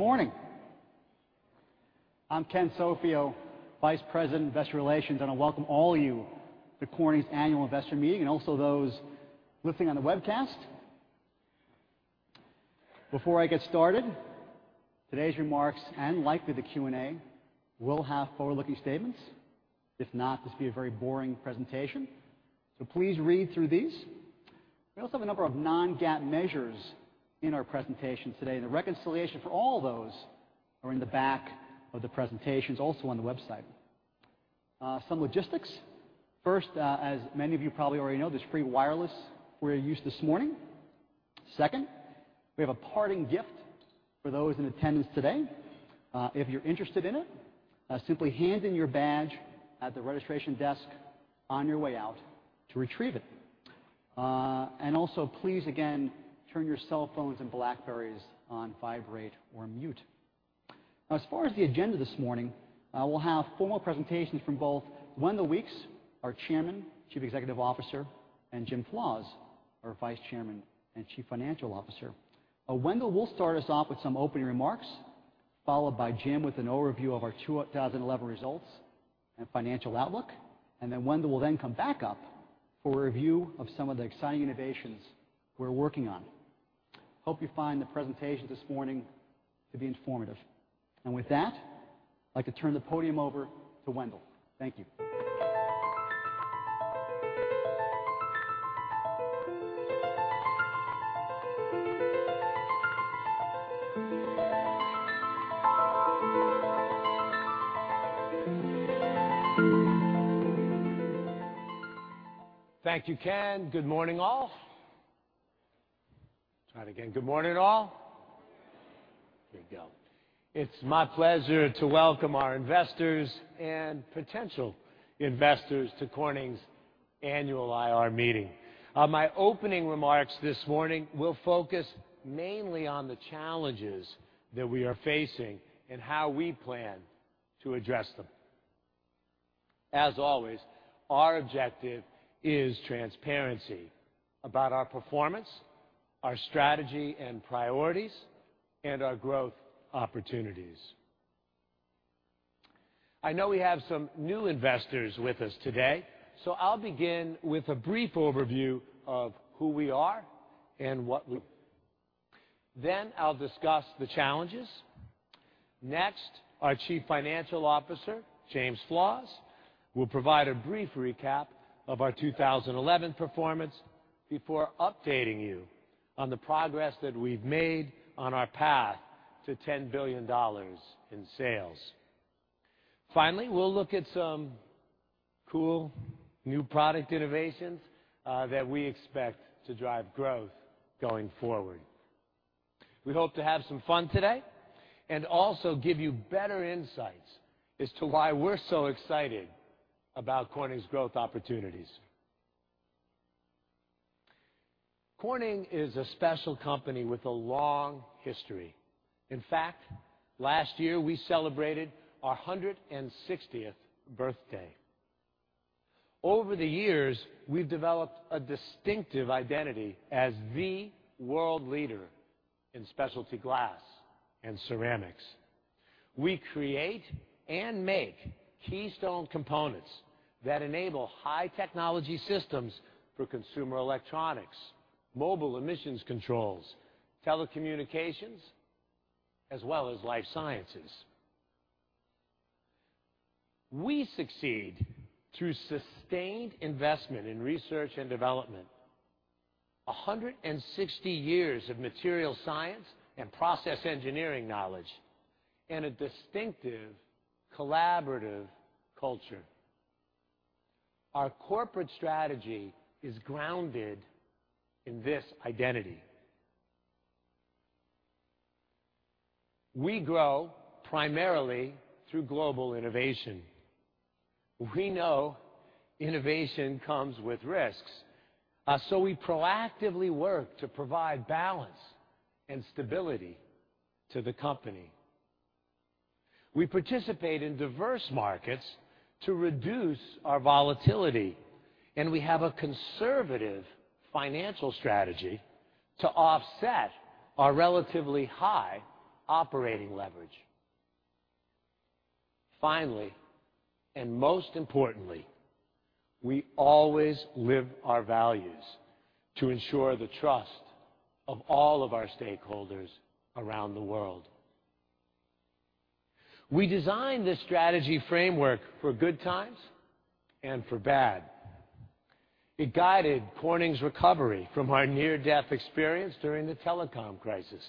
Good morning. I'm Ken Sofio, Vice President of Investor Relations, and I welcome all of you to Corning's Annual Investor Meeting and also those listening on the webcast. Before I get started, today's remarks and likely the Q&A will have forward-looking statements. If not, this would be a very boring presentation, so please read through these. We also have a number of non-GAAP measures in our presentation today, and the reconciliation for all those are in the back of the presentations, also on the website. Some logistics. First, as many of you probably already know, there's free wireless for your use this morning. Second, we have a parting gift for those in attendance today. If you're interested in it, simply hand in your badge at the registration desk on your way out to retrieve it. Also, please again turn your cell phones and BlackBerrys on vibrate or mute. Now, as far as the agenda this morning, we'll have formal presentations from both Wendell Weeks, our Chairman, Chief Executive Officer, and James Flaws, our Vice Chairman and Chief Financial Officer. Wendell will start us off with some opening remarks, followed by James with an overview of our 2011 results and financial outlook. Wendell will then come back up for a review of some of the exciting innovations we're working on. I hope you find the presentation this morning to be informative. With that, I'd like to turn the podium over to Wendell. Thank you. Thank you, Ken. Good morning, all. Here we go. It's my pleasure to welcome our investors and potential investors to Corning's Annual IR Meeting. My opening remarks this morning will focus mainly on the challenges that we are facing and how we plan to address them. As always, our objective is transparency about our performance, our strategy and priorities, and our growth opportunities. I know we have some new investors with us today, so I'll begin with a brief overview of who we are and what we're doing. I'll discuss the challenges. Next, our Chief Financial Officer, James Flaws, will provide a brief recap of our 2011 performance before updating you on the progress that we've made on our path to $10 billion in sales. Finally, we'll look at some cool new product innovations that we expect to drive growth going forward. We hope to have some fun today and also give you better insights as to why we're so excited about Corning's growth opportunities. Corning is a special company with a long history. In fact, last year we celebrated our 160th birthday. Over the years, we've developed a distinctive identity as the world leader in specialty glass and ceramics. We create and make keystone components that enable high-technology systems for consumer electronics, mobile emissions controls, telecommunications, as well as life sciences. We succeed through sustained investment in research and development, 160 years of material science and process engineering knowledge, and a distinctive collaborative culture. Our corporate strategy is grounded in this identity. We grow primarily through global innovation. We know innovation comes with risks, so we proactively work to provide balance and stability to the company. We participate in diverse markets to reduce our volatility, and we have a conservative financial strategy to offset our relatively high operating leverage. Finally, and most importantly, we always live our values to ensure the trust of all of our stakeholders around the world. We designed this strategy framework for good times and for bad. It guided Corning's recovery from our near-death experience during the telecom crisis.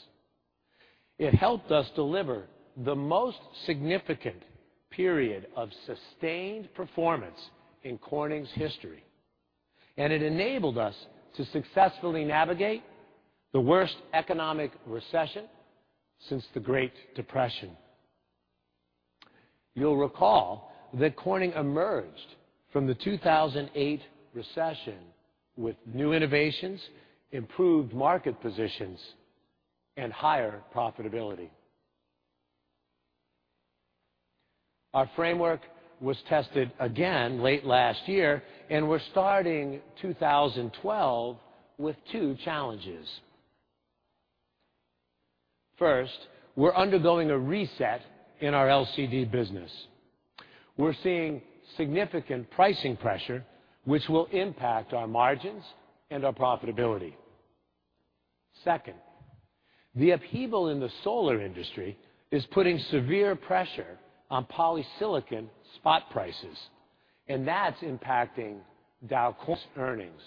It helped us deliver the most significant period of sustained performance in Corning's history, and it enabled us to successfully navigate the worst economic recession since the Great Depression. You'll recall that Corning emerged from the 2008 recession with new innovations, improved market positions, and higher profitability. Our framework was tested again late last year, and we're starting 2012 with two challenges. First, we're undergoing a reset in our LCD business. We're seeing significant pricing pressure, which will impact our margins and our profitability. Second, the upheaval in the solar industry is putting severe pressure on polysilicon spot prices, and that's impacting Dow Corning earnings.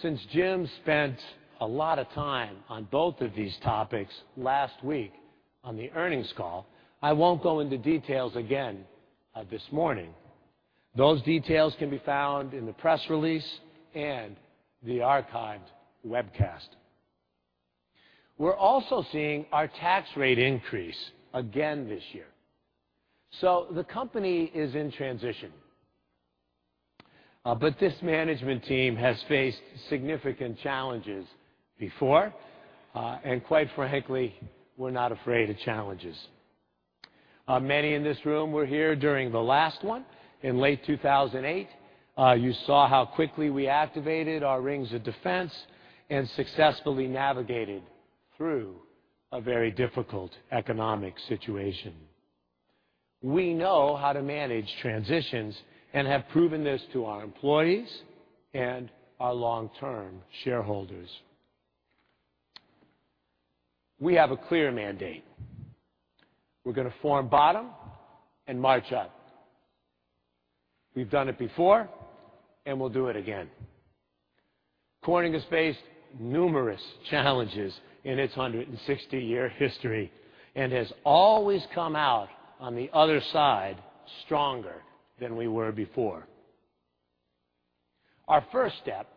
Since Jim spent a lot of time on both of these topics last week on the earnings call, I won't go into details again this morning. Those details can be found in the press release and the archived webcast. We're also seeing our tax rate increase again this year. The company is in transition. This management team has faced significant challenges before, and quite frankly, we're not afraid of challenges. Many in this room were here during the last one in late 2008. You saw how quickly we activated our rings of defense and successfully navigated through a very difficult economic situation. We know how to manage transitions and have proven this to our employees and our long-term shareholders. We have a clear mandate. We're going to form bottom and march up. We've done it before, and we'll do it again. Corning has faced numerous challenges in its 160-year history and has always come out on the other side stronger than we were before. Our first step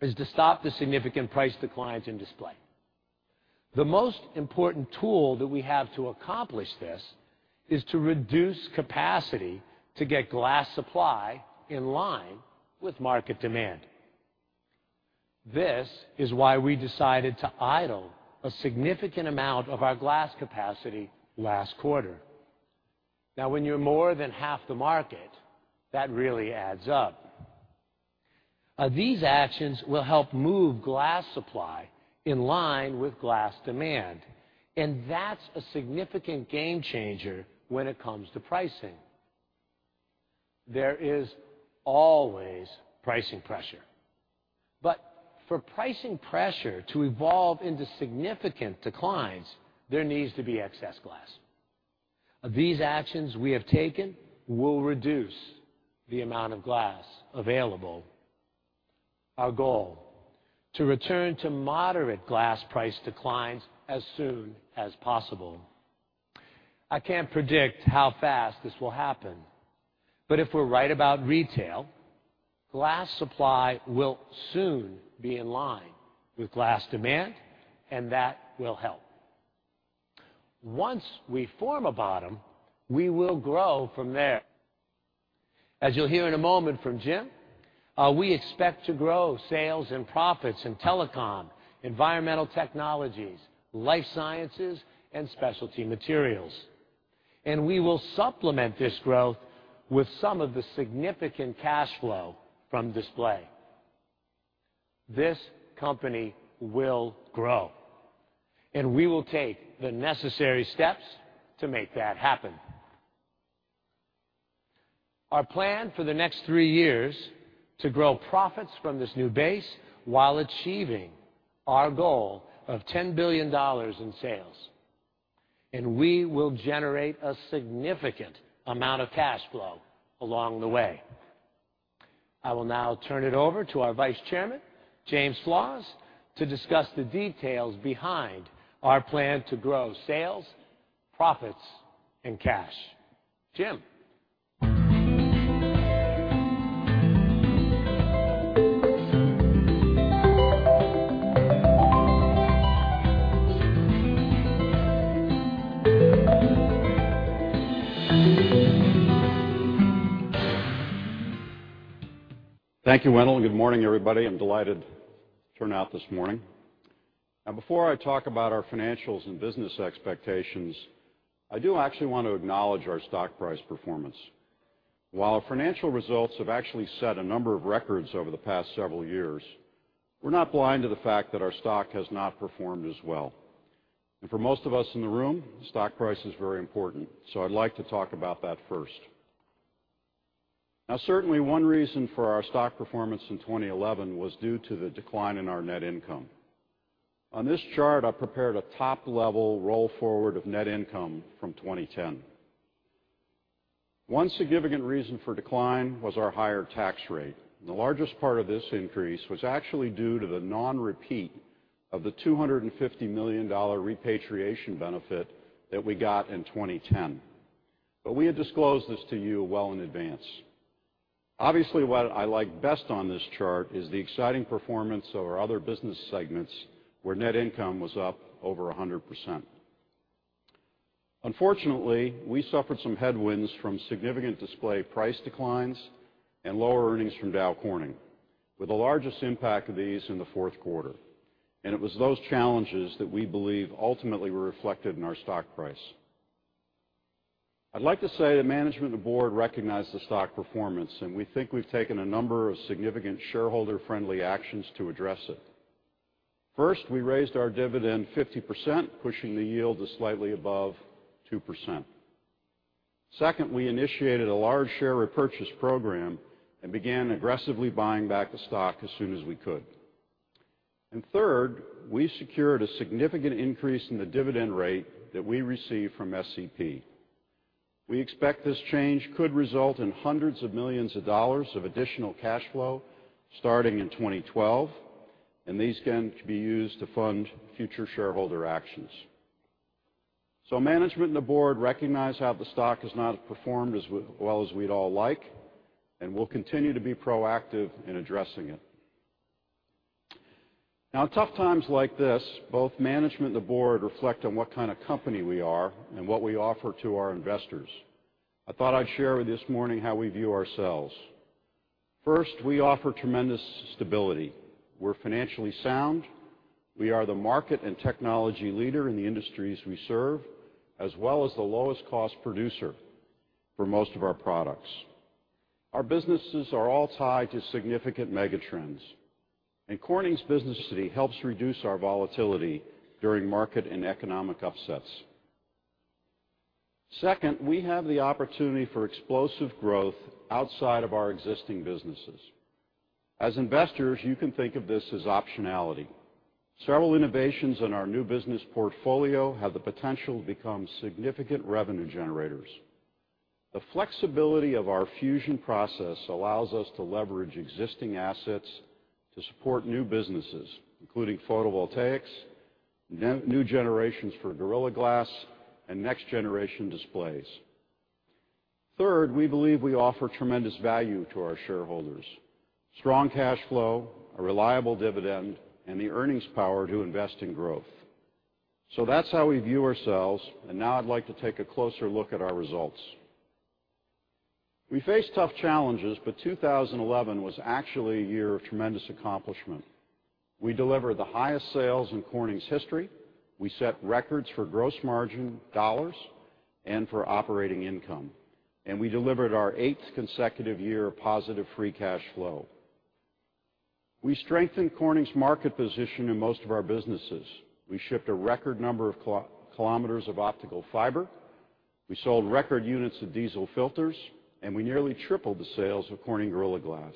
is to stop the significant price declines in display. The most important tool that we have to accomplish this is to reduce capacity to get glass supply in line with market demand. This is why we decided to idle a significant amount of our glass capacity last quarter. When you're more than half the market, that really adds up. These actions will help move glass supply in line with glass demand, and that's a significant game changer when it comes to pricing. There is always pricing pressure. For pricing pressure to evolve into significant declines, there needs to be excess glass. These actions we have taken will reduce the amount of glass available. Our goal is to return to moderate glass price declines as soon as possible. I can't predict how fast this will happen, but if we're right about retail, glass supply will soon be in line with glass demand, and that will help. Once we form a bottom, we will grow from there. As you'll hear in a moment from Jim, we expect to grow sales and profits in telecom, Environmental Technologies, Life Sciences, and Specialty Materials. We will supplement this growth with some of the significant cash flow from display. This company will grow, and we will take the necessary steps to make that happen. Our plan for the next three years is to grow profits from this new base while achieving our goal of $10 billion in sales. We will generate a significant amount of cash flow along the way. I will now turn it over to our Vice Chairman, James Flaws, to discuss the details behind our plan to grow sales, profits, and cash. Jim. Thank you, Wendell. Good morning, everybody. I'm delighted to turn out this morning. Before I talk about our financials and business expectations, I do actually want to acknowledge our stock price performance. While our financial results have actually set a number of records over the past several years, we're not blind to the fact that our stock has not performed as well. For most of us in the room, the stock price is very important. I'd like to talk about that first. Certainly, one reason for our stock performance in 2011 was due to the decline in our net income. On this chart, I prepared a top-level roll forward of net income from 2010. One significant reason for decline was our higher tax rate. The largest part of this increase was actually due to the non-repeat of the $250 million repatriation benefit that we got in 2010. We had disclosed this to you well in advance. Obviously, what I like best on this chart is the exciting performance of our other business segments, where net income was up over 100%. Unfortunately, we suffered some headwinds from significant display price declines and lower earnings from Dow Corning, with the largest impact of these in the fourth quarter. It was those challenges that we believe ultimately were reflected in our stock price. I'd like to say that management and the board recognize the stock performance, and we think we've taken a number of significant shareholder-friendly actions to address it. First, we raised our dividend 50%, pushing the yield to slightly above 2%. Second, we initiated a large share repurchase program and began aggressively buying back the stock as soon as we could. Third, we secured a significant increase in the dividend rate that we received from SEP. We expect this change could result in hundreds of millions of dollars of additional cash flow starting in 2012, and these can be used to fund future shareholder actions. Management and the board recognize how the stock has not performed as well as we'd all like, and we'll continue to be proactive in addressing it. In tough times like this, both management and the board reflect on what kind of company we are and what we offer to our investors. I thought I'd share with you this morning how we view ourselves. First, we offer tremendous stability. We're financially sound. We are the market and technology leader in the industries we serve, as well as the lowest cost producer for most of our products. Our businesses are all tied to significant megatrends, and Corning's business stability helps reduce our volatility during market and economic upsets. Second, we have the opportunity for explosive growth outside of our existing businesses. As investors, you can think of this as optionality. Several innovations in our new business portfolio have the potential to become significant revenue generators. The flexibility of our fusion process allows us to leverage existing assets to support new businesses, including photovoltaics, new generations for Gorilla Glass, and next-generation displays. Third, we believe we offer tremendous value to our shareholders: strong cash flow, a reliable dividend, and the earnings power to invest in growth. That's how we view ourselves. Now I'd like to take a closer look at our results. We face tough challenges, but 2011 was actually a year of tremendous accomplishment. We delivered the highest sales in Corning's history. We set records for gross margin dollars and for operating income, and we delivered our eighth consecutive year of positive free cash flow. We strengthened Corning's market position in most of our businesses. We shipped a record number of kilometers of optical fiber. We sold record units of diesel filters, and we nearly tripled the sales of Corning Gorilla Glass.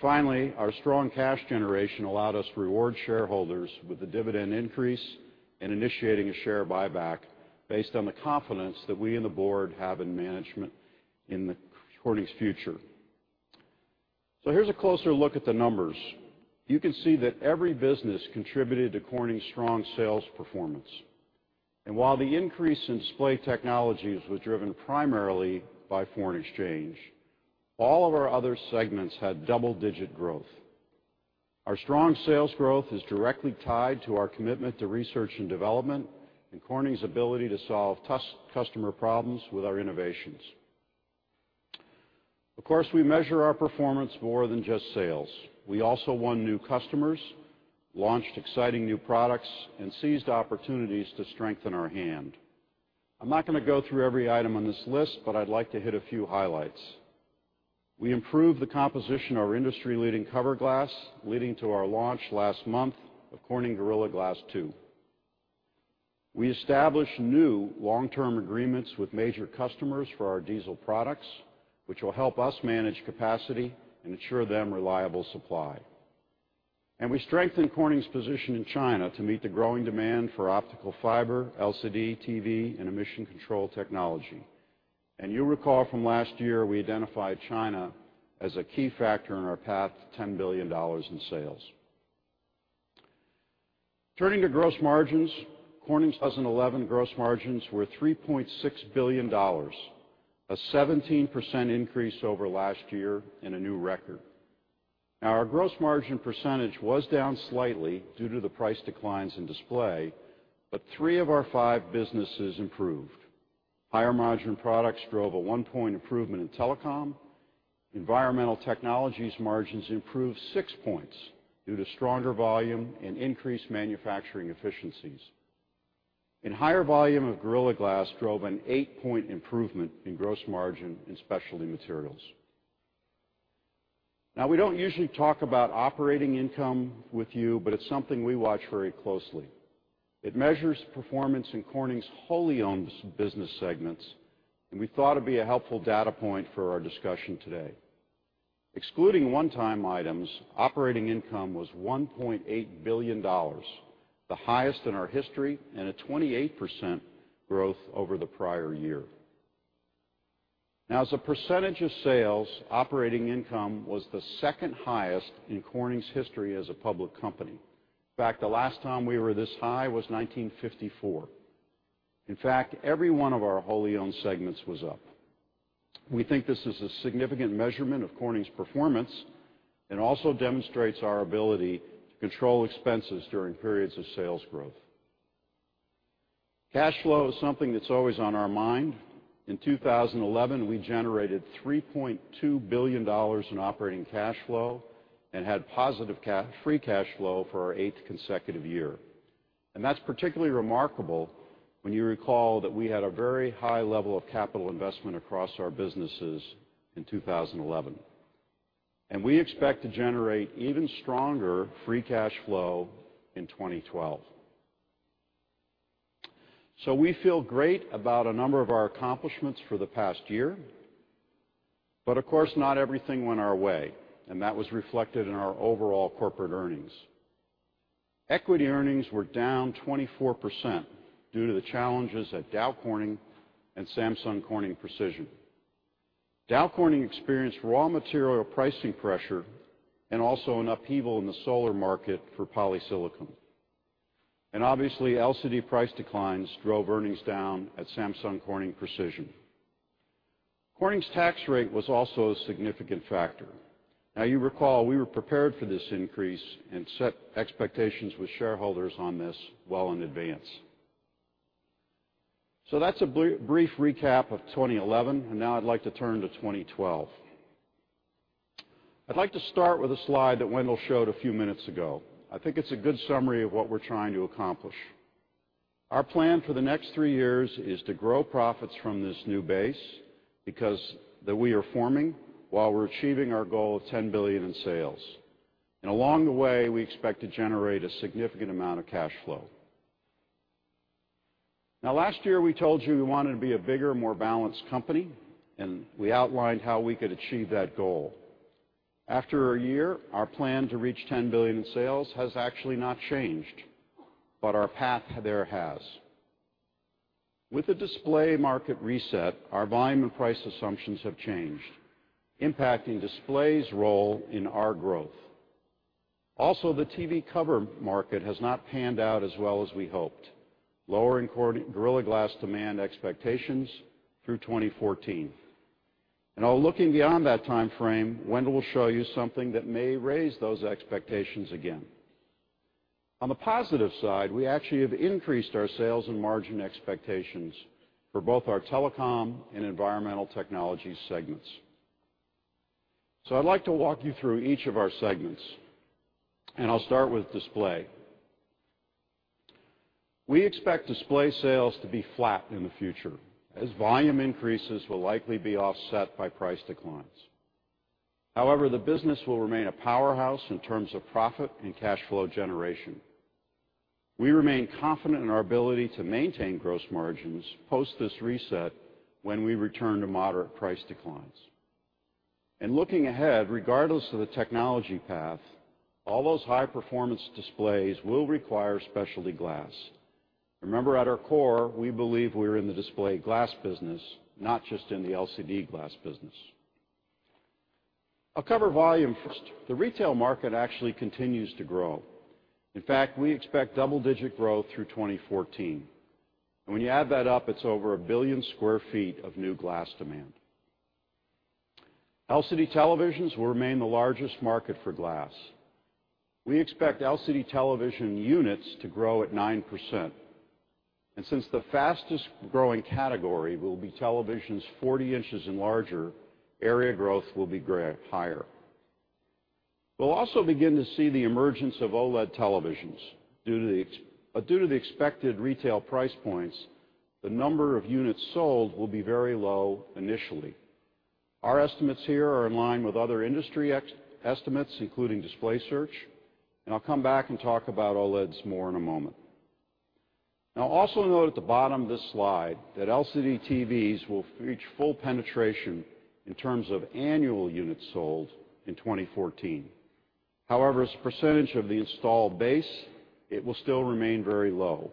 Finally, our strong cash generation allowed us to reward shareholders with a dividend increase and initiating a share buyback based on the confidence that we and the board have in management in Corning's future. Here's a closer look at the numbers. You can see that every business contributed to Corning's strong sales performance. While the increase in Display Technologies was driven primarily by foreign exchange, all of our other segments had double-digit growth. Our strong sales growth is directly tied to our commitment to research and development and Corning's ability to solve customer problems with our innovations. Of course, we measure our performance by more than just sales. We also won new customers, launched exciting new products, and seized opportunities to strengthen our hand. I'm not going to go through every item on this list, but I'd like to hit a few highlights. We improved the composition of our industry-leading cover glass, leading to our launch last month of Corning Gorilla Glass 2. We established new long-term agreements with major customers for our diesel products, which will help us manage capacity and ensure them reliable supply. We strengthened Corning's position in China to meet the growing demand for optical fiber, LCD, TV, and emission control technology. You'll recall from last year, we identified China as a key factor in our path to $10 billion in sales. Turning to gross margins, Corning's 2011 gross margins were $3.6 billion, a 17% increase over last year and a new record. Our gross margin percentage was down slightly due to the price declines in display, but three of our five businesses improved. Higher margin products drove a one-point improvement in telecom. Environmental Technologies margins improved six points due to stronger volume and increased manufacturing efficiencies. Higher volume of Gorilla Glass drove an eight-point improvement in gross margin in Specialty Materials. We don't usually talk about operating income with you, but it's something we watch very closely. It measures performance in Corning's wholly owned business segments, and we thought it'd be a helpful data point for our discussion today. Excluding one-time items, operating income was $1.8 billion, the highest in our history, and a 28% growth over the prior year. As a percentage of sales, operating income was the second highest in Corning's history as a public company. In fact, the last time we were this high was 1954. Every one of our wholly owned segments was up. We think this is a significant measurement of Corning's performance and also demonstrates our ability to control expenses during periods of sales growth. Cash flow is something that's always on our mind. In 2011, we generated $3.2 billion in operating cash flow and had positive free cash flow for our eighth consecutive year. That's particularly remarkable when you recall that we had a very high level of capital investment across our businesses in 2011. We expect to generate even stronger free cash flow in 2012. We feel great about a number of our accomplishments for the past year. Of course, not everything went our way, and that was reflected in our overall corporate earnings. Equity earnings were down 24% due to the challenges at Dow Corning and Samsung Corning Precision. Dow Corning experienced raw material pricing pressure and also an upheaval in the solar market for polysilicon. Obviously, LCD price declines drove earnings down at Samsung Corning Precision. Corning's tax rate was also a significant factor. You recall we were prepared for this increase and set expectations with shareholders on this well in advance. That's a brief recap of 2011, and now I'd like to turn to 2012. I'd like to start with a slide that Wendell showed a few minutes ago. I think it's a good summary of what we're trying to accomplish. Our plan for the next three years is to grow profits from this new base that we are forming while we're achieving our goal of $10 billion in sales. Along the way, we expect to generate a significant amount of cash flow. Last year we told you we wanted to be a bigger, more balanced company, and we outlined how we could achieve that goal. After a year, our plan to reach $10 billion in sales has actually not changed, but our path there has. With the display market reset, our volume and price assumptions have changed, impacting display's role in our growth. Also, the TV cover market has not panned out as well as we hoped, lowering Gorilla Glass demand expectations through 2014. While looking beyond that time frame, Wendell will show you something that may raise those expectations again. On the positive side, we actually have increased our sales and margin expectations for both our telecom and environmental technology segments. I'd like to walk you through each of our segments, and I'll start with display. We expect display sales to be flat in the future. As volume increases, we'll likely be offset by price declines. However, the business will remain a powerhouse in terms of profit and cash flow generation. We remain confident in our ability to maintain gross margins post this reset when we return to moderate price declines. Looking ahead, regardless of the technology path, all those high-performance displays will require specialty glass. Remember, at our core, we believe we're in the display glass business, not just in the LCD glass business. I'll cover volume first. The retail market actually continues to grow. In fact, we expect double-digit growth through 2014. When you add that up, it's over a billion square feet of new glass demand. LCD televisions will remain the largest market for glass. We expect LCD television units to grow at 9%. Since the fastest growing category will be televisions 40 inches and larger, area growth will be higher. We'll also begin to see the emergence of OLED televisions. Due to the expected retail price points, the number of units sold will be very low initially. Our estimates here are in line with other industry estimates, including Display Search. I'll come back and talk about OLEDs more in a moment. Also note at the bottom of this slide that LCD TVs will reach full penetration in terms of annual units sold in 2014. However, as a percentage of the installed base, it will still remain very low.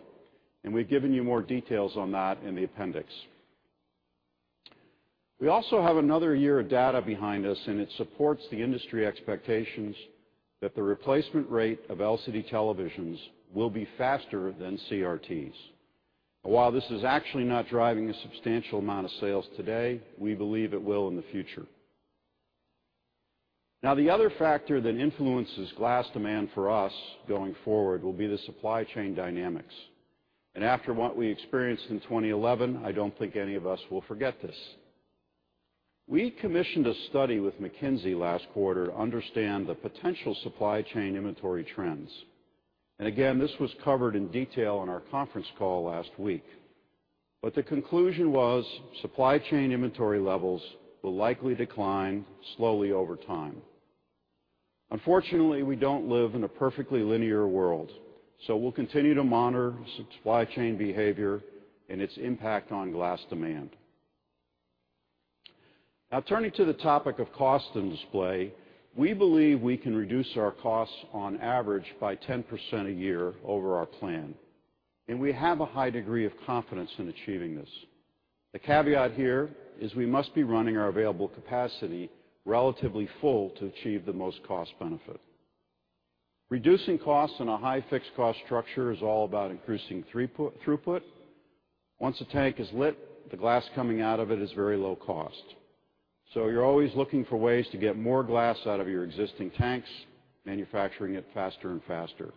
We've given you more details on that in the appendix. We also have another year of data behind us, and it supports the industry expectations that the replacement rate of LCD televisions will be faster than CRTs. While this is actually not driving a substantial amount of sales today, we believe it will in the future. The other factor that influences glass demand for us going forward will be the supply chain dynamics. After what we experienced in 2011, I don't think any of us will forget this. We commissioned a study with McKinsey last quarter to understand the potential supply chain inventory trends. This was covered in detail in our conference call last week. The conclusion was supply chain inventory levels will likely decline slowly over time. Unfortunately, we don't live in a perfectly linear world. We'll continue to monitor supply chain behavior and its impact on glass demand. Turning to the topic of costs in display, we believe we can reduce our costs on average by 10% a year over our plan. We have a high degree of confidence in achieving this. The caveat here is we must be running our available capacity relatively full to achieve the most cost benefit. Reducing costs in a high fixed cost structure is all about increasing throughput. Once a tank is lit, the glass coming out of it is very low cost. You're always looking for ways to get more glass out of your existing tanks, manufacturing it faster and faster.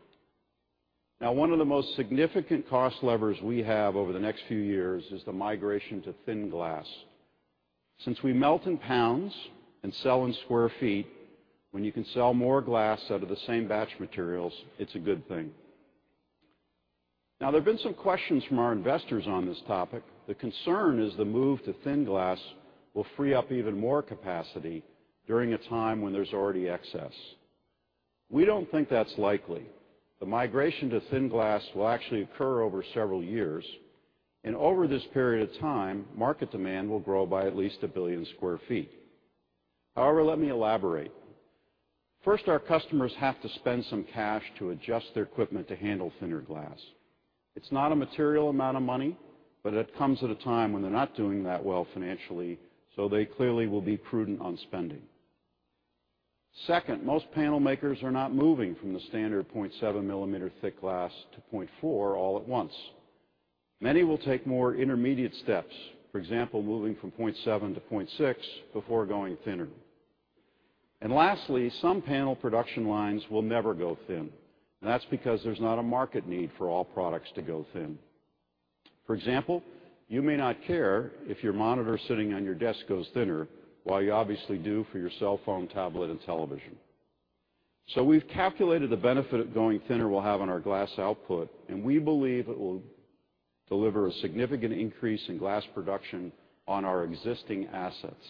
One of the most significant cost levers we have over the next few years is the migration to thin glass. Since we melt in pounds and sell in square feet, when you can sell more glass out of the same batch materials, it's a good thing. There have been some questions from our investors on this topic. The concern is the move to thin glass will free up even more capacity during a time when there's already excess. We don't think that's likely. The migration to thin glass will actually occur over several years. Over this period of time, market demand will grow by at least a billion square feet. However, let me elaborate. First, our customers have to spend some cash to adjust their equipment to handle thinner glass. It's not a material amount of money, but it comes at a time when they're not doing that well financially, so they clearly will be prudent on spending. Second, most panel makers are not moving from the standard 0.7 mm thick glass to 0.4 mm all at once. Many will take more intermediate steps, for example, moving from 0.7 mm to 0.6 mm before going thinner. Lastly, some panel production lines will never go thin. That's because there's not a market need for all products to go thin. For example, you may not care if your monitor sitting on your desk goes thinner while you obviously do for your cell phone, tablet, and television. We've calculated the benefit of going thinner will have on our glass output, and we believe it will deliver a significant increase in glass production on our existing assets.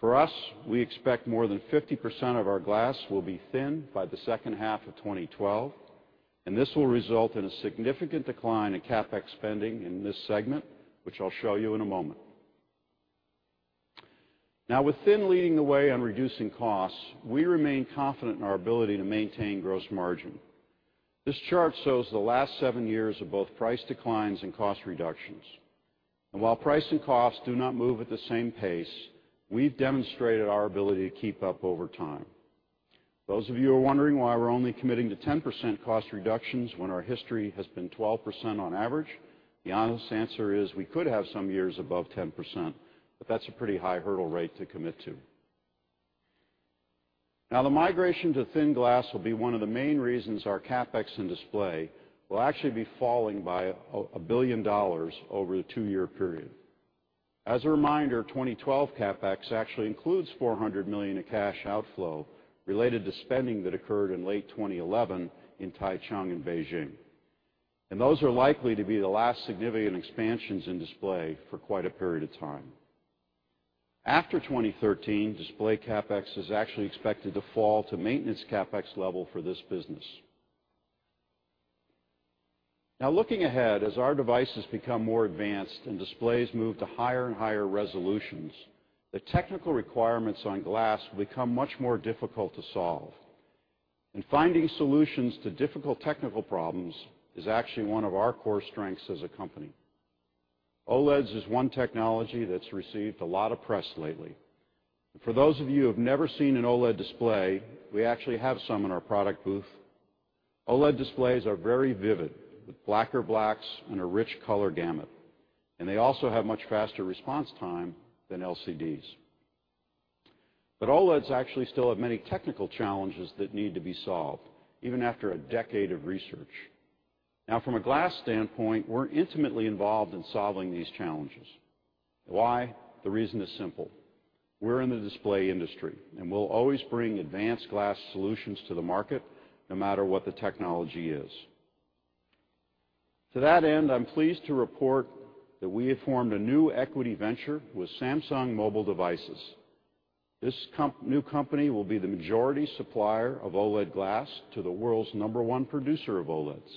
For us, we expect more than 50% of our glass will be thin by the second half of 2012, and this will result in a significant decline in CapEx spending in this segment, which I'll show you in a moment. With thin leading the way on reducing costs, we remain confident in our ability to maintain gross margin. This chart shows the last seven years of both price declines and cost reductions. While price and costs do not move at the same pace, we've demonstrated our ability to keep up over time. Those of you who are wondering why we're only committing to 10% cost reductions when our history has been 12% on average, the honest answer is we could have some years above 10%, but that's a pretty high hurdle rate to commit to. Now, the migration to thin glass will be one of the main reasons our CapEx in display will actually be falling by $1 billion over a two-year period. As a reminder, 2012 CapEx actually includes $400 million in cash outflow related to spending that occurred in late 2011 in Taichung and Beijing. Those are likely to be the last significant expansions in display for quite a period of time. After 2013, display CapEx is actually expected to fall to maintenance CapEx level for this business. Now, looking ahead, as our devices become more advanced and displays move to higher and higher resolutions, the technical requirements on glass will become much more difficult to solve. Finding solutions to difficult technical problems is actually one of our core strengths as a company. OLEDs is one technology that's received a lot of press lately. For those of you who have never seen an OLED display, we actually have some in our product booth. OLED displays are very vivid, with blacker blacks and a rich color gamut. They also have much faster response time than LCDs. OLEDs actually still have many technical challenges that need to be solved, even after a decade of research. Now, from a glass standpoint, we're intimately involved in solving these challenges. Why? The reason is simple. We're in the display industry, and we'll always bring advanced glass solutions to the market, no matter what the technology is. To that end, I'm pleased to report that we have formed a new equity venture with Samsung Mobile Devices. This new company will be the majority supplier of OLED glass to the world's number one producer of OLEDs.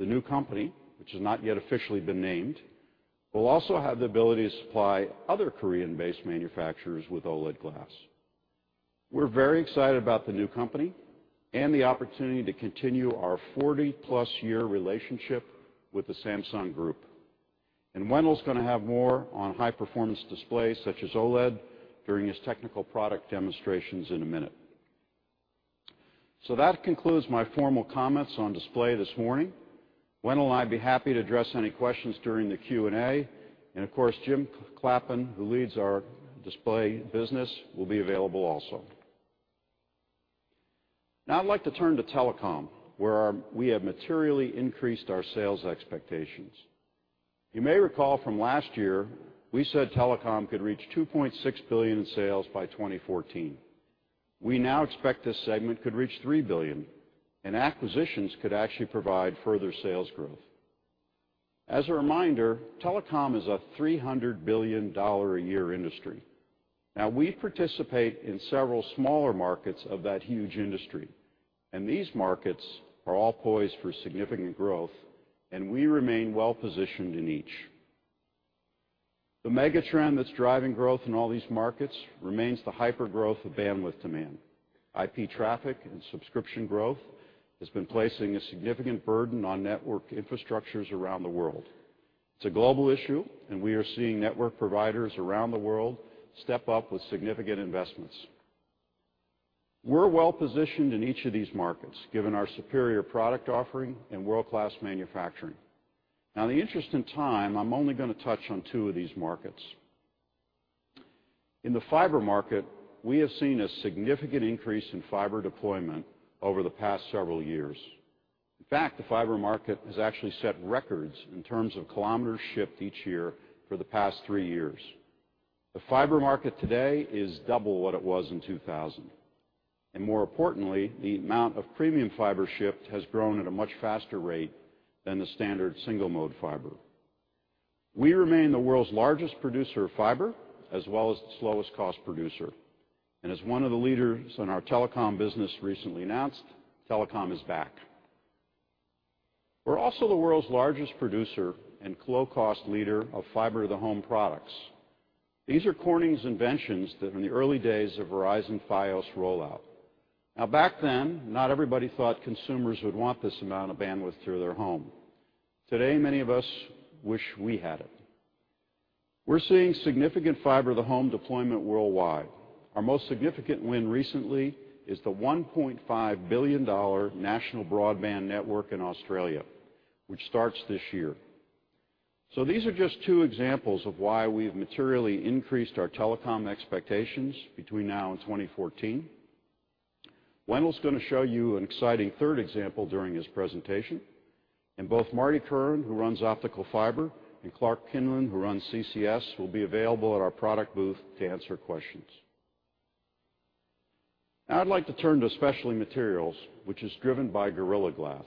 The new company, which has not yet officially been named, will also have the ability to supply other Korean-based manufacturers with OLED glass. We're very excited about the new company and the opportunity to continue our 40+ year relationship with the Samsung Group. Wendell is going to have more on high-performance displays such as OLED during his technical product demonstrations in a minute. That concludes my formal comments on display this morning. Wendell and I will be happy to address any questions during the Q&A. Of course, Jim Clappin, who leads our display business, will be available also. Now, I'd like to turn to telecom, where we have materially increased our sales expectations. You may recall from last year, we said telecom could reach $2.6 billion in sales by 2014. We now expect this segment could reach $3 billion, and acquisitions could actually provide further sales growth. As a reminder, telecom is a $300 billion a year industry. We participate in several smaller markets of that huge industry, and these markets are all poised for significant growth, and we remain well positioned in each. The megatrend that's driving growth in all these markets remains the hypergrowth of bandwidth demand. IP traffic and subscription growth has been placing a significant burden on network infrastructures around the world. It's a global issue, and we are seeing network providers around the world step up with significant investments. We're well positioned in each of these markets, given our superior product offering and world-class manufacturing. In the interest of time, I'm only going to touch on two of these markets. In the fiber market, we have seen a significant increase in fiber deployment over the past several years. In fact, the fiber market has actually set records in terms of kilometers shipped each year for the past three years. The fiber market today is double what it was in 2000. More importantly, the amount of premium fiber shipped has grown at a much faster rate than the standard single mode fiber. We remain the world's largest producer of fiber, as well as the lowest cost producer. As one of the leaders in our telecom business recently announced, telecom is back. We're also the world's largest producer and low-cost leader of fiber-to-the-home products. These are Corning's inventions that are in the early days of Verizon FiOS rollout. Back then, not everybody thought consumers would want this amount of bandwidth to their home. Today, many of us wish we had it. We're seeing significant fiber-to-the-home deployment worldwide. Our most significant win recently is the $1.5 billion national broadband network in Australia, which starts this year. These are just two examples of why we've materially increased our telecom expectations between now and 2014. Wendell is going to show you an exciting third example during his presentation. Both Martin Curran, who runs optical fiber, and Clark Kinlin, who runs CCS, will be available at our product booth to answer questions. Now, I'd like to turn to Specialty Materials, which is driven by Gorilla Glass.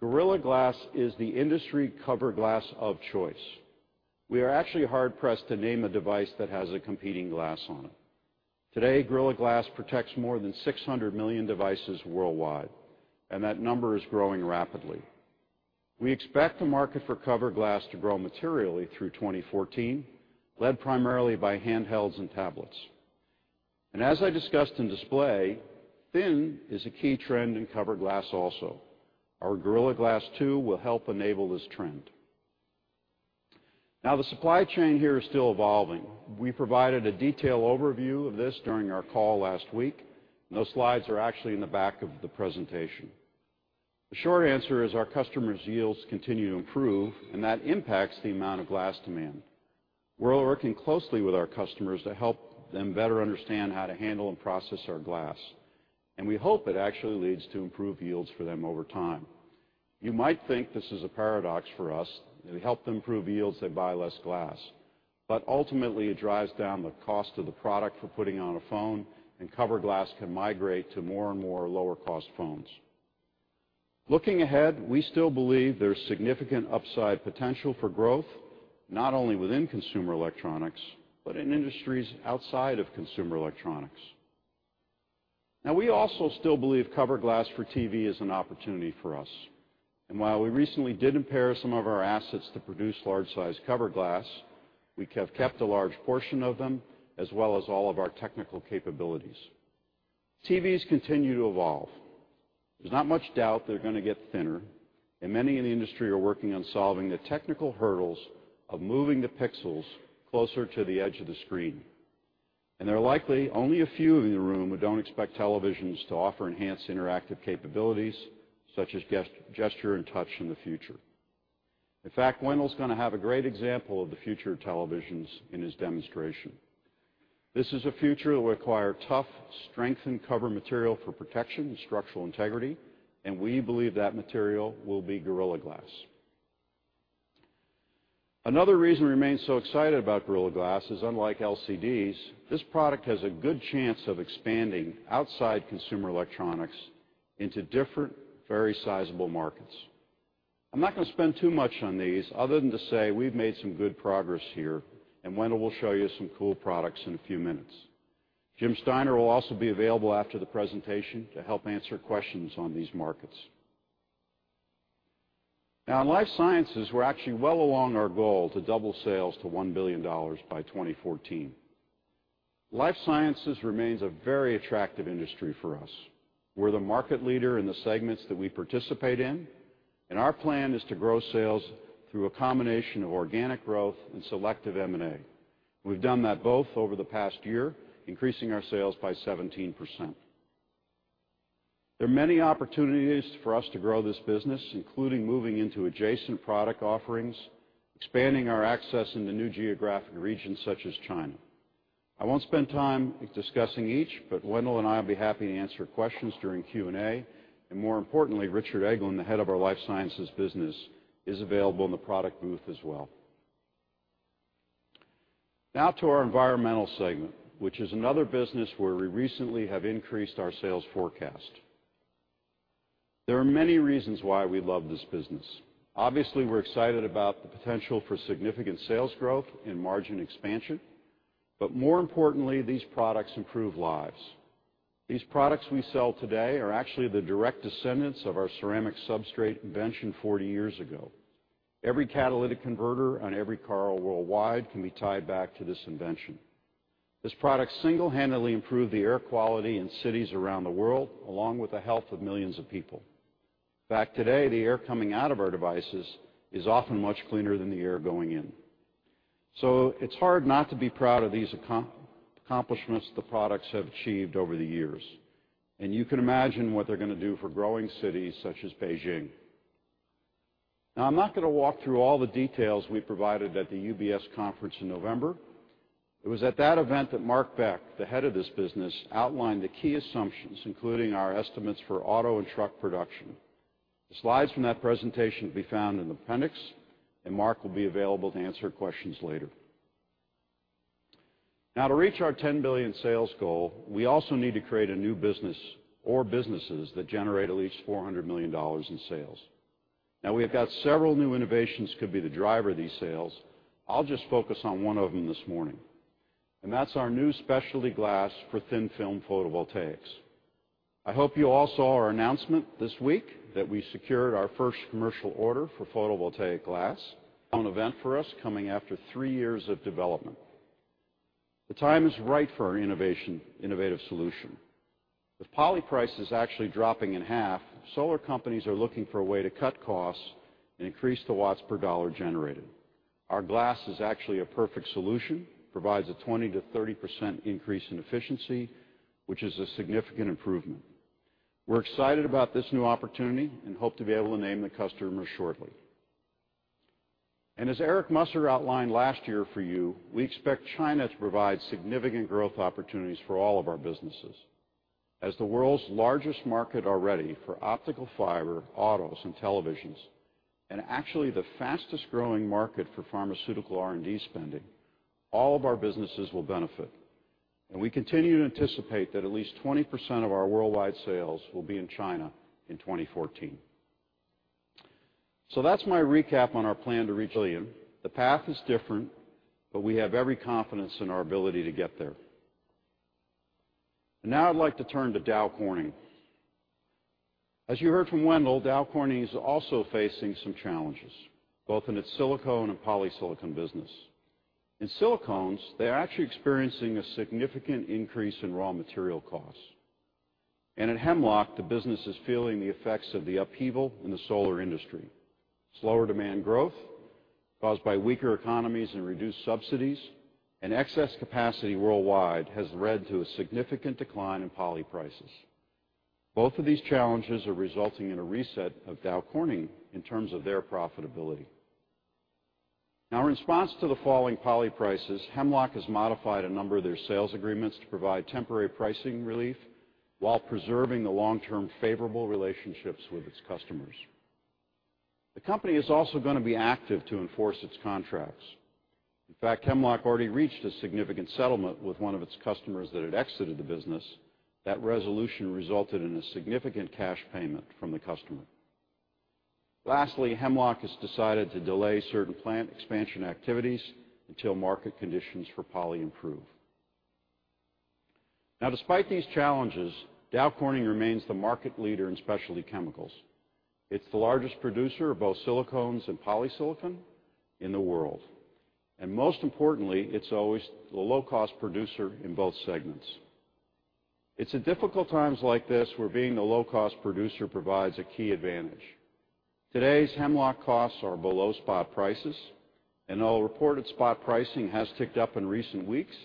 Gorilla Glass is the industry cover glass of choice. We are actually hard-pressed to name a device that has a competing glass on it. Today, Gorilla Glass protects more than 600 million devices worldwide, and that number is growing rapidly. We expect the market for cover glass to grow materially through 2014, led primarily by handhelds and tablets. As I discussed in Display, thin is a key trend in cover glass also. Our Gorilla Glass 2 will help enable this trend. The supply chain here is still evolving. We provided a detailed overview of this during our call last week. Those slides are actually in the back of the presentation. The short answer is our customers' yields continue to improve, and that impacts the amount of glass demand. We're working closely with our customers to help them better understand how to handle and process our glass. We hope it actually leads to improved yields for them over time. You might think this is a paradox for us. They help them improve yields; they buy less glass. Ultimately, it drives down the cost of the product for putting on a phone, and cover glass can migrate to more and more lower-cost phones. Looking ahead, we still believe there's significant upside potential for growth, not only within consumer electronics, but in industries outside of consumer electronics. We also still believe cover glass for TV is an opportunity for us. While we recently did impair some of our assets to produce large-sized cover glass, we have kept a large portion of them, as well as all of our technical capabilities. TVs continue to evolve. There's not much doubt they're going to get thinner, and many in the industry are working on solving the technical hurdles of moving the pixels closer to the edge of the screen. There are likely only a few in the room who don't expect televisions to offer enhanced interactive capabilities, such as gesture and touch, in the future. In fact, Wendell is going to have a great example of the future of televisions in his demonstration. This is a future that will require tough, strengthened cover material for protection and structural integrity, and we believe that material will be Gorilla Glass. Another reason we remain so excited about Gorilla Glass is, unlike LCDs, this product has a good chance of expanding outside consumer electronics into different, very sizable markets. I'm not going to spend too much on these other than to say we've made some good progress here, and Wendell will show you some cool products in a few minutes. Jim Steiner owill also be available after the presentation to help answer questions on these markets. Now, in Life Sciences, we're actually well along our goal to double sales to $1 billion by 2014. Life Sciences remains a very attractive industry for us. We're the market leader in the segments that we participate in, and our plan is to grow sales through a combination of organic growth and selective M&A. We've done that both over the past year, increasing our sales by 17%. There are many opportunities for us to grow this business, including moving into adjacent product offerings, expanding our access into new geographic regions such as China. I won't spend time discussing each, but Wendell and I will be happy to answer questions during Q&A. More importantly, Richard Eglen, the head of our Life Sciences business, is available in the product booth as well. Now to our Environmental segment, which is another business where we recently have increased our sales forecast. There are many reasons why we love this business. Obviously, we're excited about the potential for significant sales growth and margin expansion. More importantly, these products improve lives. These products we sell today are actually the direct descendants of our ceramic substrate invention 40 years ago. Every catalytic converter on every car worldwide can be tied back to this invention. This product single-handedly improved the air quality in cities around the world, along with the health of millions of people. In fact, today, the air coming out of our devices is often much cleaner than the air going in. It's hard not to be proud of these accomplishments the products have achieved over the years. You can imagine what they're going to do for growing cities such as Beijing. I'm not going to walk through all the details we provided at the UBS conference in November. It was at that event that Mark Beck, the head of this business, outlined the key assumptions, including our estimates for auto and truck production. The slides from that presentation can be found in the appendix, and Mark will be available to answer questions later. To reach our $10 billion sales goal, we also need to create a new business or businesses that generate at least $400 million in sales. Now, we have got several new innovations that could be the driver of these sales. I'll just focus on one of them this morning. That's our new specialty glass for thin-film photovoltaics. I hope you all saw our announcement this week that we secured our first commercial order for photovoltaic glass, an event for us coming after three years of development. The time is right for our innovative solution. With poly prices actually dropping in half, solar companies are looking for a way to cut costs and increase the watts per dollar generated. Our glass is actually a perfect solution, provides a 20% to 30% increase in efficiency, which is a significant improvement. We're excited about this new opportunity and hope to be able to name the customer shortly. As Eric Musser outlined last year for you, we expect China to provide significant growth opportunities for all of our businesses. As the world's largest market already for optical fiber, autos, and televisions, and actually the fastest growing market for pharmaceutical R&D spending, all of our businesses will benefit. We continue to anticipate that at least 20% of our worldwide sales will be in China in 2014. That's my recap on our plan to reach $1 billion. The path is different, but we have every confidence in our ability to get there. Now I'd like to turn to Dow Corning. As you heard from Wendell, Dow Corning is also facing some challenges, both in its silicone and polysilicon business. In silicones, they're actually experiencing a significant increase in raw material costs. At Hemlock, the business is feeling the effects of the upheaval in the solar industry. Slower demand growth, caused by weaker economies and reduced subsidies, and excess capacity worldwide has led to a significant decline in poly prices. Both of these challenges are resulting in a reset of Dow Corning in terms of their profitability. In response to the falling poly prices, Hemlock has modified a number of their sales agreements to provide temporary pricing relief while preserving the long-term favorable relationships with its customers. The company is also going to be active to enforce its contracts. In fact, Hemlock already reached a significant settlement with one of its customers that had exited the business. That resolution resulted in a significant cash payment from the customer. Lastly, Hemlock has decided to delay certain plant expansion activities until market conditions for poly improve. Now, despite these challenges, Dow Corning remains the market leader in specialty chemicals. It's the largest producer of both silicones and polysilicon in the world. Most importantly, it's always the low-cost producer in both segments. It's at difficult times like this where being the low-cost producer provides a key advantage. Today's Hemlock costs are below spot prices, and although reported spot pricing has ticked up in recent weeks,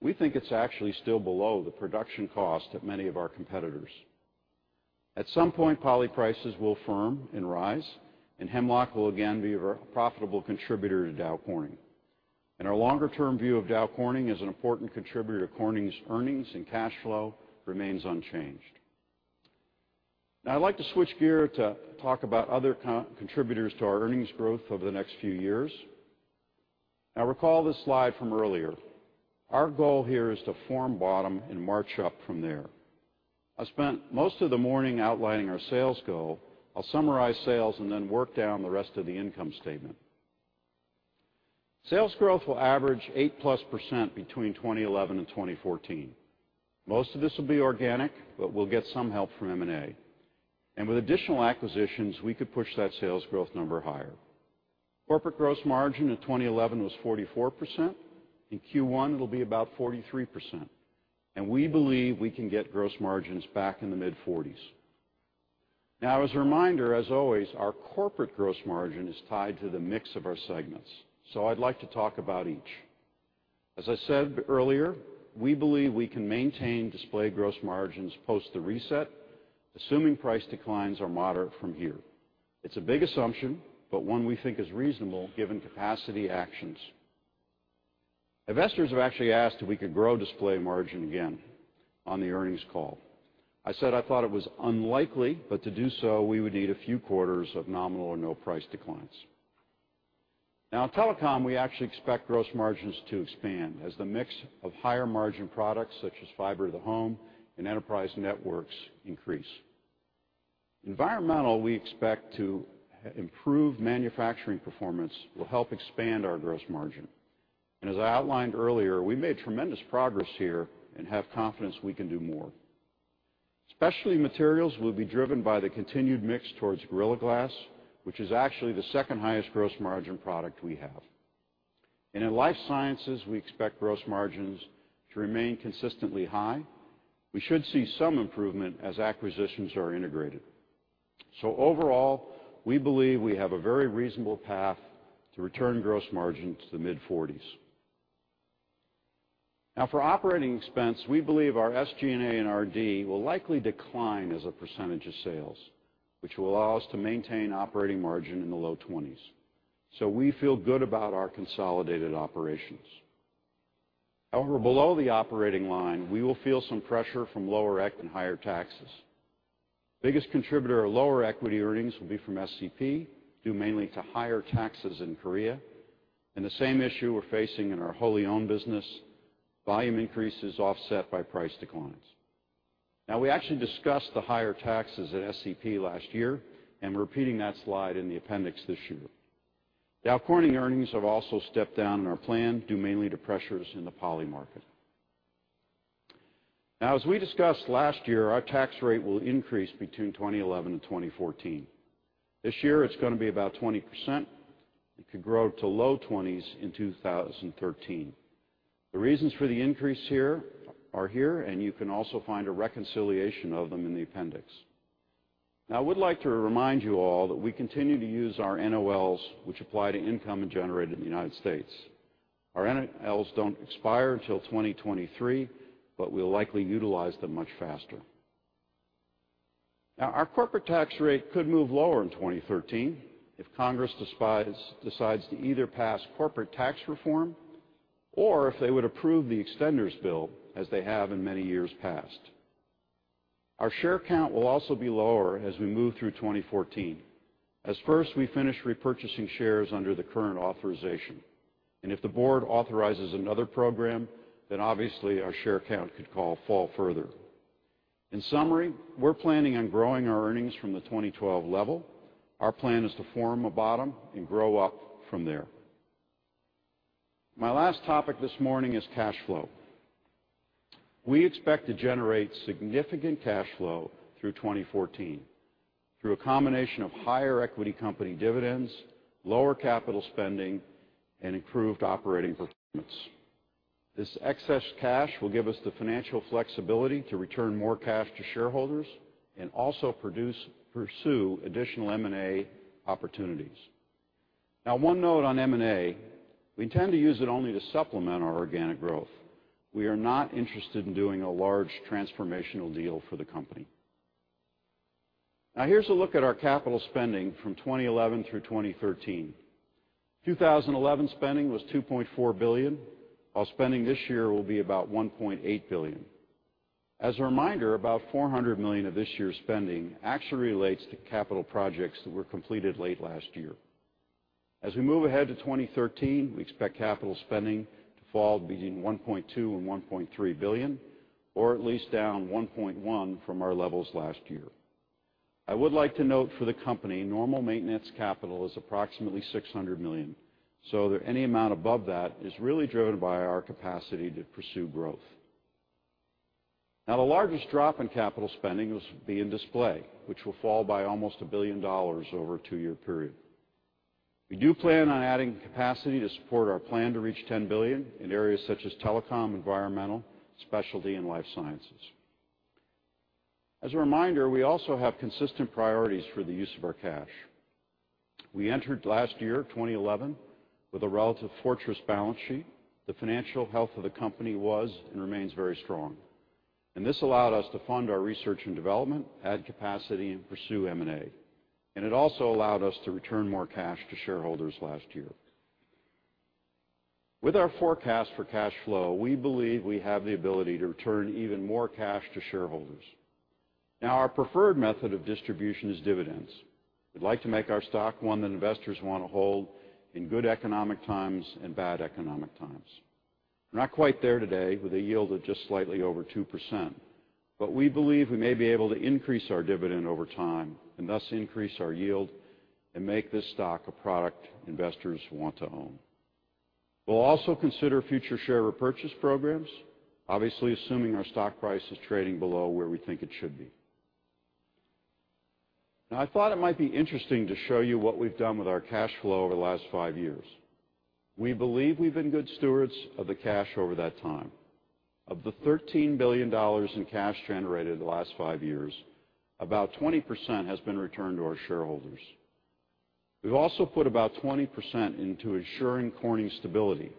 we think it's actually still below the production cost at many of our competitors. At some point, poly prices will firm and rise, and Hemlock will again be a profitable contributor to Dow Corning. Our longer-term view of Dow Corning as an important contributor to Corning's earnings and cash flow remains unchanged. Now, I'd like to switch gears to talk about other contributors to our earnings growth over the next few years. Recall this slide from earlier. Our goal here is to form bottom and march up from there. I spent most of the morning outlining our sales goal. I'll summarize sales and then work down the rest of the income statement. Sales growth will average 8%+ between 2011 and 2014. Most of this will be organic, but we'll get some help from M&A. With additional acquisitions, we could push that sales growth number higher. Corporate gross margin in 2011 was 44%. In Q1, it'll be about 43%. We believe we can get gross margins back in the mid-40s. As a reminder, as always, our corporate gross margin is tied to the mix of our segments. I'd like to talk about each. As I said earlier, we believe we can maintain display gross margins post the reset, assuming price declines are moderate from here. It's a big assumption, but one we think is reasonable given capacity actions. Investors have actually asked if we could grow display margin again on the earnings call. I said I thought it was unlikely, but to do so, we would need a few quarters of nominal or no price declines. Now, telecom, we actually expect gross margins to expand as the mix of higher margin products such as fiber-to-the-home and enterprise networks increase. Environmental, we expect improved manufacturing performance will help expand our gross margin. As I outlined earlier, we made tremendous progress here and have confidence we can do more. Specialty Materials will be driven by the continued mix towards Gorilla Glass, which is actually the second highest gross margin product we have. In Life Sciences, we expect gross margins to remain consistently high. We should see some improvement as acquisitions are integrated. Overall, we believe we have a very reasonable path to return gross margin to the mid-40%. For operating expense, we believe our SG&A and R&D will likely decline as a percentage of sales, which will allow us to maintain operating margin in the low 20%. We feel good about our consolidated operations. However, below the operating line, we will feel some pressure from lower ECT and higher taxes. The biggest contributor to lower equity earnings will be from SCP, due mainly to higher taxes in Korea. The same issue we're facing in our wholly owned business, volume increases offset by price declines. We actually discussed the higher taxes at SCP last year, and we're repeating that slide in the appendix this year. Dow Corning earnings have also stepped down in our plan, due mainly to pressures in the poly market. As we discussed last year, our tax rate will increase between 2011 and 2014. This year, it's going to be about 20%. It could grow to low 20% in 2013. The reasons for the increase are here, and you can also find a reconciliation of them in the appendix. I would like to remind you all that we continue to use our NOLs, which apply to income generated in the United States. Our NOLs don't expire until 2023, but we'll likely utilize them much faster. Our corporate tax rate could move lower in 2013 if Congress decides to either pass corporate tax reform or if they would approve the extenders bill, as they have in many years past. Our share count will also be lower as we move through 2014, as first we finish repurchasing shares under the current authorization. If the board authorizes another program, then obviously our share count could fall further. In summary, we're planning on growing our earnings from the 2012 level. Our plan is to form a bottom and grow up from there. My last topic this morning is cash flow. We expect to generate significant cash flow through 2014, through a combination of higher equity company dividends, lower capital spending, and improved operating performance. This excess cash will give us the financial flexibility to return more cash to shareholders and also pursue additional M&A opportunities. One note on M&A, we intend to use it only to supplement our organic growth. We are not interested in doing a large transformational deal for the company. Now, here's a look at our capital spending from 2011 through 2013. 2011 spending was $2.4 billion, while spending this year will be about $1.8 billion. As a reminder, about $400 million of this year's spending actually relates to capital projects that were completed late last year. As we move ahead to 2013, we expect capital spending to fall between $1.2 and $1.3 billion, or at least down $1.1 billion from our levels last year. I would like to note for the company, normal maintenance capital is approximately $600 million. Any amount above that is really driven by our capacity to pursue growth. The largest drop in capital spending will be in display, which will fall by almost $1 billion over a two-year period. We do plan on adding capacity to support our plan to reach $10 billion in areas such as telecom, environmental, specialty, and life sciences. As a reminder, we also have consistent priorities for the use of our cash. We entered last year, 2011, with a relative fortress balance sheet. The financial health of the company was and remains very strong. This allowed us to fund our research and development, add capacity, and pursue M&A. It also allowed us to return more cash to shareholders last year. With our forecast for cash flow, we believe we have the ability to return even more cash to shareholders. Our preferred method of distribution is dividends. We'd like to make our stock one that investors want to hold in good economic times and bad economic times. We're not quite there today with a yield of just slightly over 2%. We believe we may be able to increase our dividend over time and thus increase our yield and make this stock a product investors want to own. We'll also consider future share repurchase programs, obviously assuming our stock price is trading below where we think it should be. I thought it might be interesting to show you what we've done with our cash flow over the last five years. We believe we've been good stewards of the cash over that time. Of the $13 billion in cash generated in the last five years, about 20% has been returned to our shareholders. We've also put about 20% into ensuring Corning's stability,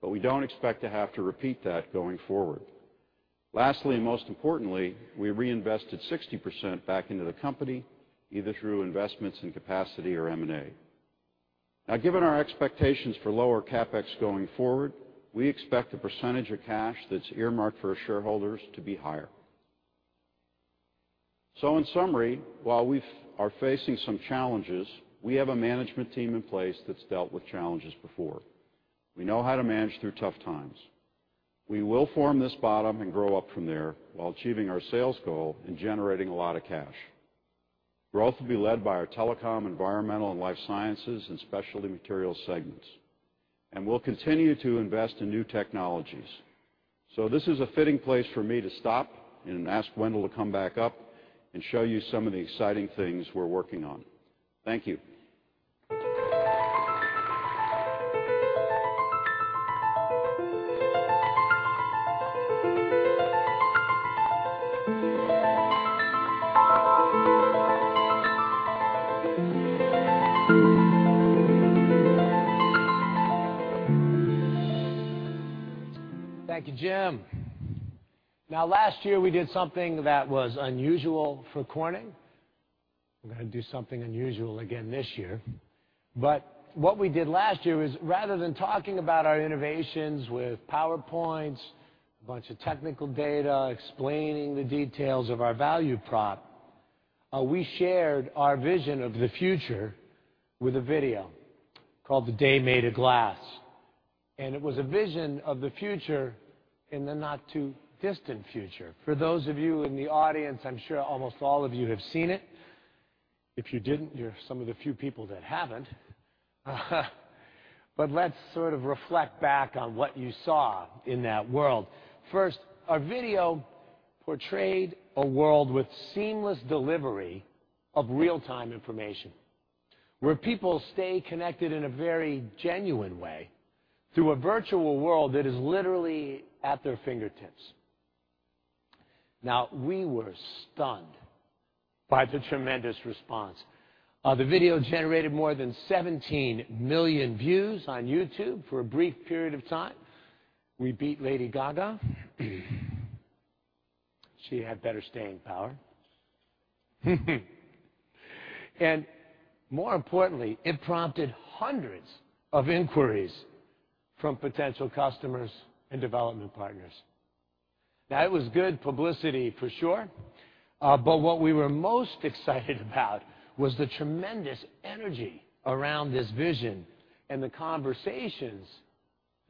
but we don't expect to have to repeat that going forward. Lastly, and most importantly, we reinvested 60% back into the company, either through investments in capacity or M&A. Now, given our expectations for lower CapEx going forward, we expect the percentage of cash that's earmarked for our shareholders to be higher. In summary, while we are facing some challenges, we have a management team in place that's dealt with challenges before. We know how to manage through tough times. We will form this bottom and grow up from there while achieving our sales goal and generating a lot of cash. Growth will be led by our telecom, environmental, life sciences, and specialty materials segments. We'll continue to invest in new technologies. This is a fitting place for me to stop and ask Wendell to come back up and show you some of the exciting things we're working on. Thank you. Thank you, Jim. Last year we did something that was unusual for Corning. We're going to do something unusual again this year. What we did last year is, rather than talking about our innovations with PowerPoints, a bunch of technical data explaining the details of our value prop, we shared our vision of the future with a video called The Day Made of Glass. It was a vision of the future in the not-too-distant future. For those of you in the audience, I'm sure almost all of you have seen it. If you didn't, you're some of the few people that haven't. Let's sort of reflect back on what you saw in that world. First, our video portrayed a world with seamless delivery of real-time information, where people stay connected in a very genuine way to a virtual world that is literally at their fingertips. We were stunned by the tremendous response. The video generated more than 17 million views on YouTube for a brief period of time. We beat Lady Gaga. She had better staying power. More importantly, it prompted hundreds of inquiries from potential customers and development partners. It was good publicity for sure, but what we were most excited about was the tremendous energy around this vision and the conversations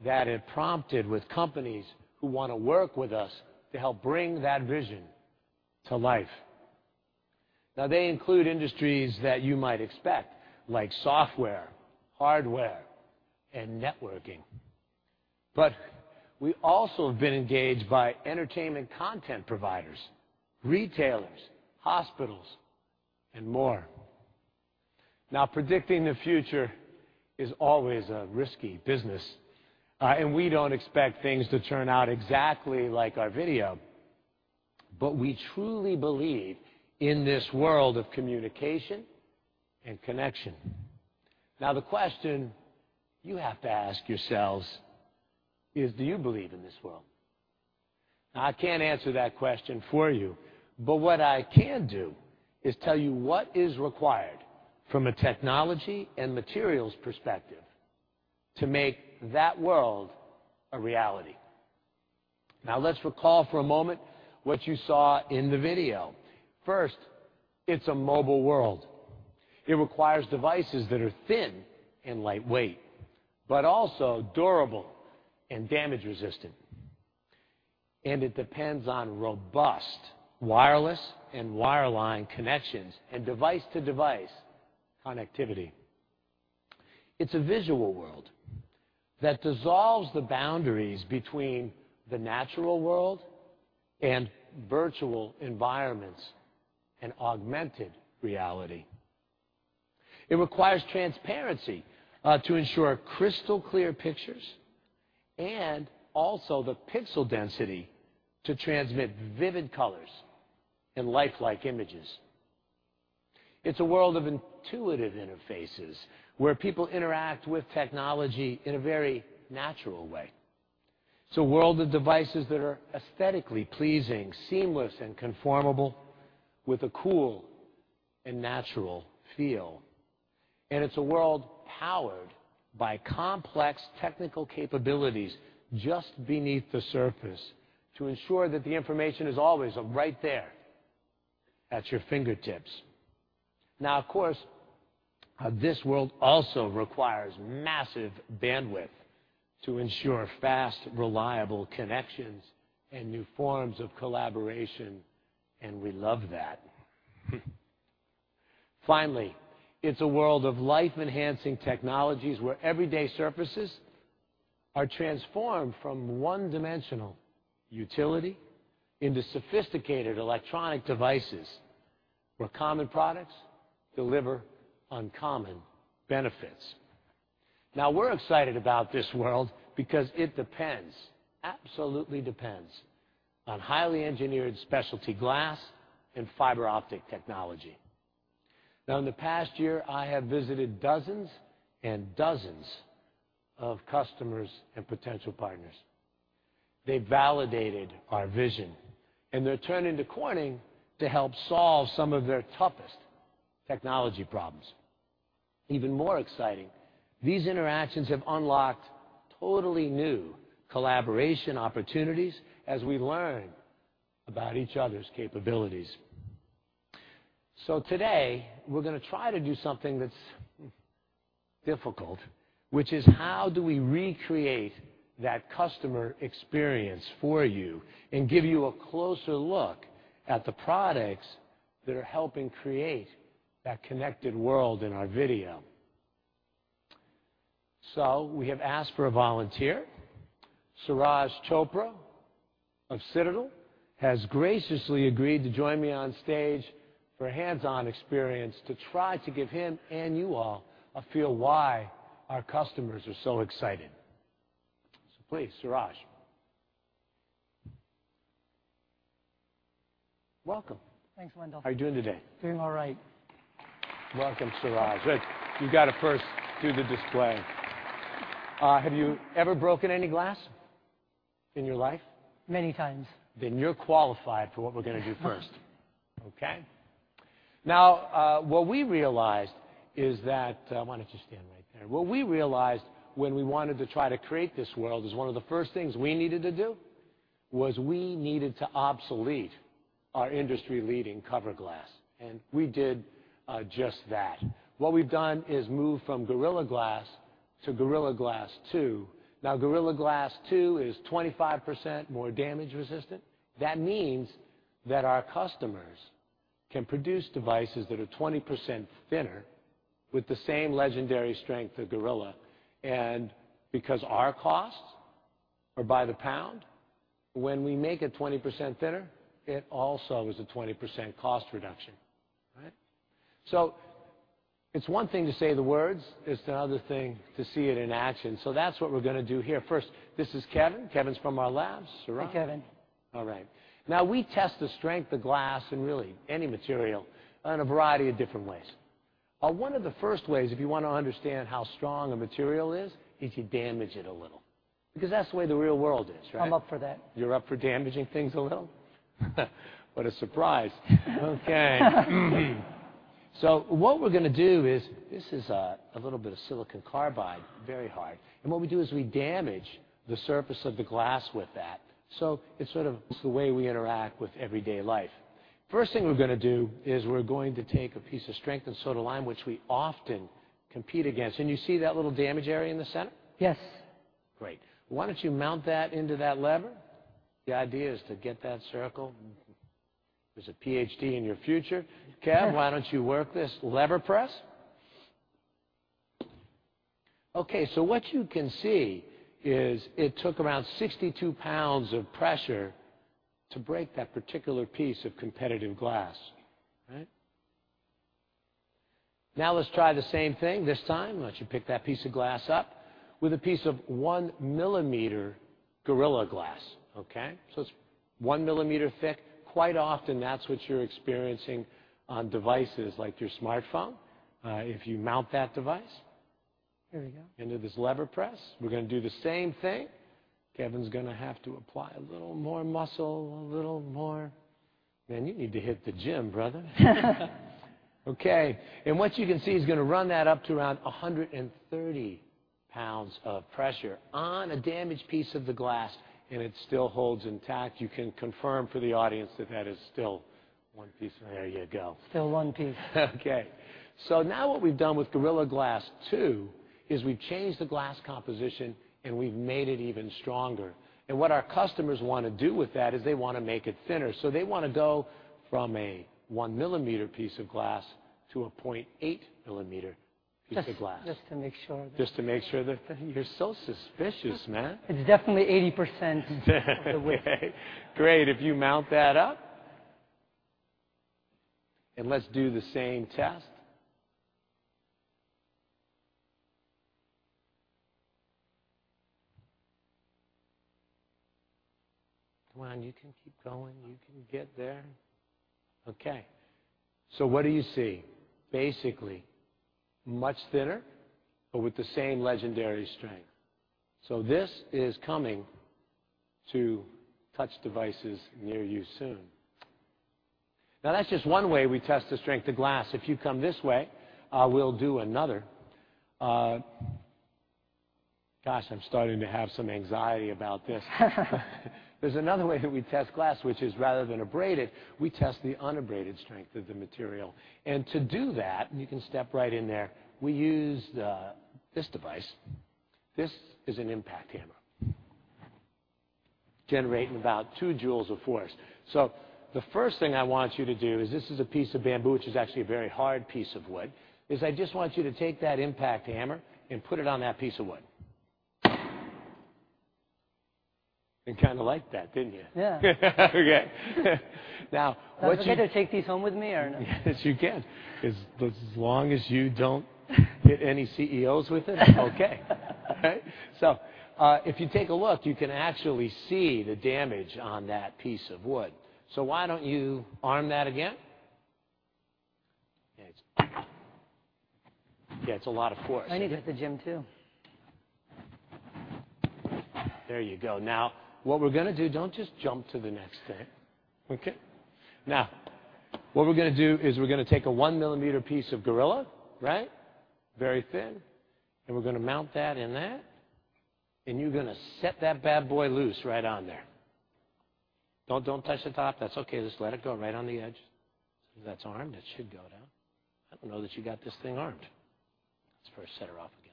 that it prompted with companies who want to work with us to help bring that vision to life. They include industries that you might expect, like software, hardware, and networking. We also have been engaged by entertainment content providers, retailers, hospitals, and more. Predicting the future is always a risky business. We don't expect things to turn out exactly like our video. We truly believe in this world of communication and connection. Now, the question you have to ask yourselves is, do you believe in this world? I can't answer that question for you, but what I can do is tell you what is required from a technology and materials perspective to make that world a reality. Now, let's recall for a moment what you saw in the video. First, it's a mobile world. It requires devices that are thin and lightweight, but also durable and damage-resistant. It depends on robust wireless and wireline connections and device-to-device connectivity. It's a visual world that dissolves the boundaries between the natural world and virtual environments and augmented reality. It requires transparency to ensure crystal-clear pictures and also the pixel density to transmit vivid colors and lifelike images. It's a world of intuitive interfaces where people interact with technology in a very natural way. It's a world of devices that are aesthetically pleasing, seamless, and conformable with a cool and natural feel. It's a world powered by complex technical capabilities just beneath the surface to ensure that the information is always right there at your fingertips. Of course, this world also requires massive bandwidth to ensure fast, reliable connections and new forms of collaboration, and we love that. Finally, it's a world of life-enhancing technologies where everyday surfaces are transformed from one-dimensional utility into sophisticated electronic devices where common products deliver uncommon benefits. We're excited about this world because it depends, absolutely depends, on highly engineered specialty glass and fiber optic technology. In the past year, I have visited dozens and dozens of customers and potential partners. They validated our vision, and they're turning to Corning to help solve some of their toughest technology problems. Even more exciting, these interactions have unlocked totally new collaboration opportunities as we learn about each other's capabilities. Today, we're going to try to do something that's difficult, which is how do we recreate that customer experience for you and give you a closer look at the products that are helping create that connected world in our video. We have asked for a volunteer. Suraj Chopra of Citadel has graciously agreed to join me on stage for a hands-on experience to try to give him and you all a feel why our customers are so excited. Please, Suraj. Welcome. Thanks, Wendell. How are you doing today? Doing all right. Welcome, Suraj. You got to first do the display. Have you ever broken any glass in your life? Many times. You are qualified for what we are going to do first. What we realized is that—why don't you stand right there? What we realized when we wanted to try to create this world is one of the first things we needed to do was we needed to obsolete our industry-leading cover glass. We did just that. What we have done is move from Corning Gorilla Glass to Gorilla Glass 2. Gorilla Glass 2 is 25% more damage-resistant. That means our customers can produce devices that are 20% thinner with the same legendary strength of Gorilla. Because our costs are by the pound, when we make it 20% thinner, it also is a 20% cost reduction. It is one thing to say the words. It is another thing to see it in action. That is what we are going to do here. This is Kevin. Kevin is from our labs. Hey, Kevin. All right. Now, we test the strength of glass and really any material in a variety of different ways. One of the first ways, if you want to understand how strong a material is, is you damage it a little. That's the way the real world is, right? I'm up for that. You're up for damaging things a little? What a surprise. Okay. What we're going to do is this is a little bit of silicon carbide, very hard. What we do is we damage the surface of the glass with that. It's sort of the way we interact with everyday life. First thing we're going to do is we're going to take a piece of strengthened soda lime, which we often compete against. You see that little damage area in the center? Yes. Great. Why don't you mount that into that lever? The idea is to get that circle. There's a PhD in your future. Kev, why don't you work this lever press? Okay, so what you can see is it took around 62 pounds of pressure to break that particular piece of competitive glass. Right? Now, let's try the same thing this time. Why don't you pick that piece of glass up with a piece of 1 mm Gorilla Glass? Okay? So it's 1 mm thick. Quite often, that's what you're experiencing on devices like your smartphone. If you mount that device... Here we go. Into this lever press, we're going to do the same thing. Kevin's going to have to apply a little more muscle, a little more. Man, you need to hit the gym, brother. Okay. What you can see is going to run that up to around 130 lbs of pressure on a damaged piece of the glass, and it still holds intact. You can confirm for the audience that that is still one piece of—there you go. Still one piece. Okay. What we've done with Gorilla Glass 2 is we've changed the glass composition, and we've made it even stronger. What our customers want to do with that is they want to make it thinner. They want to go from a 1 mm piece of glass to a 0.8 mm piece of glass. Just to make sure. Just to make sure that, you're so suspicious, man. It's definitely 80% of the weight. Okay. Great. If you mount that up, and let's do the same test. Come on, you can keep going. You can get there. Okay. What do you see? Basically, much thinner, but with the same legendary strength. This is coming to touch devices near you soon. That's just one way we test the strength of glass. If you come this way, we'll do another. Gosh, I'm starting to have some anxiety about this. There's another way that we test glass, which is rather than abraded, we test the unabraded strength of the material. To do that, and you can step right in there, we use this device. This is an impact hammer generating about two joules of force. The first thing I want you to do is this is a piece of bamboo, which is actually a very hard piece of wood. I just want you to take that impact hammer and put it on that piece of wood. Kind of liked that, didn't you? Yeah. Okay. Now, what's— Do I get to take these home with me or no? Yes, you can. As long as you don't hit any CEOs with it, okay, right? If you take a look, you can actually see the damage on that piece of wood. Why don't you arm that again? Yeah, it's a lot of force. I need it at the gym too. There you go. Now, what we're going to do, don't just jump to the next thing. Okay? Now, what we're going to do is we're going to take a 1 mm piece of Gorilla Glass, right? Very thin. We're going to mount that in that, and you're going to set that bad boy loose right on there. Don't touch the top. That's okay. Just let it go right on the edge. That's armed. It should go down. I don't know that you got this thing armed. Let's first set her off again.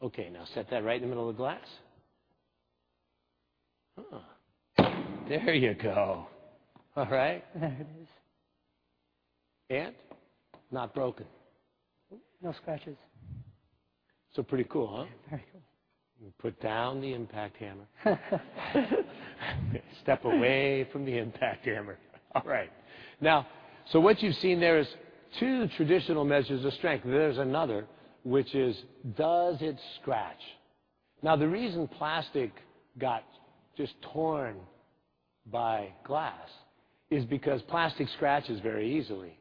Wait one sec. There you go. Okay, now set that right in the middle of the glass. There you go. All right. There it is. Not broken. No scratches. Pretty cool, huh? Very cool. Put down the impact hammer. Step away from the impact hammer. All right. Now, what you've seen there is two traditional measures of strength. There's another, which is, does it scratch? The reason plastic got just torn by glass is because plastic scratches very easily.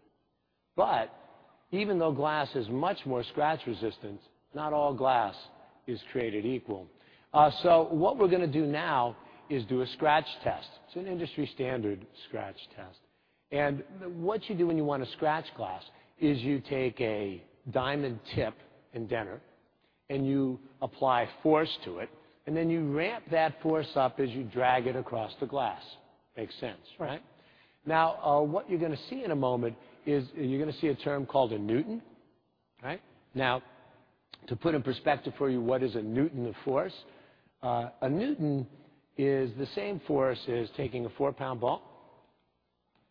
Even though glass is much more scratch resistant, not all glass is created equal. What we're going to do now is a scratch test. It's an industry standard scratch test. What you do when you want to scratch glass is you take a diamond tip and you apply force to it, then you ramp that force up as you drag it across the glass. Makes sense, right? What you're going to see in a moment is a term called a Newton. To put it in perspective for you, what is a Newton of force? A Newton is the same force as taking a four-pound ball,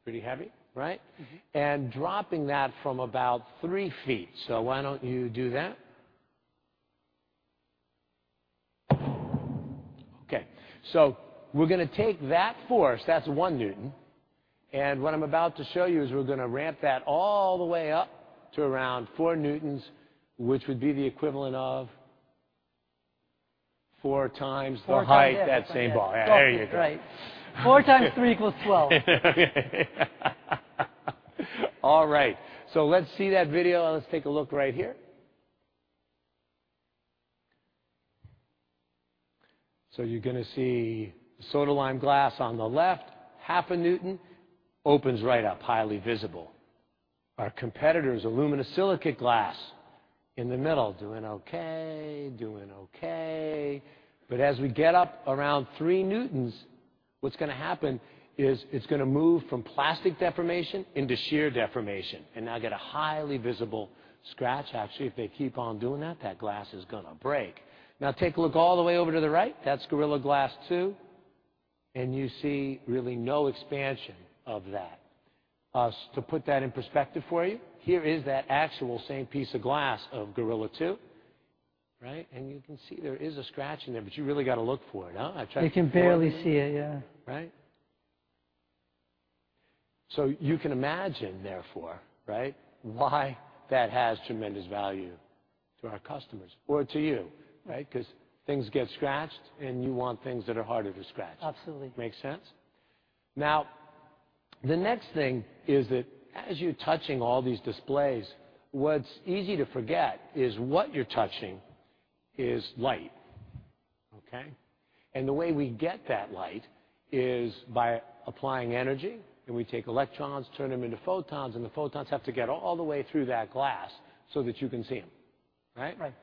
pretty heavy, right, and dropping that from about three feet. Why don't you do that? We're going to take that force, that's 1 N. What I'm about to show you is we're going to ramp that all the way up to around 4 N, which would be the equivalent of four times the height of that same ball. There you go. Right. 4 x 3 equals 12. All right. Let's see that video. Let's take a look right here. You're going to see the soda lime glass on the left, half a Newton, opens right up, highly visible. Our competitor's aluminum silicate glass in the middle, doing okay, doing okay. As we get up around 3 N, what's going to happen is it's going to move from plastic deformation into shear deformation and now get a highly visible scratch. Actually, if they keep on doing that, that glass is going to break. Now, take a look all the way over to the right. That's Gorilla Glass 2. You see really no expansion of that. To put that in perspective for you, here is that actual same piece of glass of Gorilla Glass 2. You can see there is a scratch in there, but you really got to look for it. You can barely see it, yeah. You can imagine, therefore, why that has tremendous value to our customers or to you, right? Because things get scratched, and you want things that are harder to scratch. Absolutely. Makes sense? Now, the next thing is that as you're touching all these displays, what's easy to forget is that What you're touching is light. Okay? The way we get that light is by applying energy, and we take electrons, turn them into photons, and the photons have to get all the way through that glass so that you can see them. Right? Right.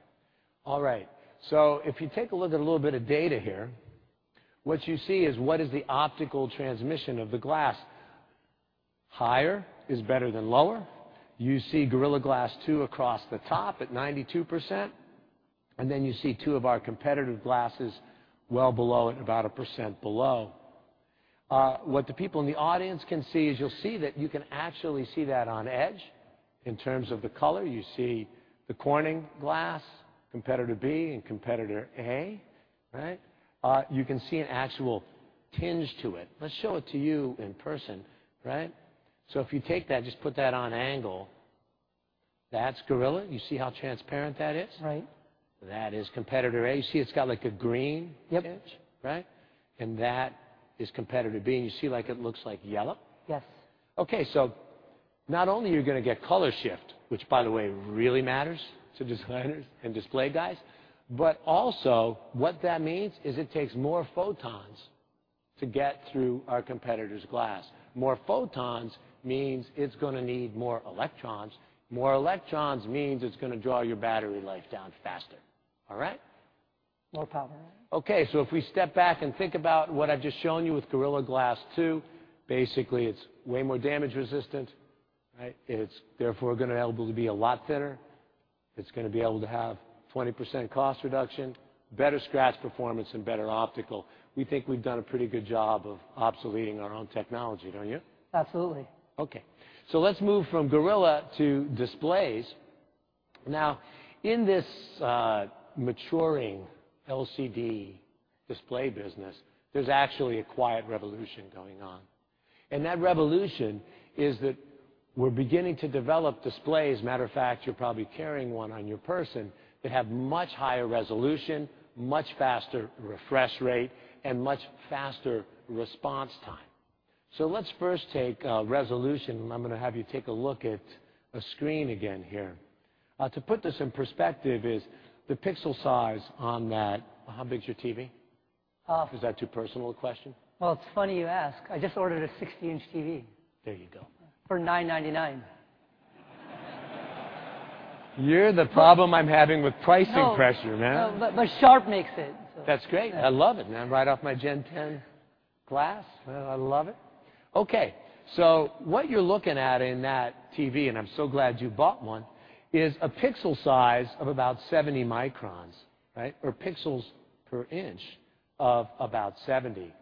All right. If you take a look at a little bit of data here, what you see is what is the optical transmission of the glass. Higher is better than lower. You see Gorilla Glass 2 across the top at 92%. Then you see two of our competitive glasses well below it, about a percent below. What the people in the audience can see is you'll see that you can actually see that on edge in terms of the color. You see the Corning glass, competitor B, and competitor A. Right? You can see an actual tinge to it. Let's show it to you in person. Right? If you take that, just put that on angle. That's Gorilla. You see how transparent that is? Right. That is competitor A. You see it's got like a green edge, right? That is competitor B, and you see like it looks like yellow? Yes. OK. Not only are you going to get color shift, which by the way really matters to designers and display guys, but also what that means is it takes more photons to get through our competitor's glass. More photons means it's going to need more electrons. More electrons means it's going to draw your battery life down faster. All right? No problem. OK. If we step back and think about what I've just shown you with Gorilla Glass 2, basically it's way more damage resistant, right? It's therefore going to be a lot thinner. It's going to be able to have 20% cost reduction, better scratch performance, and better optical. We think we've done a pretty good job of obsoleting our own technology, don't you? Absolutely. OK. Let's move from Gorilla to displays. Now, in this maturing LCD display business, there's actually a quiet revolution going on. That revolution is that we're beginning to develop displays. Matter of fact, you're probably carrying one on your person that have much higher resolution, much faster refresh rate, and much faster response time. Let's first take resolution. I'm going to have you take a look at a screen again here. To put this in perspective is the pixel size on that. How big is your TV? Oh, is that too personal, the question? It's funny you ask. I just ordered a 60 in TV. There you go. For $999. You're the problem I'm having with pricing pressure, man. Sharp makes it. That's great. I love it, man. Right off my Gen 10 glass. I love it. OK. What you're looking at in that TV, and I'm so glad you bought one, is a pixel size of about 70 microns, right? Or pixels per inch of about 70.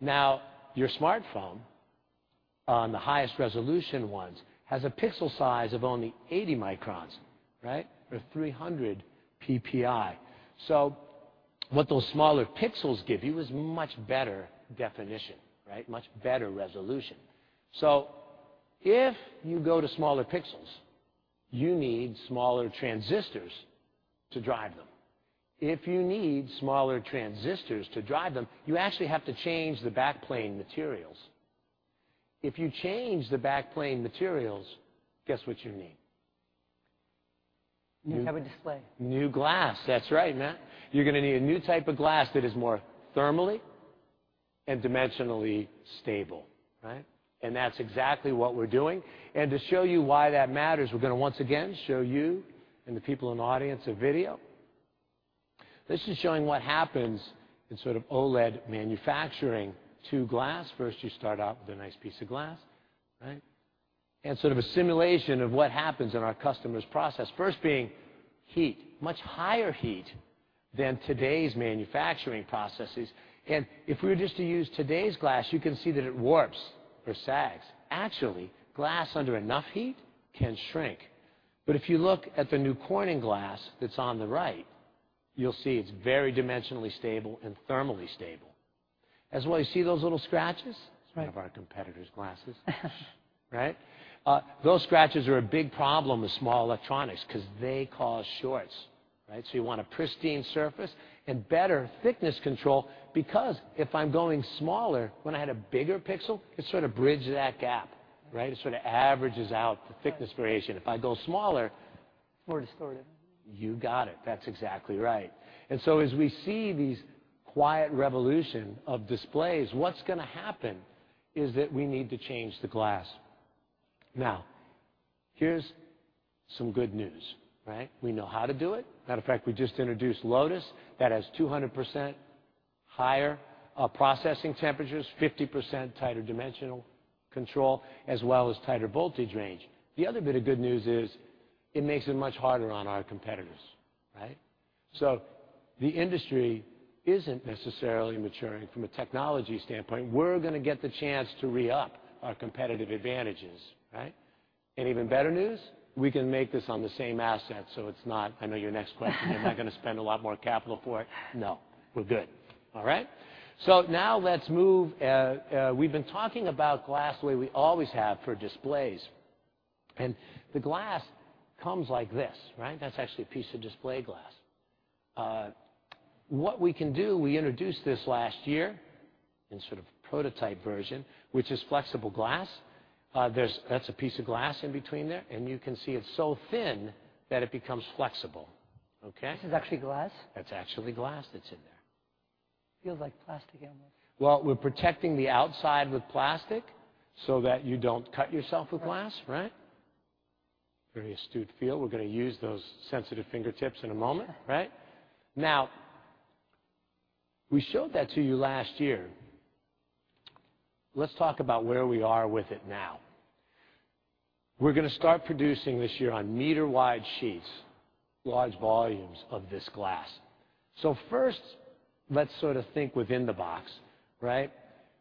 Now your smartphone, on the highest resolution ones, has a pixel size of only 80 microns, right? Or 300 PPI. What those smaller pixels give you is much better definition, much better resolution. If you go to smaller pixels, you need smaller transistors to drive them. If you need smaller transistors to drive them, you actually have to change the backplane materials. If you change the backplane materials, guess what you need? New type of display. New glass. That's right, man. You're going to need a new type of glass that is more thermally and dimensionally stable. That's exactly what we're doing. To show you why that matters, we're going to once again show you and the people in the audience a video. This is showing what happens in sort of OLED manufacturing to glass. First, you start out with a nice piece of glass, right? It's sort of a simulation of what happens in our customers' process, first being heat, much higher heat than today's manufacturing processes. If we were just to use today's glass, you can see that it warps or sags. Actually, glass under enough heat can shrink. If you look at the new Corning glass that's on the right, you'll see it's very dimensionally stable and thermally stable. As well, you see those little scratches? That's right. Of our competitors' glasses, right? Those scratches are a big problem with small electronics because they cause shorts, right? You want a pristine surface and better thickness control because if I'm going smaller, when I had a bigger pixel, it sort of bridges that gap, right? It sort of averages out the thickness variation. If I go smaller. More distorted. You got it. That's exactly right. As we see this quiet revolution of displays, what's going to happen is that we need to change the glass. Now here's some good news, right? We know how to do it. Matter of fact, we just introduced Lotus. That has 200% higher processing temperatures, 50% tighter dimensional control, as well as tighter voltage range. The other bit of good news is it makes it much harder on our competitors, right? The industry isn't necessarily maturing from a technology standpoint. We're going to get the chance to re-up our competitive advantages, right? Even better news, we can make this on the same asset. It's not, I know your next question, am I going to spend a lot more capital for it? No. We're good, all right? Now let's move. We've been talking about glass the way we always have for displays, and the glass comes like this, right? That's actually a piece of display glass. What we can do, we introduced this last year in sort of a prototype version, which is flexible glass. That's a piece of glass in between there, and you can see it's so thin that it becomes flexible. OK? This is actually glass? That's actually glass that's in there. Feels like plastic at once. We're protecting the outside with plastic so that you don't cut yourself with glass. Very astute feel. We're going to use those sensitive fingertips in a moment. Now we showed that to you last year. Let's talk about where we are with it now. We're going to start producing this year on meter-wide sheets, large volumes of this glass. First, let's sort of think within the box.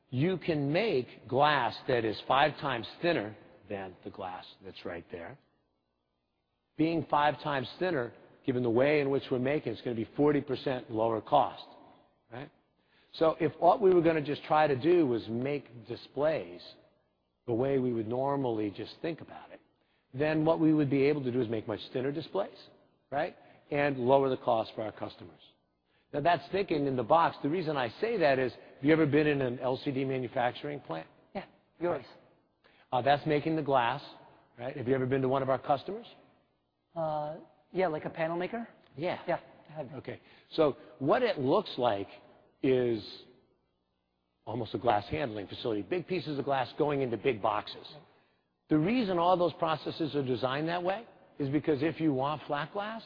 You can make glass that is five times thinner than the glass that's right there. Being five times thinner, given the way in which we're making it, it's going to be 40% lower cost. If what we were going to just try to do was make displays the way we would normally just think about it, then what we would be able to do is make much thinner displays and lower the cost for our customers. Now that's thinking in the box. The reason I say that is, have you ever been in an LCD manufacturing plant? Yeah. Yours? That's making the glass, right? Have you ever been to one of our customers? Yeah, like a panel maker? Yeah. Yeah, I have. OK. What it looks like is almost a glass handling facility. Big pieces of glass going into big boxes. The reason all those processes are designed that way is because if you want flat glass,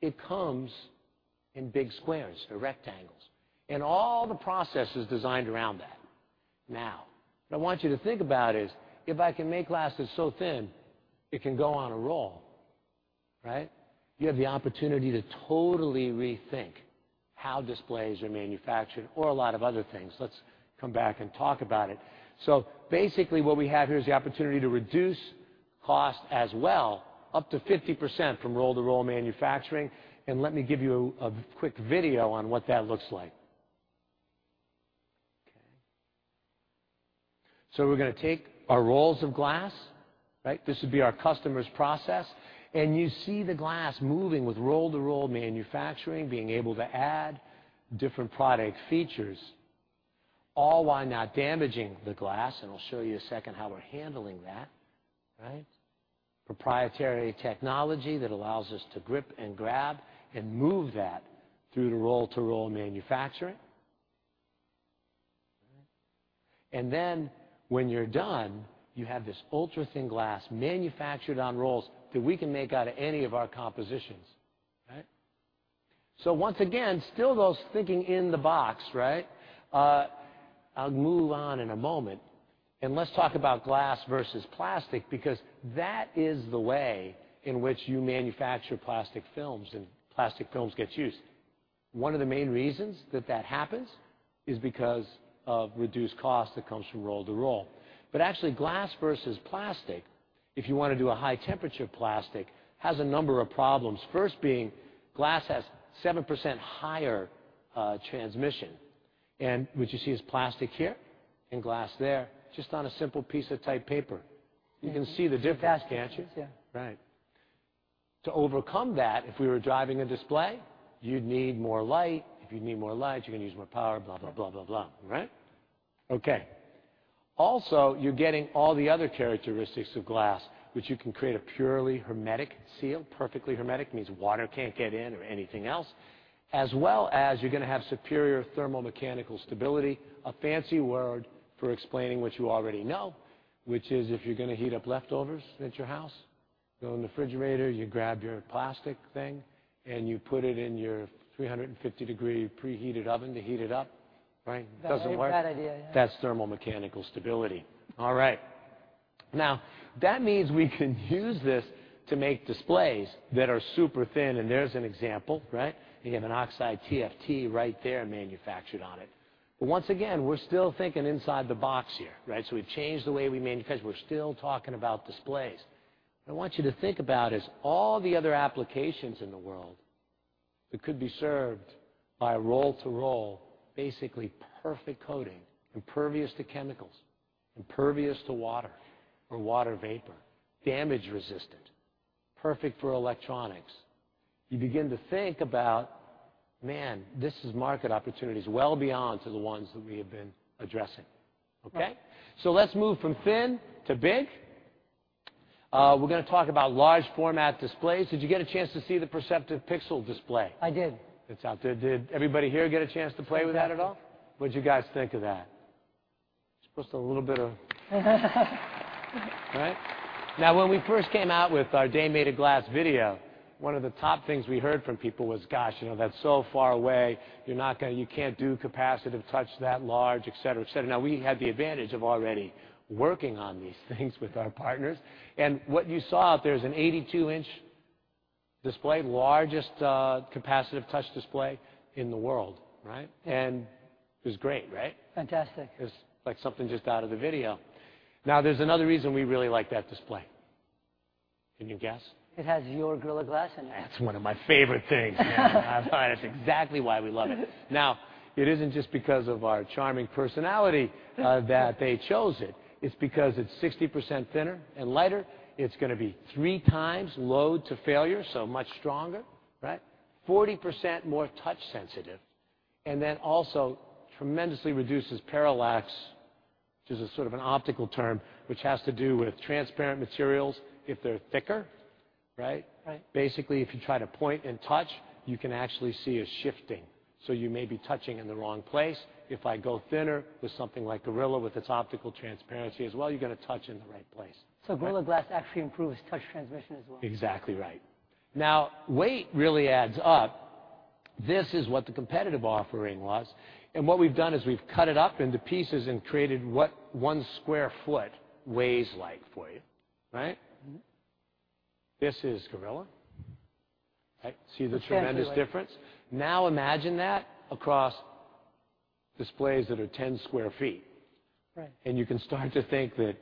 it comes in big squares or rectangles, and all the process is designed around that now. What I want you to think about is if I can make glass that's so thin, it can go on a roll, right? You have the opportunity to totally rethink how displays are manufactured or a lot of other things. Let's come back and talk about it. Basically, what we have here is the opportunity to reduce cost as well, up to 50% from roll-to-roll manufacturing. Let me give you a quick video on what that looks like. We're going to take our rolls of glass, right? This would be our customer's process, and you see the glass moving with roll-to-roll manufacturing, being able to add different product features, all while not damaging the glass. I'll show you in a second how we're handling that, right? Proprietary technology that allows us to grip and grab and move that through the roll-to-roll manufacturing. When you're done, you have this ultra-thin glass manufactured on rolls that we can make out of any of our compositions, right? Once again, still those thinking in the box, right? I'll move on in a moment. Let's talk about glass versus plastic because that is the way in which you manufacture plastic films, and plastic films get used. One of the main reasons that happens is because of reduced cost that comes from roll-to-roll. Actually, glass versus plastic, if you want to do a high-temperature plastic, has a number of problems. First being glass has 7% higher transmission. What you see is plastic here and glass there, just on a simple piece of type paper. You can see the difference. Fast gadgets. Yeah, right. To overcome that, if we were driving a display, you'd need more light. If you need more light, you're going to use more power. Right? OK. Also, you're getting all the other characteristics of glass, which you can create a purely hermetic seal. Perfectly hermetic means water can't get in or anything else. As well as you're going to have superior thermal mechanical stability, a fancy word for explaining what you already know, which is if you're going to heat up leftovers at your house, go in the refrigerator, you grab your plastic thing, and you put it in your 350-degree preheated oven to heat it up. Right? That's a great idea. That's thermal mechanical stability. All right. Now that means we can use this to make displays that are super thin. There's an example. Right? You have an oxide TFT right there manufactured on it. Once again, we're still thinking inside the box here. We've changed the way we manufacture. We're still talking about displays. What I want you to think about is all the other applications in the world that could be served by roll-to-roll, basically perfect coating, impervious to chemicals, impervious to water or water vapor, damage resistant, perfect for electronics. You begin to think about, man, this is market opportunities well beyond the ones that we have been addressing. OK? Let's move from thin to big. We're going to talk about large format displays. Did you get a chance to see the perceptive pixel display? I did. It's out there. Did everybody here get a chance to play with that at all? What did you guys think of that? Just a little bit of... Right? Now, when we first came out with our Day Made of Glass video, one of the top things we heard from people was, gosh, you know that's so far away. You can't do capacitive touch that large, etc., etc. We had the advantage of already working on these things with our partners. What you saw out there is an 82 in display, largest capacitive touch display in the world. Right? It was great. Right? Fantastic. It was like something just out of the video. Now there's another reason we really like that display. Can you guess? It has your Gorilla Glass in it. That's one of my favorite things. That's exactly why we love it. Now it isn't just because of our charming personality that they chose it. It's because it's 60% thinner and lighter. It's going to be 3x load to failure, so much stronger, right? 40% more touch sensitive, and then also tremendously reduces parallax, which is a sort of an optical term, which has to do with transparent materials if they're thicker, right? Right. Basically, if you try to point and touch, you can actually see a shifting. You may be touching in the wrong place. If I go thinner with something like Gorilla with its optical transparency as well, you're going to touch in the right place. Gorilla Glass actually improves touch transmission as well. Exactly right. Now, weight really adds up. This is what the competitive offering was. What we've done is we've cut it up into pieces and created what one sq ft weighs like for you. Right? This is Gorilla. Right? See the tremendous difference? Now, imagine that across displays that are 10 sq ft. Right. You can start to think that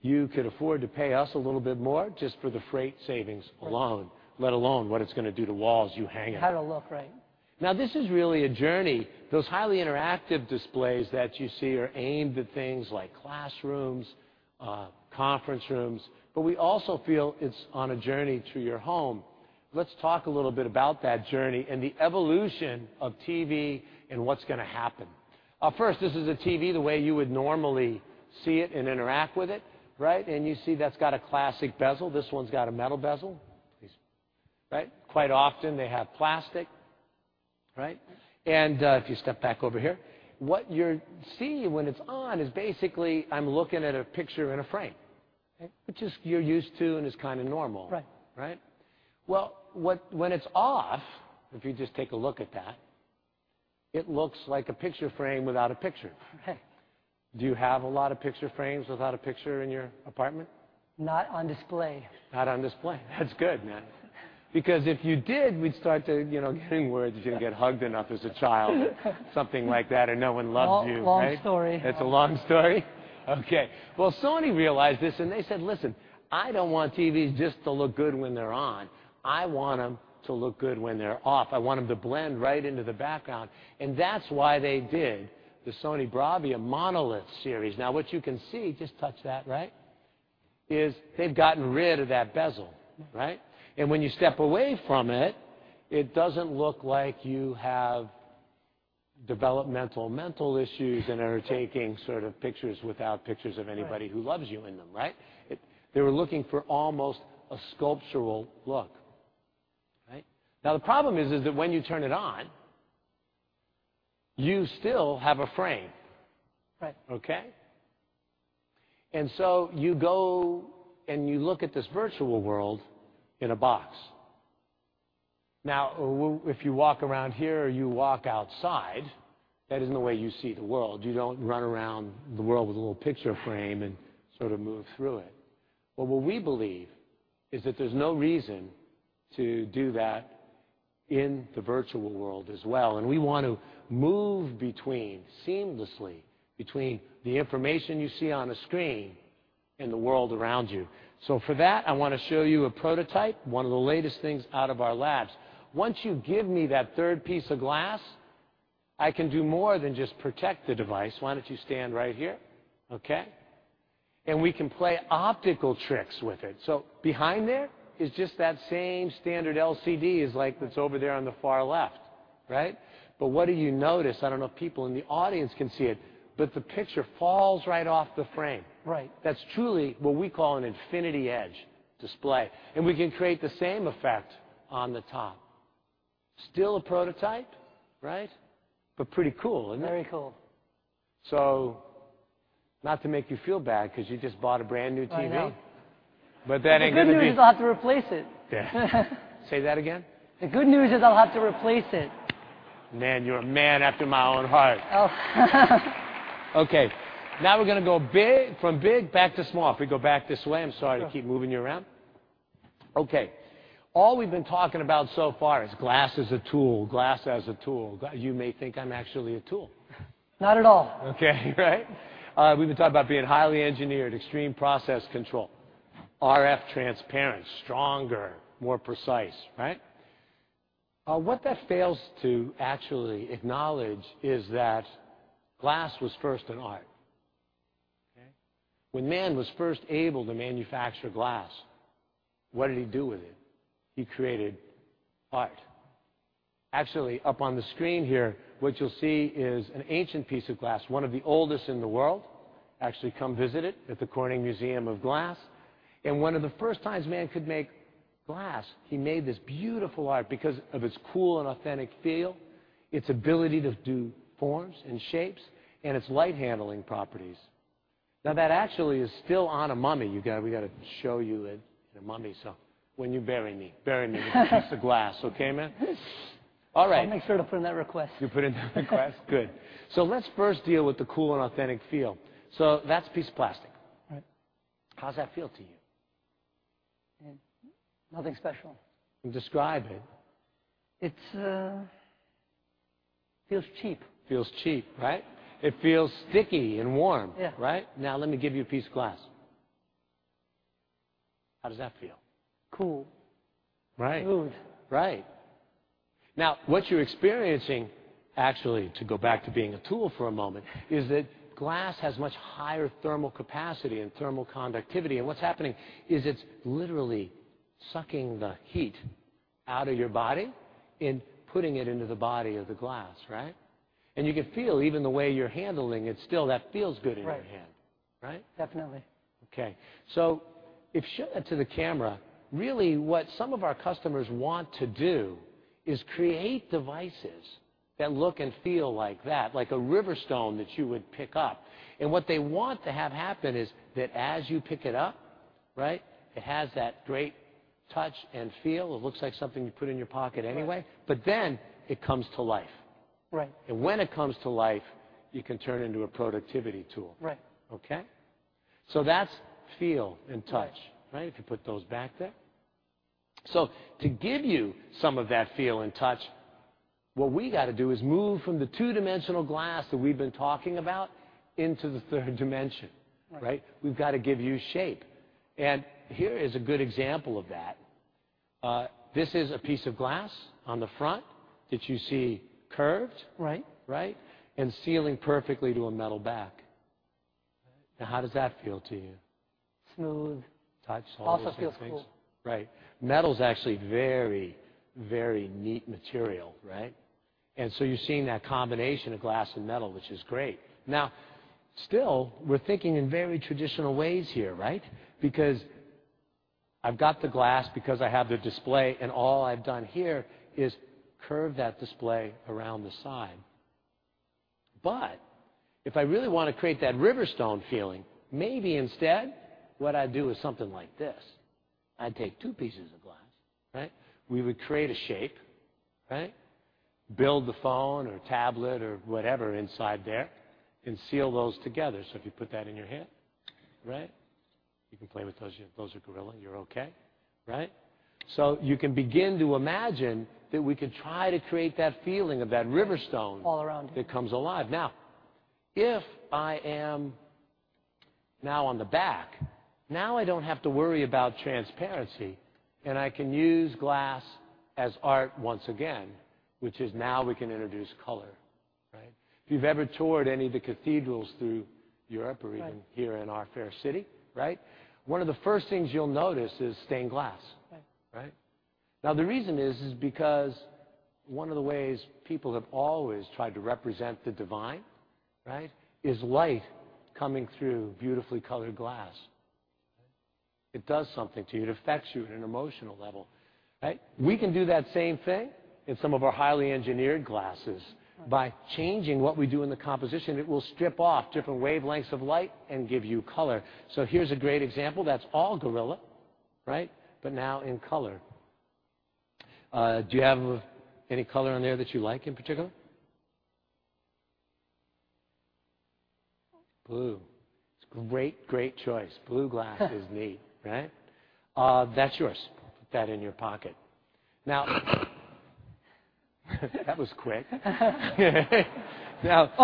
you could afford to pay us a little bit more just for the freight savings alone, let alone what it's going to do to walls you hang in. How it’ll look, right? Now this is really a journey. Those highly interactive displays that you see are aimed at things like classrooms, conference rooms. We also feel it's on a journey to your home. Let's talk a little bit about that journey and the evolution of TV and what's going to happen. First, this is a TV the way you would normally see it and interact with it, right? You see that's got a classic bezel. This one's got a metal bezel, right? Quite often they have plastic, right? If you step back over here, what you're seeing when it's on is basically I'm looking at a picture in a frame, which is what you're used to and is kind of normal. Right. Right? If you just take a look at that, it looks like a picture frame without a picture. Right. Do you have a lot of picture frames without a picture in your apartment? Not on display. Not on display. That's good, man, because if you did, we'd start to get inward if you didn't get hugged enough as a child, something like that, or no one loves you. Long story. That's a long story. Sony realized this. They said, listen, I don't want TVs just to look good when they're on. I want them to look good when they're off. I want them to blend right into the background. That's why they did the Sony Bravia monolith series. Now what you can see, just touch that, right, is they've gotten rid of that bezel, right? When you step away from it, it doesn't look like you have developmental mental issues and are taking sort of pictures without pictures of anybody who loves you in them, right? They were looking for almost a sculptural look, right? The problem is that when you turn it on, you still have a frame. Right. OK? You go and you look at this virtual world in a box. If you walk around here or you walk outside, that isn't the way you see the world. You don't run around the world with a little picture frame and sort of move through it. What we believe is that there's no reason to do that in the virtual world as well. We want to move seamlessly between the information you see on a screen and the world around you. For that, I want to show you a prototype, one of the latest things out of our labs. Once you give me that third piece of glass, I can do more than just protect the device. Why don't you stand right here? We can play optical tricks with it. Behind there is just that same standard LCD, like that's over there on the far left. Right? What do you notice? I don't know if people in the audience can see it, but the picture falls right off the frame. Right. That's truly what we call an infinity edge display. We can create the same effect on the top. Still a prototype, right? Pretty cool, isn't it? Very cool. Not to make you feel bad because you just bought a brand new TV. Oh. It could be. The good news is I'll have to replace it. Say that again? The good news is I'll have to replace it. Man, you're a man after my own heart. Oh. OK. Now we're going to go from big back to small. If we go back this way, I'm sorry to keep moving you around. OK. All we've been talking about so far is glass as a tool, glass as a tool. You may think I'm actually a tool. Not at all. OK, right? We've been talking about being highly engineered, extreme process control, RF transparent, stronger, more precise, right? What that fails to actually acknowledge is that glass was first an art. When man was first able to manufacture glass, what did he do with it? He created art. Up on the screen here, what you'll see is an ancient piece of glass, one of the oldest in the world. Actually, come visit it at the Corning Museum of Glass. One of the first times man could make glass, he made this beautiful art because of its cool and authentic feel, its ability to do forms and shapes, and its light handling properties. That actually is still on a mummy. We got to show you a mummy. When you bury me, bury me. It's just a glass. OK, man? All right. I'll make sure to print that request. You'll print the request? Good. Let's first deal with the cool and authentic feel. That's a piece of plastic. Right. How does that feel to you? Nothing special. Describe it. It feels cheap. Feels cheap, right? It feels sticky and warm. Yeah. Right? Now let me give you a piece of glass. How does that feel? Cool. Right? Smooth. Right. Now what you're experiencing, actually, to go back to being a tool for a moment, is that glass has much higher thermal capacity and thermal conductivity. What's happening is it's literally sucking the heat out of your body and putting it into the body of the glass. Right? You can feel even the way you're handling it still, that feels good in your hand. Right? Definitely. If shown to the camera, really what some of our customers want to do is create devices that look and feel like that, like a riverstone that you would pick up. What they want to have happen is that as you pick it up, it has that great touch and feel. It looks like something you put in your pocket anyway, but then it comes to life. Right. When it comes to life, you can turn it into a productivity tool. Right. That's feel and touch, right? If you put those back there, to give you some of that feel and touch, what we got to do is move from the two-dimensional glass that we've been talking about into the third dimension. Right. Right? We've got to give you shape. Here is a good example of that. This is a piece of glass on the front that you see curved. Right. Right? It is sealing perfectly to a metal back. How does that feel to you? Smooth. Touch soft. Also feels cool. Right. Metal is actually a very, very neat material. Right? You are seeing that combination of glass and metal, which is great. Now, still, we're thinking in very traditional ways here, right? I've got the glass because I have the display, and all I've done here is curve that display around the side. If I really want to create that riverstone feeling, maybe instead what I'd do is something like this. I'd take two pieces of glass. Right? We would create a shape, build the phone or tablet or whatever inside there, and seal those together. If you put that in your hand, you can play with those hands. Those are Gorilla. You're OK. You can begin to imagine that we could try to create that feeling of that riverstone. All around it. That comes alive. Now if I am now on the back, I don't have to worry about transparency, and I can use glass as art once again, which is now we can introduce color. Right? If you've ever toured any of the cathedrals through Europe or even here in our fair city, one of the first things you'll notice is stained glass. Right. Right? Now the reason is because one of the ways people have always tried to represent the divine, right, is light coming through beautifully colored glass. It does something to you. It affects you at an emotional level. Right? We can do that same thing in some of our highly engineered glasses by changing what we do in the composition. It will strip off different wavelengths of light and give you color. Here's a great example. That's all Gorilla, right, but now in color. Do you have any color on there that you like in particular? Blue. Blue. Great, great choice. Blue glass is neat, right? That's yours. Put that in your pocket. Now, that was quick. Oh,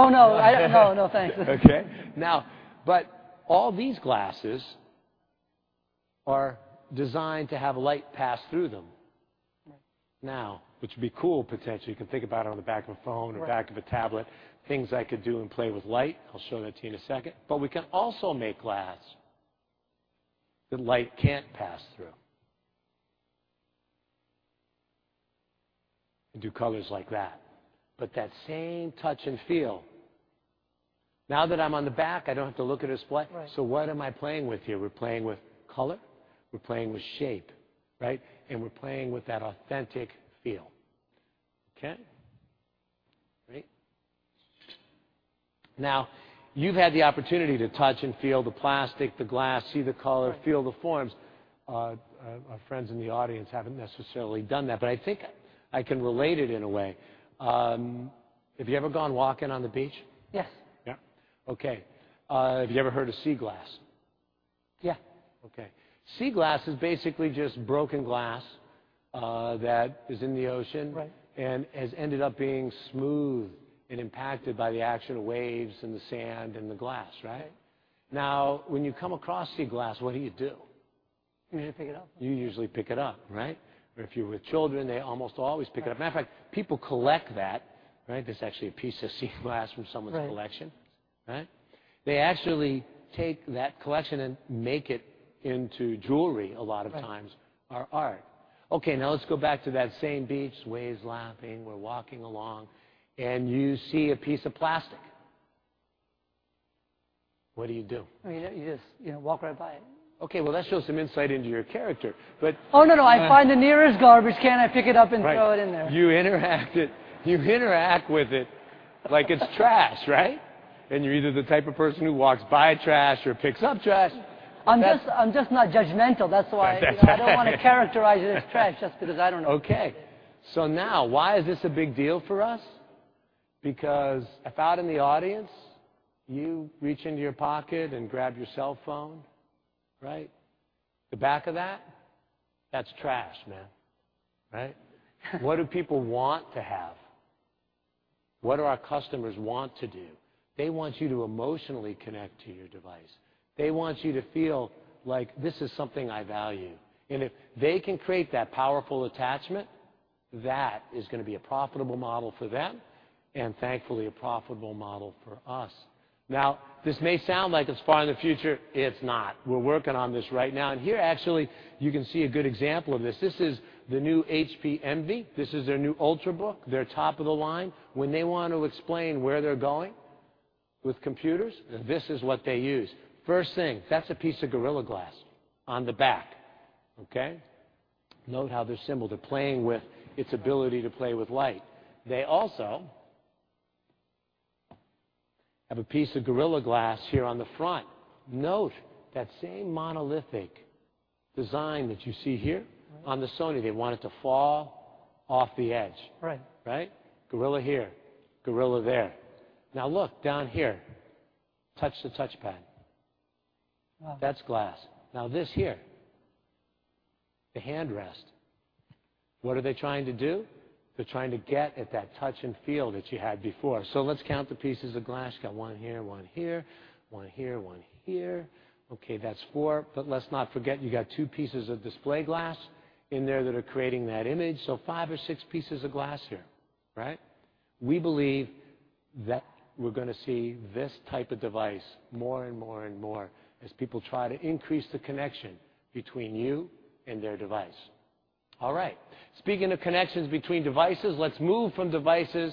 no, I don't know. No, thanks. OK. All these glasses are designed to have light pass through them. Right. Now, which would be cool potentially. You can think about it on the back of a phone or back of a tablet, things I could do and play with light. I'll show that to you in a second. We can also make glass that light can't pass through and do colors like that. That same touch and feel, now that I'm on the back, I don't have to look at it as black. Right. What am I playing with here? We're playing with color, we're playing with shape, right? We're playing with that authentic feel, OK? Right? Now you've had the opportunity to touch and feel the plastic, the glass, see the color, feel the forms. Our friends in the audience haven't necessarily done that. I think I can relate it in a way. Have you ever gone walking on the beach? Yes. Yeah, OK. Have you ever heard of sea glass? Yeah. OK. Sea glass is basically just broken glass that is in the ocean. Right. It has ended up being smooth and impacted by the action of waves and the sand and the glass. Right? Now when you come across sea glass, what do you do? You usually pick it up. You usually pick it up, right? Or if you're with children, they almost always pick it up. Matter of fact, people collect that, right? That's actually a piece of sea glass from someone's collection, right? They actually take that collection and make it into jewelry a lot of times, or art. OK. Now let's go back to that same beach, waves lapping, we're walking along, and you see a piece of plastic. What do you do? I mean, you just walk right by it. OK. That shows some insight into your character. Oh no, no. I find the nearest garbage can, pick it up, and throw it in there. You interact with it like it's trash, right? You're either the type of person who walks by trash or picks up trash. I'm just not judgmental. That's why I don't want to characterize it as trash just because I don't know. OK. Now why is this a big deal for us? If out in the audience you reach into your pocket and grab your cell phone, right, the back of that, that's trash, man. What do people want to have? What do our customers want to do? They want you to emotionally connect to your device. They want you to feel like this is something I value. If they can create that powerful attachment, that is going to be a profitable model for them and thankfully a profitable model for us. This may sound like it's far in the future. It's not. We're working on this right now. Here actually you can see a good example of this. This is the new HP Envy. This is their new Ultrabook, their top of the line. When they want to explain where they're going with computers, this is what they use. First thing, that's a piece of Gorilla Glass on the back. Note how they're simple. They're playing with its ability to play with light. They also have a piece of Gorilla Glass here on the front. Note that same monolithic design that you see here on the Sony. They want it to fall off the edge. Right. Right? Gorilla here. Gorilla there. Now look down here. Touch the touchpad. That's glass. Now this here, the hand rest. What are they trying to do? They're trying to get at that touch and feel that you had before. So let's count the pieces of glass. Got one here, one here, one here, one here. OK, that's four. Let's not forget you got two pieces of display glass in there that are creating that image. So five or six pieces of glass here. Right? We believe that we're going to see this type of device more and more and more as people try to increase the connection between you and their device. All right. Speaking of connections between devices, let's move from devices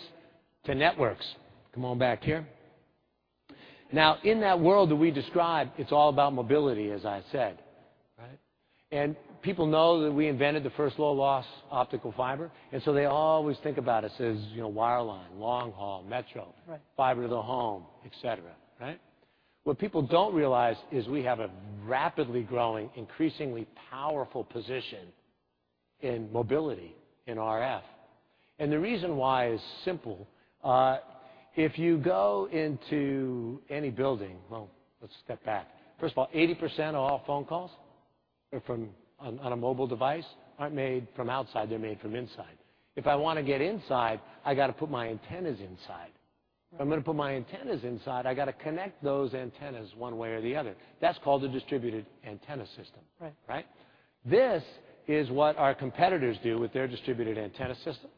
to networks. Come on back here. In that world that we describe, it's all about mobility, as I said. Right? People know that we invented the first low loss optical fiber. They always think about us as wireline, long haul, metro, fiber to the home, etc. Right? What people don't realize is we have a rapidly growing, increasingly powerful position in mobility in RF. The reason why is simple. If you go into any building, first of all, 80% of all phone calls on a mobile device aren't made from outside. They're made from inside. If I want to get inside, I got to put my antennas inside. If I'm going to put my antennas inside, I got to connect those antennas one way or the other. That's called a distributed antenna system. Right. This is what our competitors do with their distributed antenna system.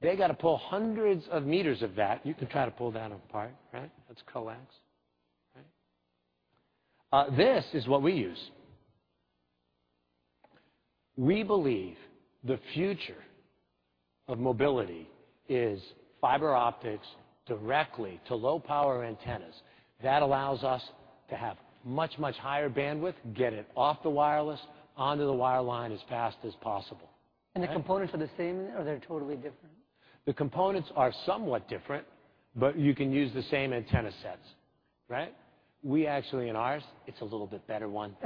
They got to pull hundreds of meters of that. You can try to pull that apart. That's coax. This is what we use. We believe the future of mobility is fiber optics directly to low power antennas. That allows us to have much, much higher bandwidth, get it off the wireless, onto the wireline as fast as possible. Are the components the same in there, or are they totally different? The components are somewhat different, but you can use the same antenna sets, right? We actually, in ours, it's a little bit better one.